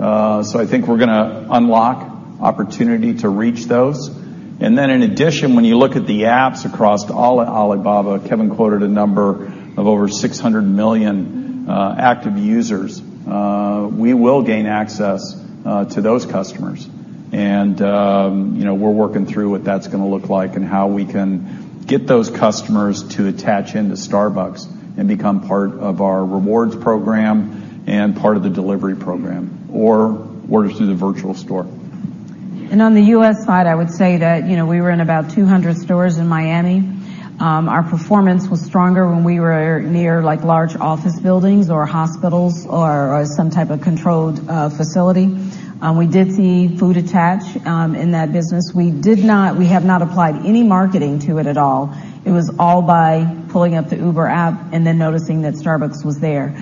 I think we're going to unlock opportunity to reach those. In addition, when you look at the apps across all Alibaba, Kevin quoted a number of over 600 million active users. We will gain access to those customers. We're working through what that's going to look like and how we can get those customers to attach into Starbucks and become part of our Starbucks Rewards program and part of the delivery program, or order through the virtual store. On the U.S. side, I would say that we were in about 200 stores in Miami. Our performance was stronger when we were near large office buildings or hospitals or some type of controlled facility. We did see food attach in that business. We have not applied any marketing to it at all. It was all by pulling up the Uber app and then noticing that Starbucks was there.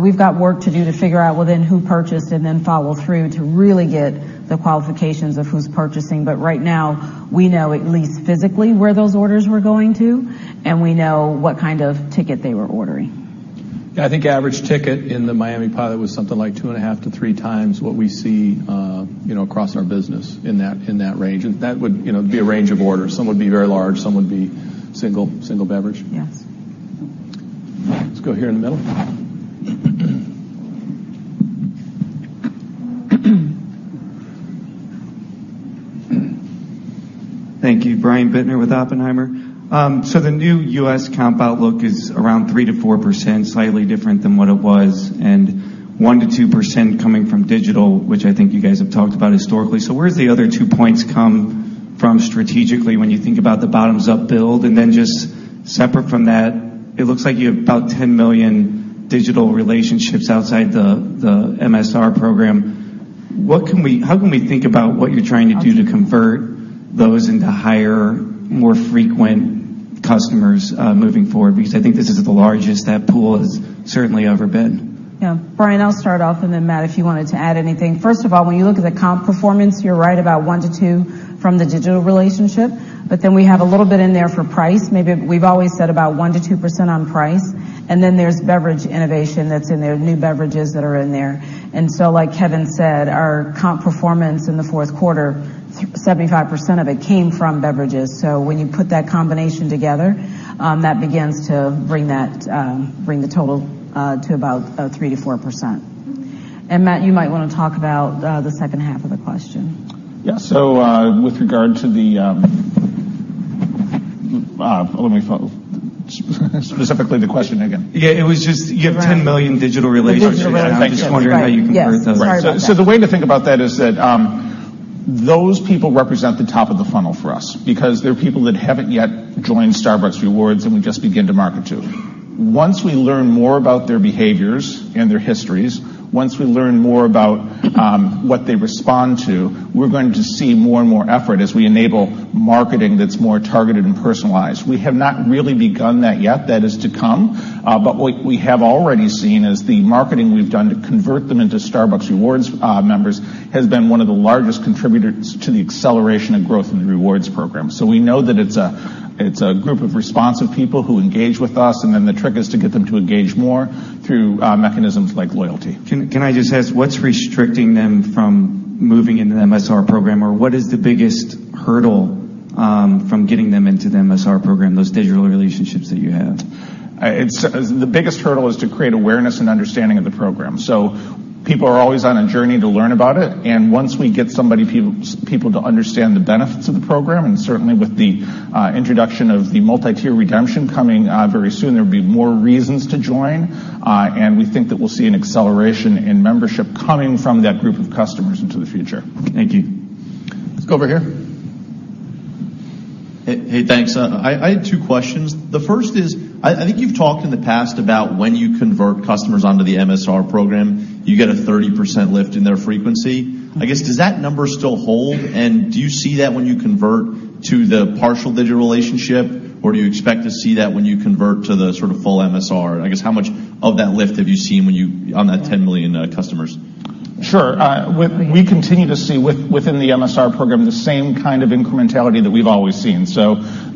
We've got work to do to figure out, well, then who purchased and then follow through to really get the qualifications of who's purchasing. Right now, we know at least physically where those orders were going to, and we know what kind of ticket they were ordering. I think average ticket in the Miami pilot was something like two and a half to three times what we see across our business in that range. That would be a range of orders. Some would be very large, some would be single beverage. Yes. Let's go here in the middle. Thank you. Brian Bittner with Oppenheimer. The new U.S. comp outlook is around 3%-4%, slightly different than what it was, 1%-2% coming from digital, which I think you guys have talked about historically. Where's the other two points come from strategically when you think about the bottoms-up build? Just separate from that, it looks like you have about 10 million digital relationships outside the MSR program. How can we think about what you're trying to do to convert those into higher, more frequent customers moving forward? I think this is the largest that pool has certainly ever been. Yeah. Brian, I'll start off, Matt, if you wanted to add anything. First of all, when you look at the comp performance, you're right about 1-2 from the digital relationship. We have a little bit in there for price. We've always said about 1%-2% on price. There's beverage innovation that's in there, new beverages that are in there. Like Kevin said, our comp performance in the fourth quarter, 75% of it came from beverages. When you put that combination together, that begins to bring the total to about 3%-4%. Matt, you might want to talk about the second half of the question. Yeah. With regard to Let me specifically the question again. Yeah, it was just, you have 10 million digital relationships. Digital, right. I'm just wondering how you convert those. Sorry about that. The way to think about that is that those people represent the top of the funnel for us because they're people that haven't yet joined Starbucks Rewards, and we just begin to market to. Once we learn more about their behaviors and their histories, once we learn more about what they respond to, we're going to see more and more effort as we enable marketing that's more targeted and personalized. We have not really begun that yet. That is to come. What we have already seen is the marketing we've done to convert them into Starbucks Rewards members has been one of the largest contributors to the acceleration and growth in the rewards program. We know that it's a group of responsive people who engage with us, and then the trick is to get them to engage more through mechanisms like loyalty. Can I just ask, what's restricting them from moving into the MSR program? What is the biggest hurdle from getting them into the MSR program, those digital relationships that you have? The biggest hurdle is to create awareness and understanding of the program. People are always on a journey to learn about it. Once we get people to understand the benefits of the program, and certainly with the introduction of the multi-tier redemption coming very soon, there will be more reasons to join. We think that we'll see an acceleration in membership coming from that group of customers into the future. Thank you. Let's go over here. Hey, thanks. I had two questions. The first is, I think you've talked in the past about when you convert customers onto the MSR program, you get a 30% lift in their frequency. I guess, does that number still hold? Do you see that when you convert to the partial digital relationship, or do you expect to see that when you convert to the sort of full MSR? I guess, how much of that lift have you seen on that 10 million customers? Sure. We continue to see within the MSR program, the same kind of incrementality that we've always seen.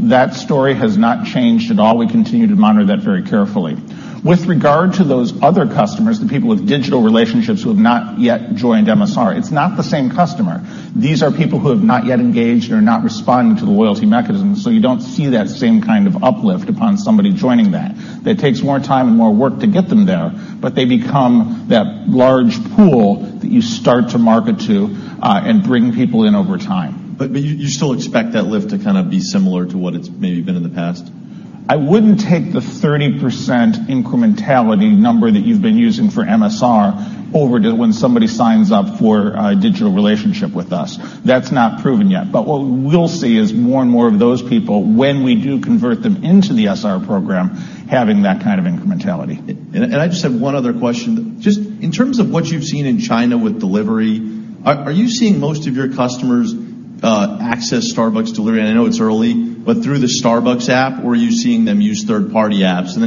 That story has not changed at all. We continue to monitor that very carefully. With regard to those other customers, the people with digital relationships who have not yet joined MSR, it's not the same customer. These are people who have not yet engaged and are not responding to the loyalty mechanisms. You don't see that same kind of uplift upon somebody joining that. That takes more time and more work to get them there, but they become that large pool that you start to market to and bring people in over time. You still expect that lift to kind of be similar to what it's maybe been in the past? I wouldn't take the 30% incrementality number that you've been using for MSR over to when somebody signs up for a digital relationship with us. That's not proven yet. What we'll see is more and more of those people, when we do convert them into the SR program, having that kind of incrementality. I just have one other question. Just in terms of what you've seen in China with delivery, are you seeing most of your customers access Starbucks Delivers, and I know it's early, but through the Starbucks app, or are you seeing them use third-party apps?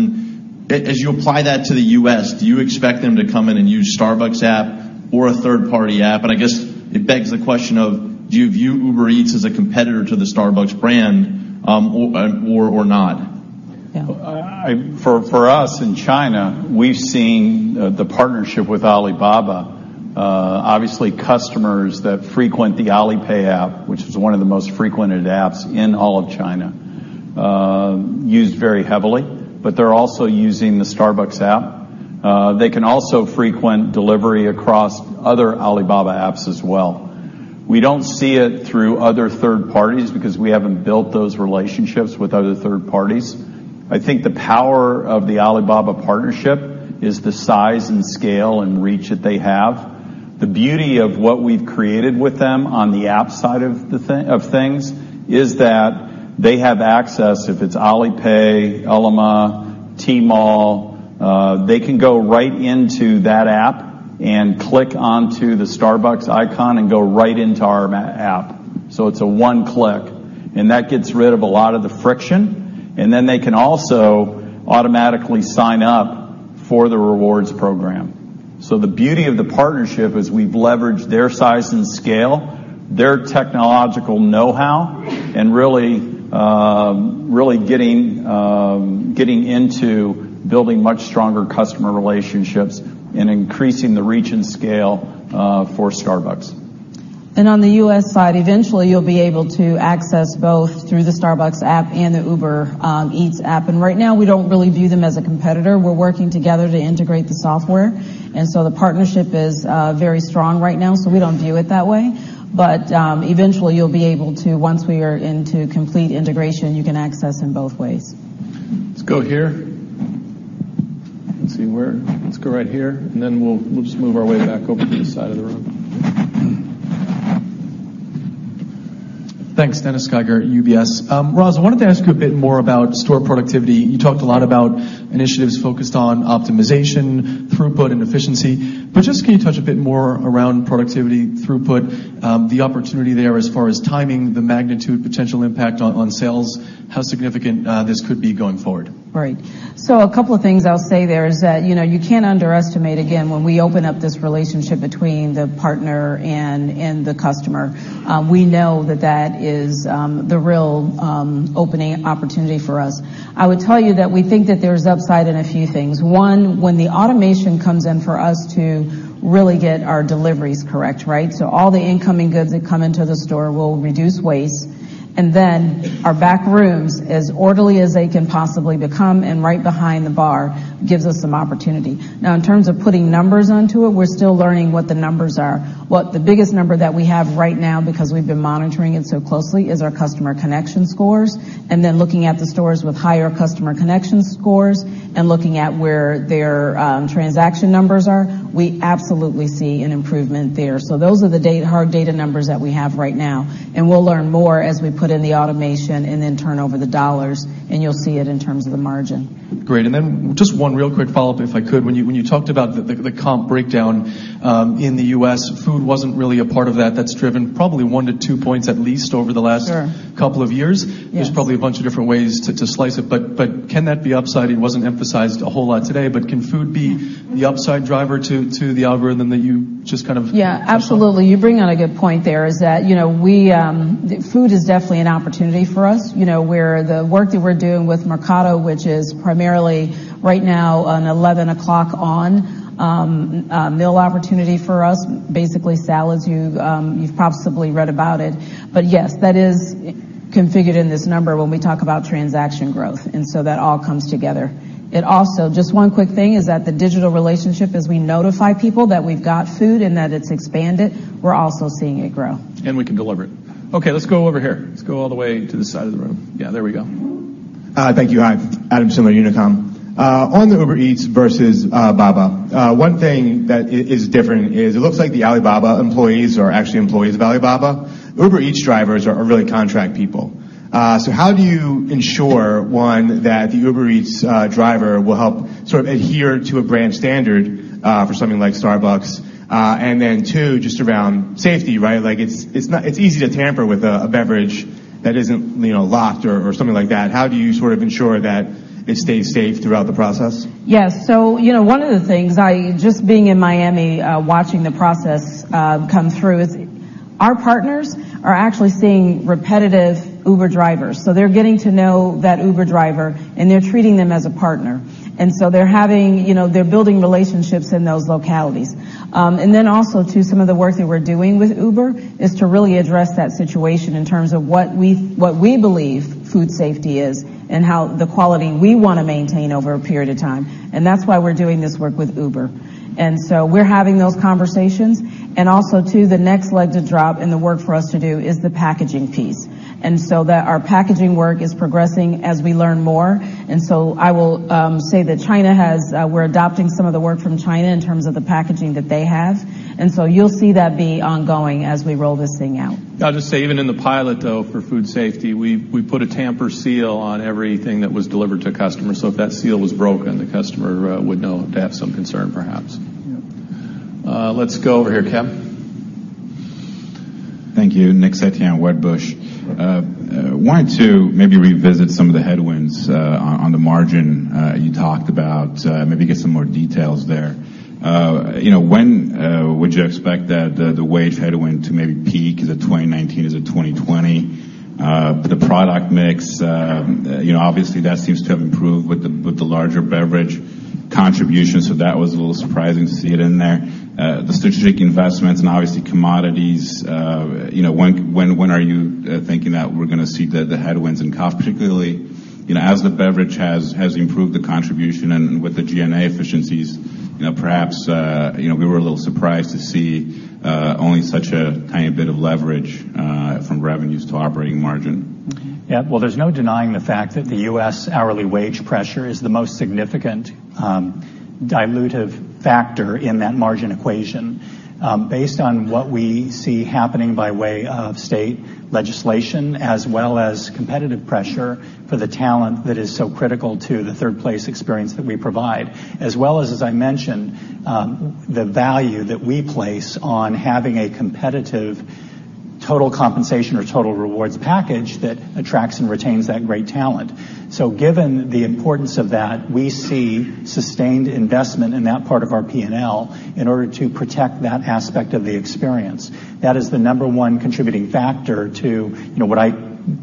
As you apply that to the U.S., do you expect them to come in and use Starbucks app or a third-party app? I guess it begs the question of, do you view Uber Eats as a competitor to the Starbucks brand or not? For us in China, we've seen the partnership with Alibaba. Obviously, customers that frequent the Alipay app, which is one of the most frequented apps in all of China, use very heavily. They're also using the Starbucks app. They can also frequent delivery across other Alibaba apps as well. We don't see it through other third parties because we haven't built those relationships with other third parties. I think the power of the Alibaba partnership is the size and scale and reach that they have. The beauty of what we've created with them on the app side of things is that they have access, if it's Alipay, Ele.me, Tmall, they can go right into that app and click onto the Starbucks icon and go right into our app. It's a one-click. That gets rid of a lot of the friction. They can also automatically sign up for the rewards program. The beauty of the partnership is we've leveraged their size and scale, their technological know-how, and really getting into building much stronger customer relationships and increasing the reach and scale for Starbucks. On the U.S. side, eventually, you'll be able to access both through the Starbucks app and the Uber Eats app. Right now we don't really view them as a competitor. We're working together to integrate the software. The partnership is very strong right now. We don't view it that way. Eventually, you'll be able to, once we are into complete integration, you can access in both ways. Let's go here. Let's see, where? Let's go right here. We'll just move our way back over to this side of the room. Thanks. Dennis Geiger, UBS. Roz, I wanted to ask you a bit more about store productivity. You talked a lot about initiatives focused on optimization, throughput, and efficiency. Can you touch a bit more around productivity throughput, the opportunity there as far as timing, the magnitude, potential impact on sales, how significant this could be going forward? Right. A couple of things I'll say there is that you can't underestimate, again, when we open up this relationship between the partner and the customer. We know that that is the real opening opportunity for us. I would tell you that we think that there's upside in a few things. One, when the automation comes in for us to really get our deliveries correct. All the incoming goods that come into the store will reduce waste. Our back rooms, as orderly as they can possibly become, and right behind the bar, gives us some opportunity. In terms of putting numbers onto it, we're still learning what the numbers are. What the biggest number that we have right now, because we've been monitoring it so closely, is our customer connection scores, looking at the stores with higher customer connection scores and looking at where their transaction numbers are. We absolutely see an improvement there. Those are the hard data numbers that we have right now, we'll learn more as we put in the automation turn over the dollars, and you'll see it in terms of the margin. Great. Just one real quick follow-up, if I could. When you talked about the comp breakdown in the U.S., food wasn't really a part of that. That's driven probably one to two points, at least over the last- Sure couple of years. Yes. Can that be upside? It wasn't emphasized a whole lot today. Can food be the upside driver to the algorithm that you just kind of touched on? Yeah, absolutely. You bring out a good point there is that food is definitely an opportunity for us, where the work that we're doing with Mercato, which is primarily right now an 11:00 on meal opportunity for us, basically salads. You've possibly read about it. Yes, that is configured in this number when we talk about transaction growth. That all comes together. It also, just one quick thing, is that the digital relationship, as we notify people that we've got food and that it's expanded, we're also seeing it grow. We can deliver it. Okay, let's go over here. Let's go all the way to this side of the room. Yeah, there we go. Thank you. Hi. Adam Sommer, Unicom. On the Uber Eats versus Alibaba, one thing that is different is it looks like the Alibaba employees are actually employees of Alibaba. Uber Eats drivers are really contract people. How do you ensure, one, that the Uber Eats driver will help sort of adhere to a brand standard for something like Starbucks? Two, just around safety. It's easy to tamper with a beverage that isn't locked or something like that. How do you sort of ensure that it stays safe throughout the process? Yes. One of the things, just being in Miami watching the process come through is our partners are actually seeing repetitive Uber drivers. They're getting to know that Uber driver, and they're treating them as a partner. They're building relationships in those localities. Also too, some of the work that we're doing with Uber is to really address that situation in terms of what we believe food safety is and how the quality we want to maintain over a period of time. That's why we're doing this work with Uber. We're having those conversations. Also too, the next leg to drop and the work for us to do is the packaging piece. Our packaging work is progressing as we learn more. I will say that we're adopting some of the work from China in terms of the packaging that they have. You'll see that be ongoing as we roll this thing out. I'll just say even in the pilot, though, for food safety, we put a tamper seal on everything that was delivered to customers. If that seal was broken, the customer would know to have some concern, perhaps. Yeah. Let's go over here, Kev. Thank you. Nick Setyan, Wedbush. Okay. Wanted to maybe revisit some of the headwinds on the margin. You talked about, maybe get some more details there. When would you expect the wage headwind to maybe peak? Is it 2019? Is it 2020? The product mix, obviously, that seems to have improved with the larger beverage contribution, so that was a little surprising to see it in there. The strategic investments and obviously commodities, when are you thinking that we're going to see the headwinds and comp, particularly as the beverage has improved the contribution and with the G&A efficiencies, perhaps we were a little surprised to see only such a tiny bit of leverage from revenues to operating margin. Well, there's no denying the fact that the U.S. hourly wage pressure is the most significant dilutive factor in that margin equation. Based on what we see happening by way of state legislation, as well as competitive pressure for the talent that is so critical to the third place experience that we provide, as well as I mentioned, the value that we place on having a competitive total compensation or total rewards package that attracts and retains that great talent. Given the importance of that, we see sustained investment in that part of our P&L in order to protect that aspect of the experience. That is the number 1 contributing factor to what I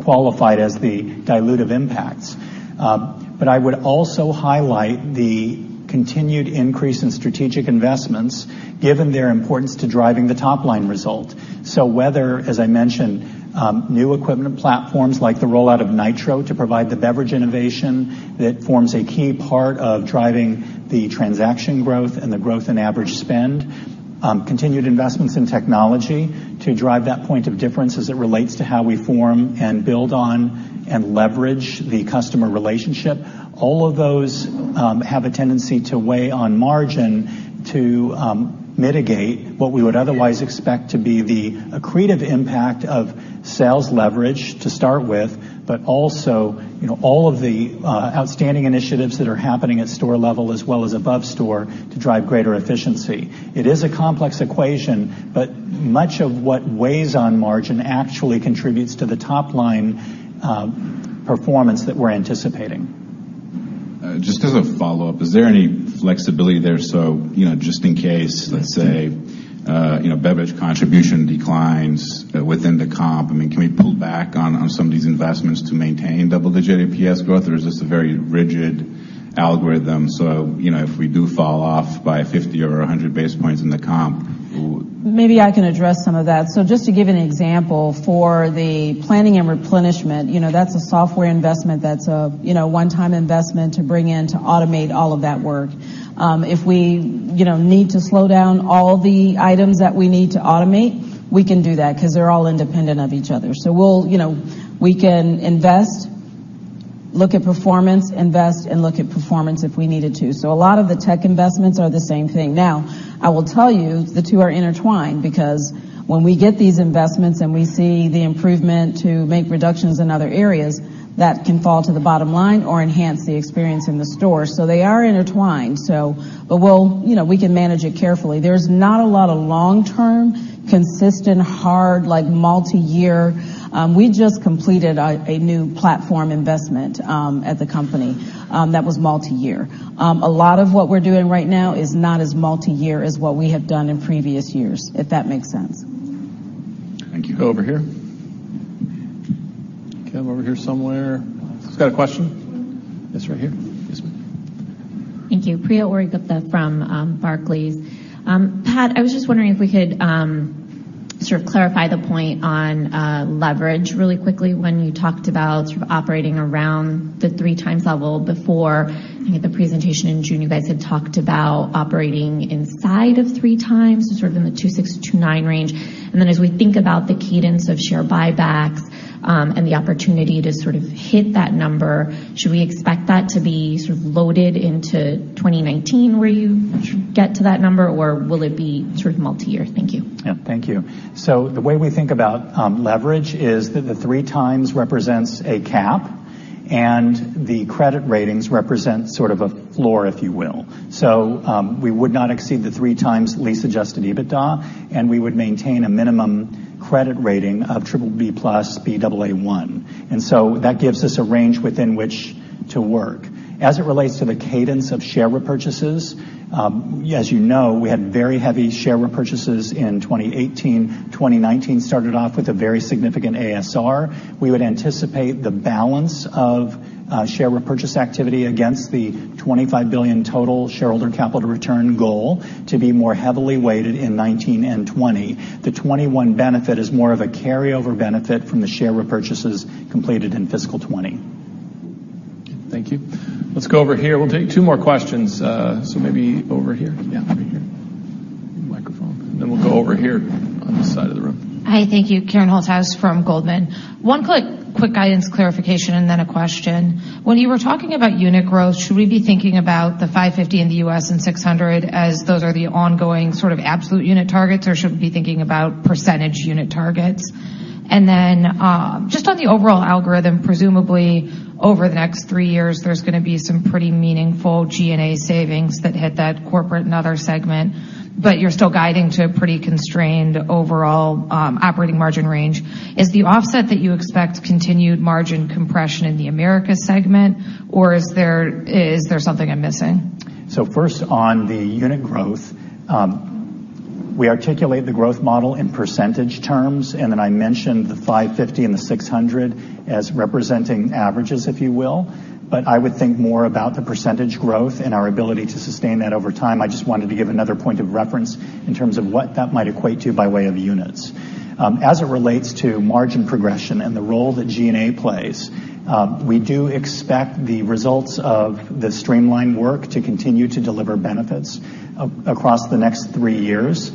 qualified as the dilutive impacts. I would also highlight the continued increase in strategic investments given their importance to driving the top-line result. Whether, as I mentioned, new equipment platforms like the rollout of Nitro to provide the beverage innovation that forms a key part of driving the transaction growth and the growth in average spend, continued investments in technology to drive that point of difference as it relates to how we form and build on and leverage the customer relationship. All of those have a tendency to weigh on margin to mitigate what we would otherwise expect to be the accretive impact of sales leverage to start with, also all of the outstanding initiatives that are happening at store level as well as above store to drive greater efficiency. It is a complex equation, much of what weighs on margin actually contributes to the top-line performance that we're anticipating. Just as a follow-up, is there any flexibility there? Just in case, let's say, beverage contribution declines within the comp, can we pull back on some of these investments to maintain double-digit EPS growth? Or is this a very rigid algorithm? If we do fall off by 50 or 100 basis points in the comp- Maybe I can address some of that. Just to give an example for the planning and replenishment, that's a software investment, that's a one-time investment to bring in to automate all of that work. If we need to slow down all the items that we need to automate, we can do that because they're all independent of each other. We can invest, look at performance, invest, and look at performance if we needed to. A lot of the tech investments are the same thing. Now, I will tell you, the two are intertwined, because when we get these investments and we see the improvement to make reductions in other areas, that can fall to the bottom line or enhance the experience in the store. They are intertwined. We can manage it carefully. There's not a lot of long-term, consistent, hard, multi-year. We just completed a new platform investment at the company that was multi-year. A lot of what we're doing right now is not as multi-year as what we have done in previous years, if that makes sense. Thank you. Over here. Okay, I'm over here somewhere. Who's got a question? Yes, right here. Yes, ma'am. Thank you. Priya Ohri-Gupta from Barclays. Pat, I was just wondering if we could sort of clarify the point on leverage really quickly when you talked about sort of operating around the 3x level. Before, I think at the presentation in June, you guys had talked about sort of operating inside of 3x, sort of in the 2.6-2.9 range. Then as we think about the cadence of share buybacks, and the opportunity to sort of hit that number, should we expect that to be sort of loaded into 2019 where you get to that number, or will it be sort of multi-year? Thank you. Yeah. Thank you. The way we think about leverage is that the 3x represents a cap and the credit ratings represent sort of a floor, if you will. We would not exceed the 3x lease-adjusted EBITDA, and we would maintain a minimum credit rating of BBB+, Baa1. So that gives us a range within which to work. As it relates to the cadence of share repurchases, as you know, we had very heavy share repurchases in 2018. 2019 started off with a very significant ASR. We would anticipate the balance of share repurchase activity against the $25 billion total shareholder capital return goal to be more heavily weighted in 2019 and 2020. The 2021 benefit is more of a carryover benefit from the share repurchases completed in fiscal 2020. Thank you. Let's go over here. We'll take two more questions. Maybe over here. Yeah, right here. Microphone. We'll go over here on this side of the room. Hi, thank you. Karen Holthouse from Goldman. One quick guidance clarification and then a question. When you were talking about unit growth, should we be thinking about the 550 in the U.S. and 600 as those are the ongoing sort of absolute unit targets, or should we be thinking about percentage unit targets? Just on the overall algorithm, presumably over the next 3 years, there's going to be some pretty meaningful G&A savings that hit that corporate and other segment, but you're still guiding to a pretty constrained overall operating margin range. Is the offset that you expect continued margin compression in the Americas segment, or is there something I'm missing? First on the unit growth. We articulate the growth model in percentage terms, and then I mentioned the 550 and the 600 as representing averages, if you will. I would think more about the percentage growth and our ability to sustain that over time. I just wanted to give another point of reference in terms of what that might equate to by way of units. As it relates to margin progression and the role that G&A plays, we do expect the results of the streamline work to continue to deliver benefits across the next 3 years.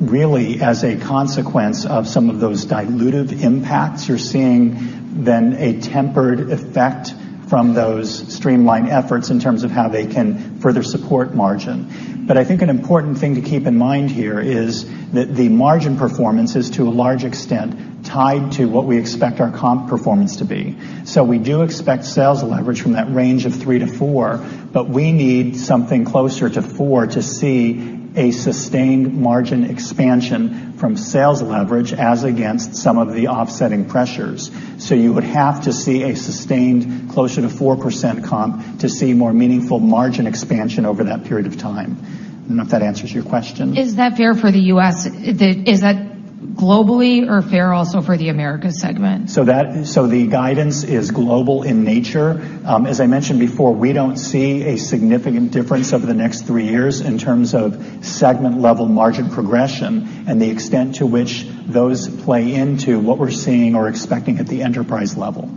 Really, as a consequence of some of those dilutive impacts, you're seeing then a tempered effect from those streamlined efforts in terms of how they can further support margin. I think an important thing to keep in mind here is that the margin performance is, to a large extent, tied to what we expect our comp performance to be. We do expect sales leverage from that range of 3%-4%, we need something closer to 4 to see a sustained margin expansion from sales leverage as against some of the offsetting pressures. You would have to see a sustained closer to 4% comp to see more meaningful margin expansion over that period of time. I don't know if that answers your question. Is that fair for the U.S.? Is that globally, or fair also for the Americas segment? The guidance is global in nature. As I mentioned before, we don't see a significant difference over the next 3 years in terms of segment-level margin progression and the extent to which those play into what we're seeing or expecting at the enterprise level.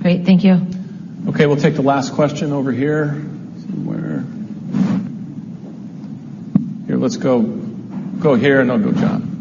Great. Thank you. Okay, we'll take the last question over here somewhere. Here, let's go here, and then I'll go to John.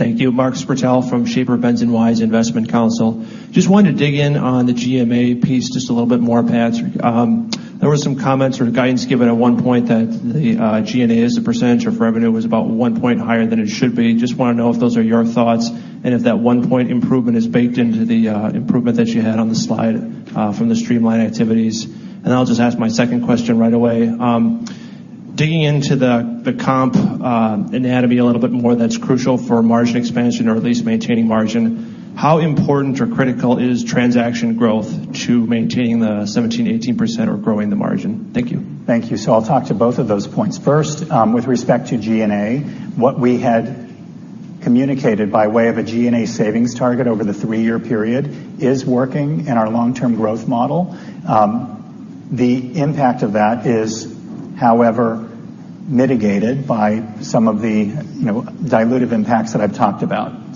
All right. Thank you. Mark Sprtel from Schaper Benz & Wise Investment Counsel. Just wanted to dig in on the G&A piece just a little bit more, Pat. There were some comments or guidance given at one point that the G&A as a percentage of revenue was about 1 point higher than it should be. Just want to know if those are your thoughts and if that 1 point improvement is baked into the improvement that you had on the slide from the streamline activities. I'll just ask my second question right away. Digging into the comp anatomy a little bit more, that's crucial for margin expansion or at least maintaining margin. How important or critical is transaction growth to maintaining the 17%-18% or growing the margin? Thank you. Thank you. I'll talk to both of those points. First, with respect to G&A, what we had communicated by way of a G&A savings target over the three-year period is working in our long-term growth model. The impact of that is, however, mitigated by some of the dilutive impacts that I've talked about.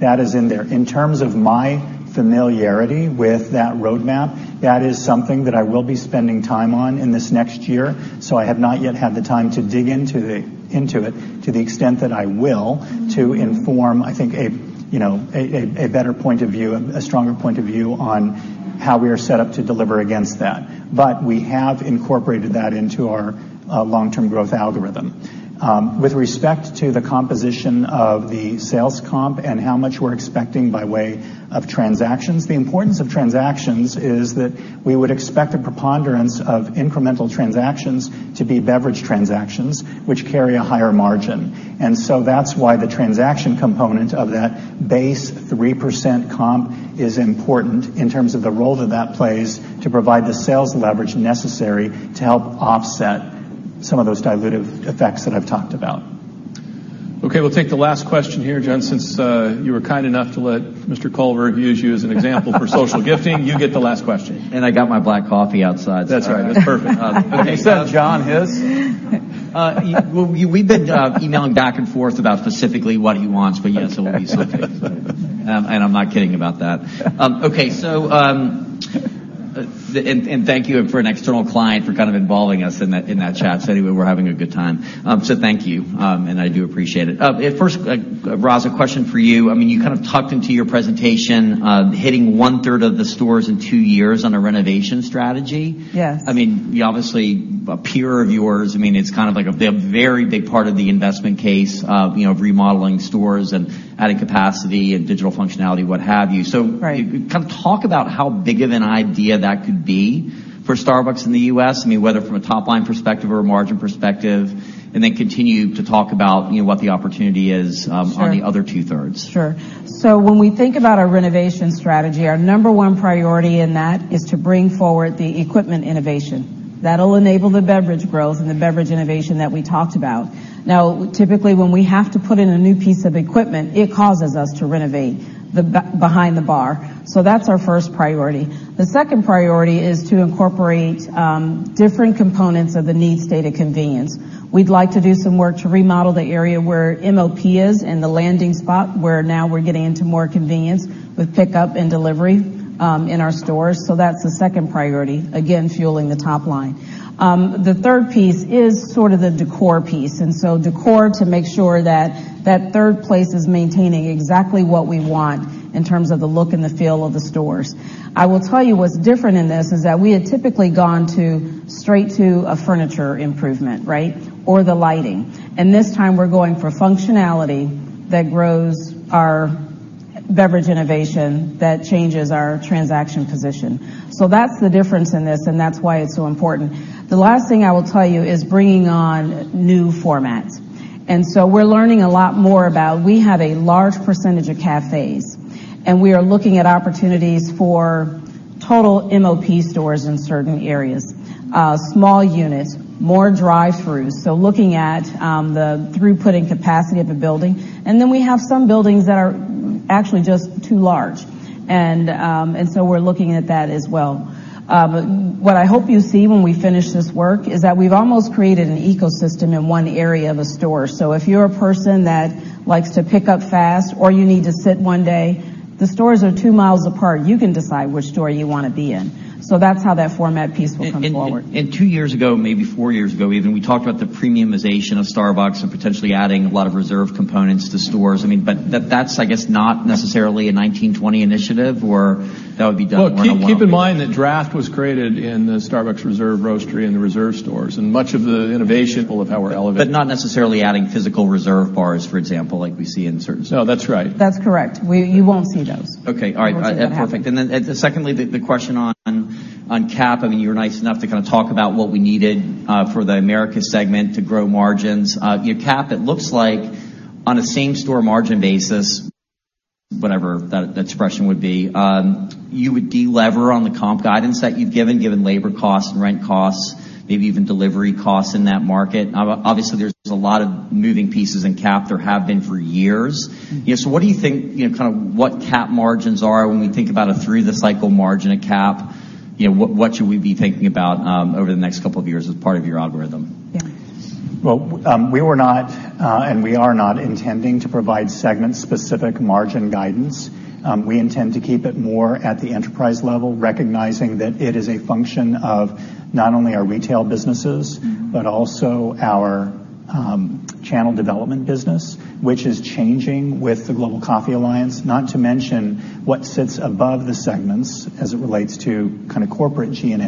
That is in there. In terms of my familiarity with that roadmap, that is something that I will be spending time on in this next year. I have not yet had the time to dig into it, to the extent that I will, to inform, I think, a better point of view, a stronger point of view on how we are set up to deliver against that. We have incorporated that into our long-term growth algorithm. With respect to the composition of the sales comp and how much we're expecting by way of transactions, the importance of transactions is that we would expect a preponderance of incremental transactions to be beverage transactions, which carry a higher margin. That's why the transaction component of that base 3% comp is important in terms of the role that that plays to provide the sales leverage necessary to help offset some of those dilutive effects that I've talked about. Okay, we'll take the last question here. John, since you were kind enough to let Mr. Culver use you as an example for social gifting you get the last question. I got my black coffee outside. That's right. That's perfect. You said John his? We've been emailing back and forth about specifically what he wants. Yes, it will be social gifting. I'm not kidding about that. Okay. Thank you for an external client for kind of involving us in that chat. Anyway, we're having a good time. Thank you, and I do appreciate it. First, Roz, a question for you. You kind of tucked into your presentation, hitting one-third of the stores in two years on a renovation strategy. Yes. You obviously, a peer of yours, it's kind of like a very big part of the investment case of remodeling stores and adding capacity and digital functionality, what have you. Right. kind of talk about how big of an idea that could be for Starbucks in the U.S., whether from a top-line perspective or a margin perspective, and then continue to talk about what the opportunity is. Sure on the other two-thirds. Sure. When we think about our renovation strategy, our number 1 priority in that is to bring forward the equipment innovation. That'll enable the beverage growth and the beverage innovation that we talked about. Now, typically, when we have to put in a new piece of equipment, it causes us to renovate behind the bar. That's our first priority. The second priority is to incorporate different components of the needs state of convenience. We'd like to do some work to remodel the area where MOP is and the landing spot, where now we're getting into more convenience with pickup and delivery in our stores. That's the second priority, again, fueling the top line. The third piece is sort of the decor piece, decor to make sure that that third place is maintaining exactly what we want in terms of the look and the feel of the stores. I will tell you what's different in this is that we had typically gone straight to a furniture improvement, right, or the lighting. This time we're going for functionality that grows our beverage innovation, that changes our transaction position. That's the difference in this, and that's why it's so important. The last thing I will tell you is bringing on new formats. We're learning a lot more about, we have a large percentage of cafes. And we are looking at opportunities for total MOP stores in certain areas. Small units, more drive-throughs. Looking at the throughput and capacity of the building. Then we have some buildings that are actually just too large. So we're looking at that as well. What I hope you see when we finish this work is that we've almost created an ecosystem in one area of a store. If you're a person that likes to pick up fast or you need to sit one day, the stores are two miles apart. You can decide which store you want to be in. That's how that format piece will come forward. Two years ago, maybe four years ago even, we talked about the premiumization of Starbucks and potentially adding a lot of Reserve components to stores. That's, I guess, not necessarily a 2019-2020 initiative, or that would be done more in a while? Keep in mind that Draft was created in the Starbucks Reserve Roastery and the Reserve stores, and much of the innovation will have power elevated. Not necessarily adding physical Reserve bars, for example, like we see in certain stores. No, that's right. That's correct. You won't see those. Okay. All right. You won't see that happening. Perfect. Secondly, the question on CAP. You were nice enough to kind of talk about what we needed for the Americas segment to grow margins. CAP, it looks like on a same-store margin basis, whatever that expression would be, you would delever on the comp guidance that you've given labor costs and rent costs, maybe even delivery costs in that market. Obviously, there's a lot of moving pieces in CAP, there have been for years. What do you think, kind of what CAP margins are when we think about a through-the-cycle margin at CAP? What should we be thinking about over the next couple of years as part of your algorithm? Yeah. Well, we were not, we are not intending to provide segment-specific margin guidance. We intend to keep it more at the enterprise level, recognizing that it is a function of not only our retail businesses, but also our channel development business, which is changing with the Global Coffee Alliance. Not to mention what sits above the segments as it relates to kind of corporate G&A.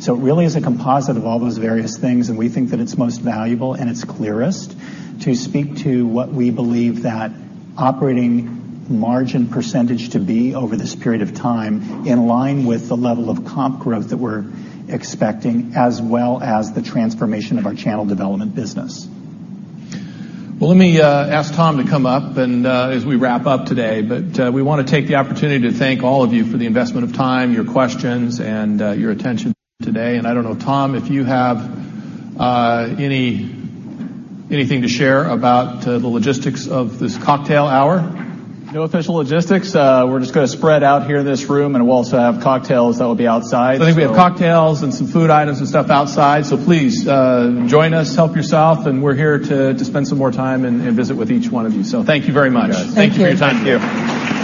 It really is a composite of all those various things, we think that it's most valuable and it's clearest to speak to what we believe that operating margin percentage to be over this period of time, in line with the level of comp growth that we're expecting, as well as the transformation of our channel development business. Well, let me ask Tom to come up as we wrap up today. We want to take the opportunity to thank all of you for the investment of time, your questions, and your attention today. I don't know, Tom, if you have anything to share about the logistics of this cocktail hour? No official logistics. We're just going to spread out here in this room, we'll also have cocktails that will be outside. I think we have cocktails and some food items and stuff outside. Please, join us, help yourself, and we're here to spend some more time and visit with each one of you. Thank you very much. Thank you. Thank you for your time today.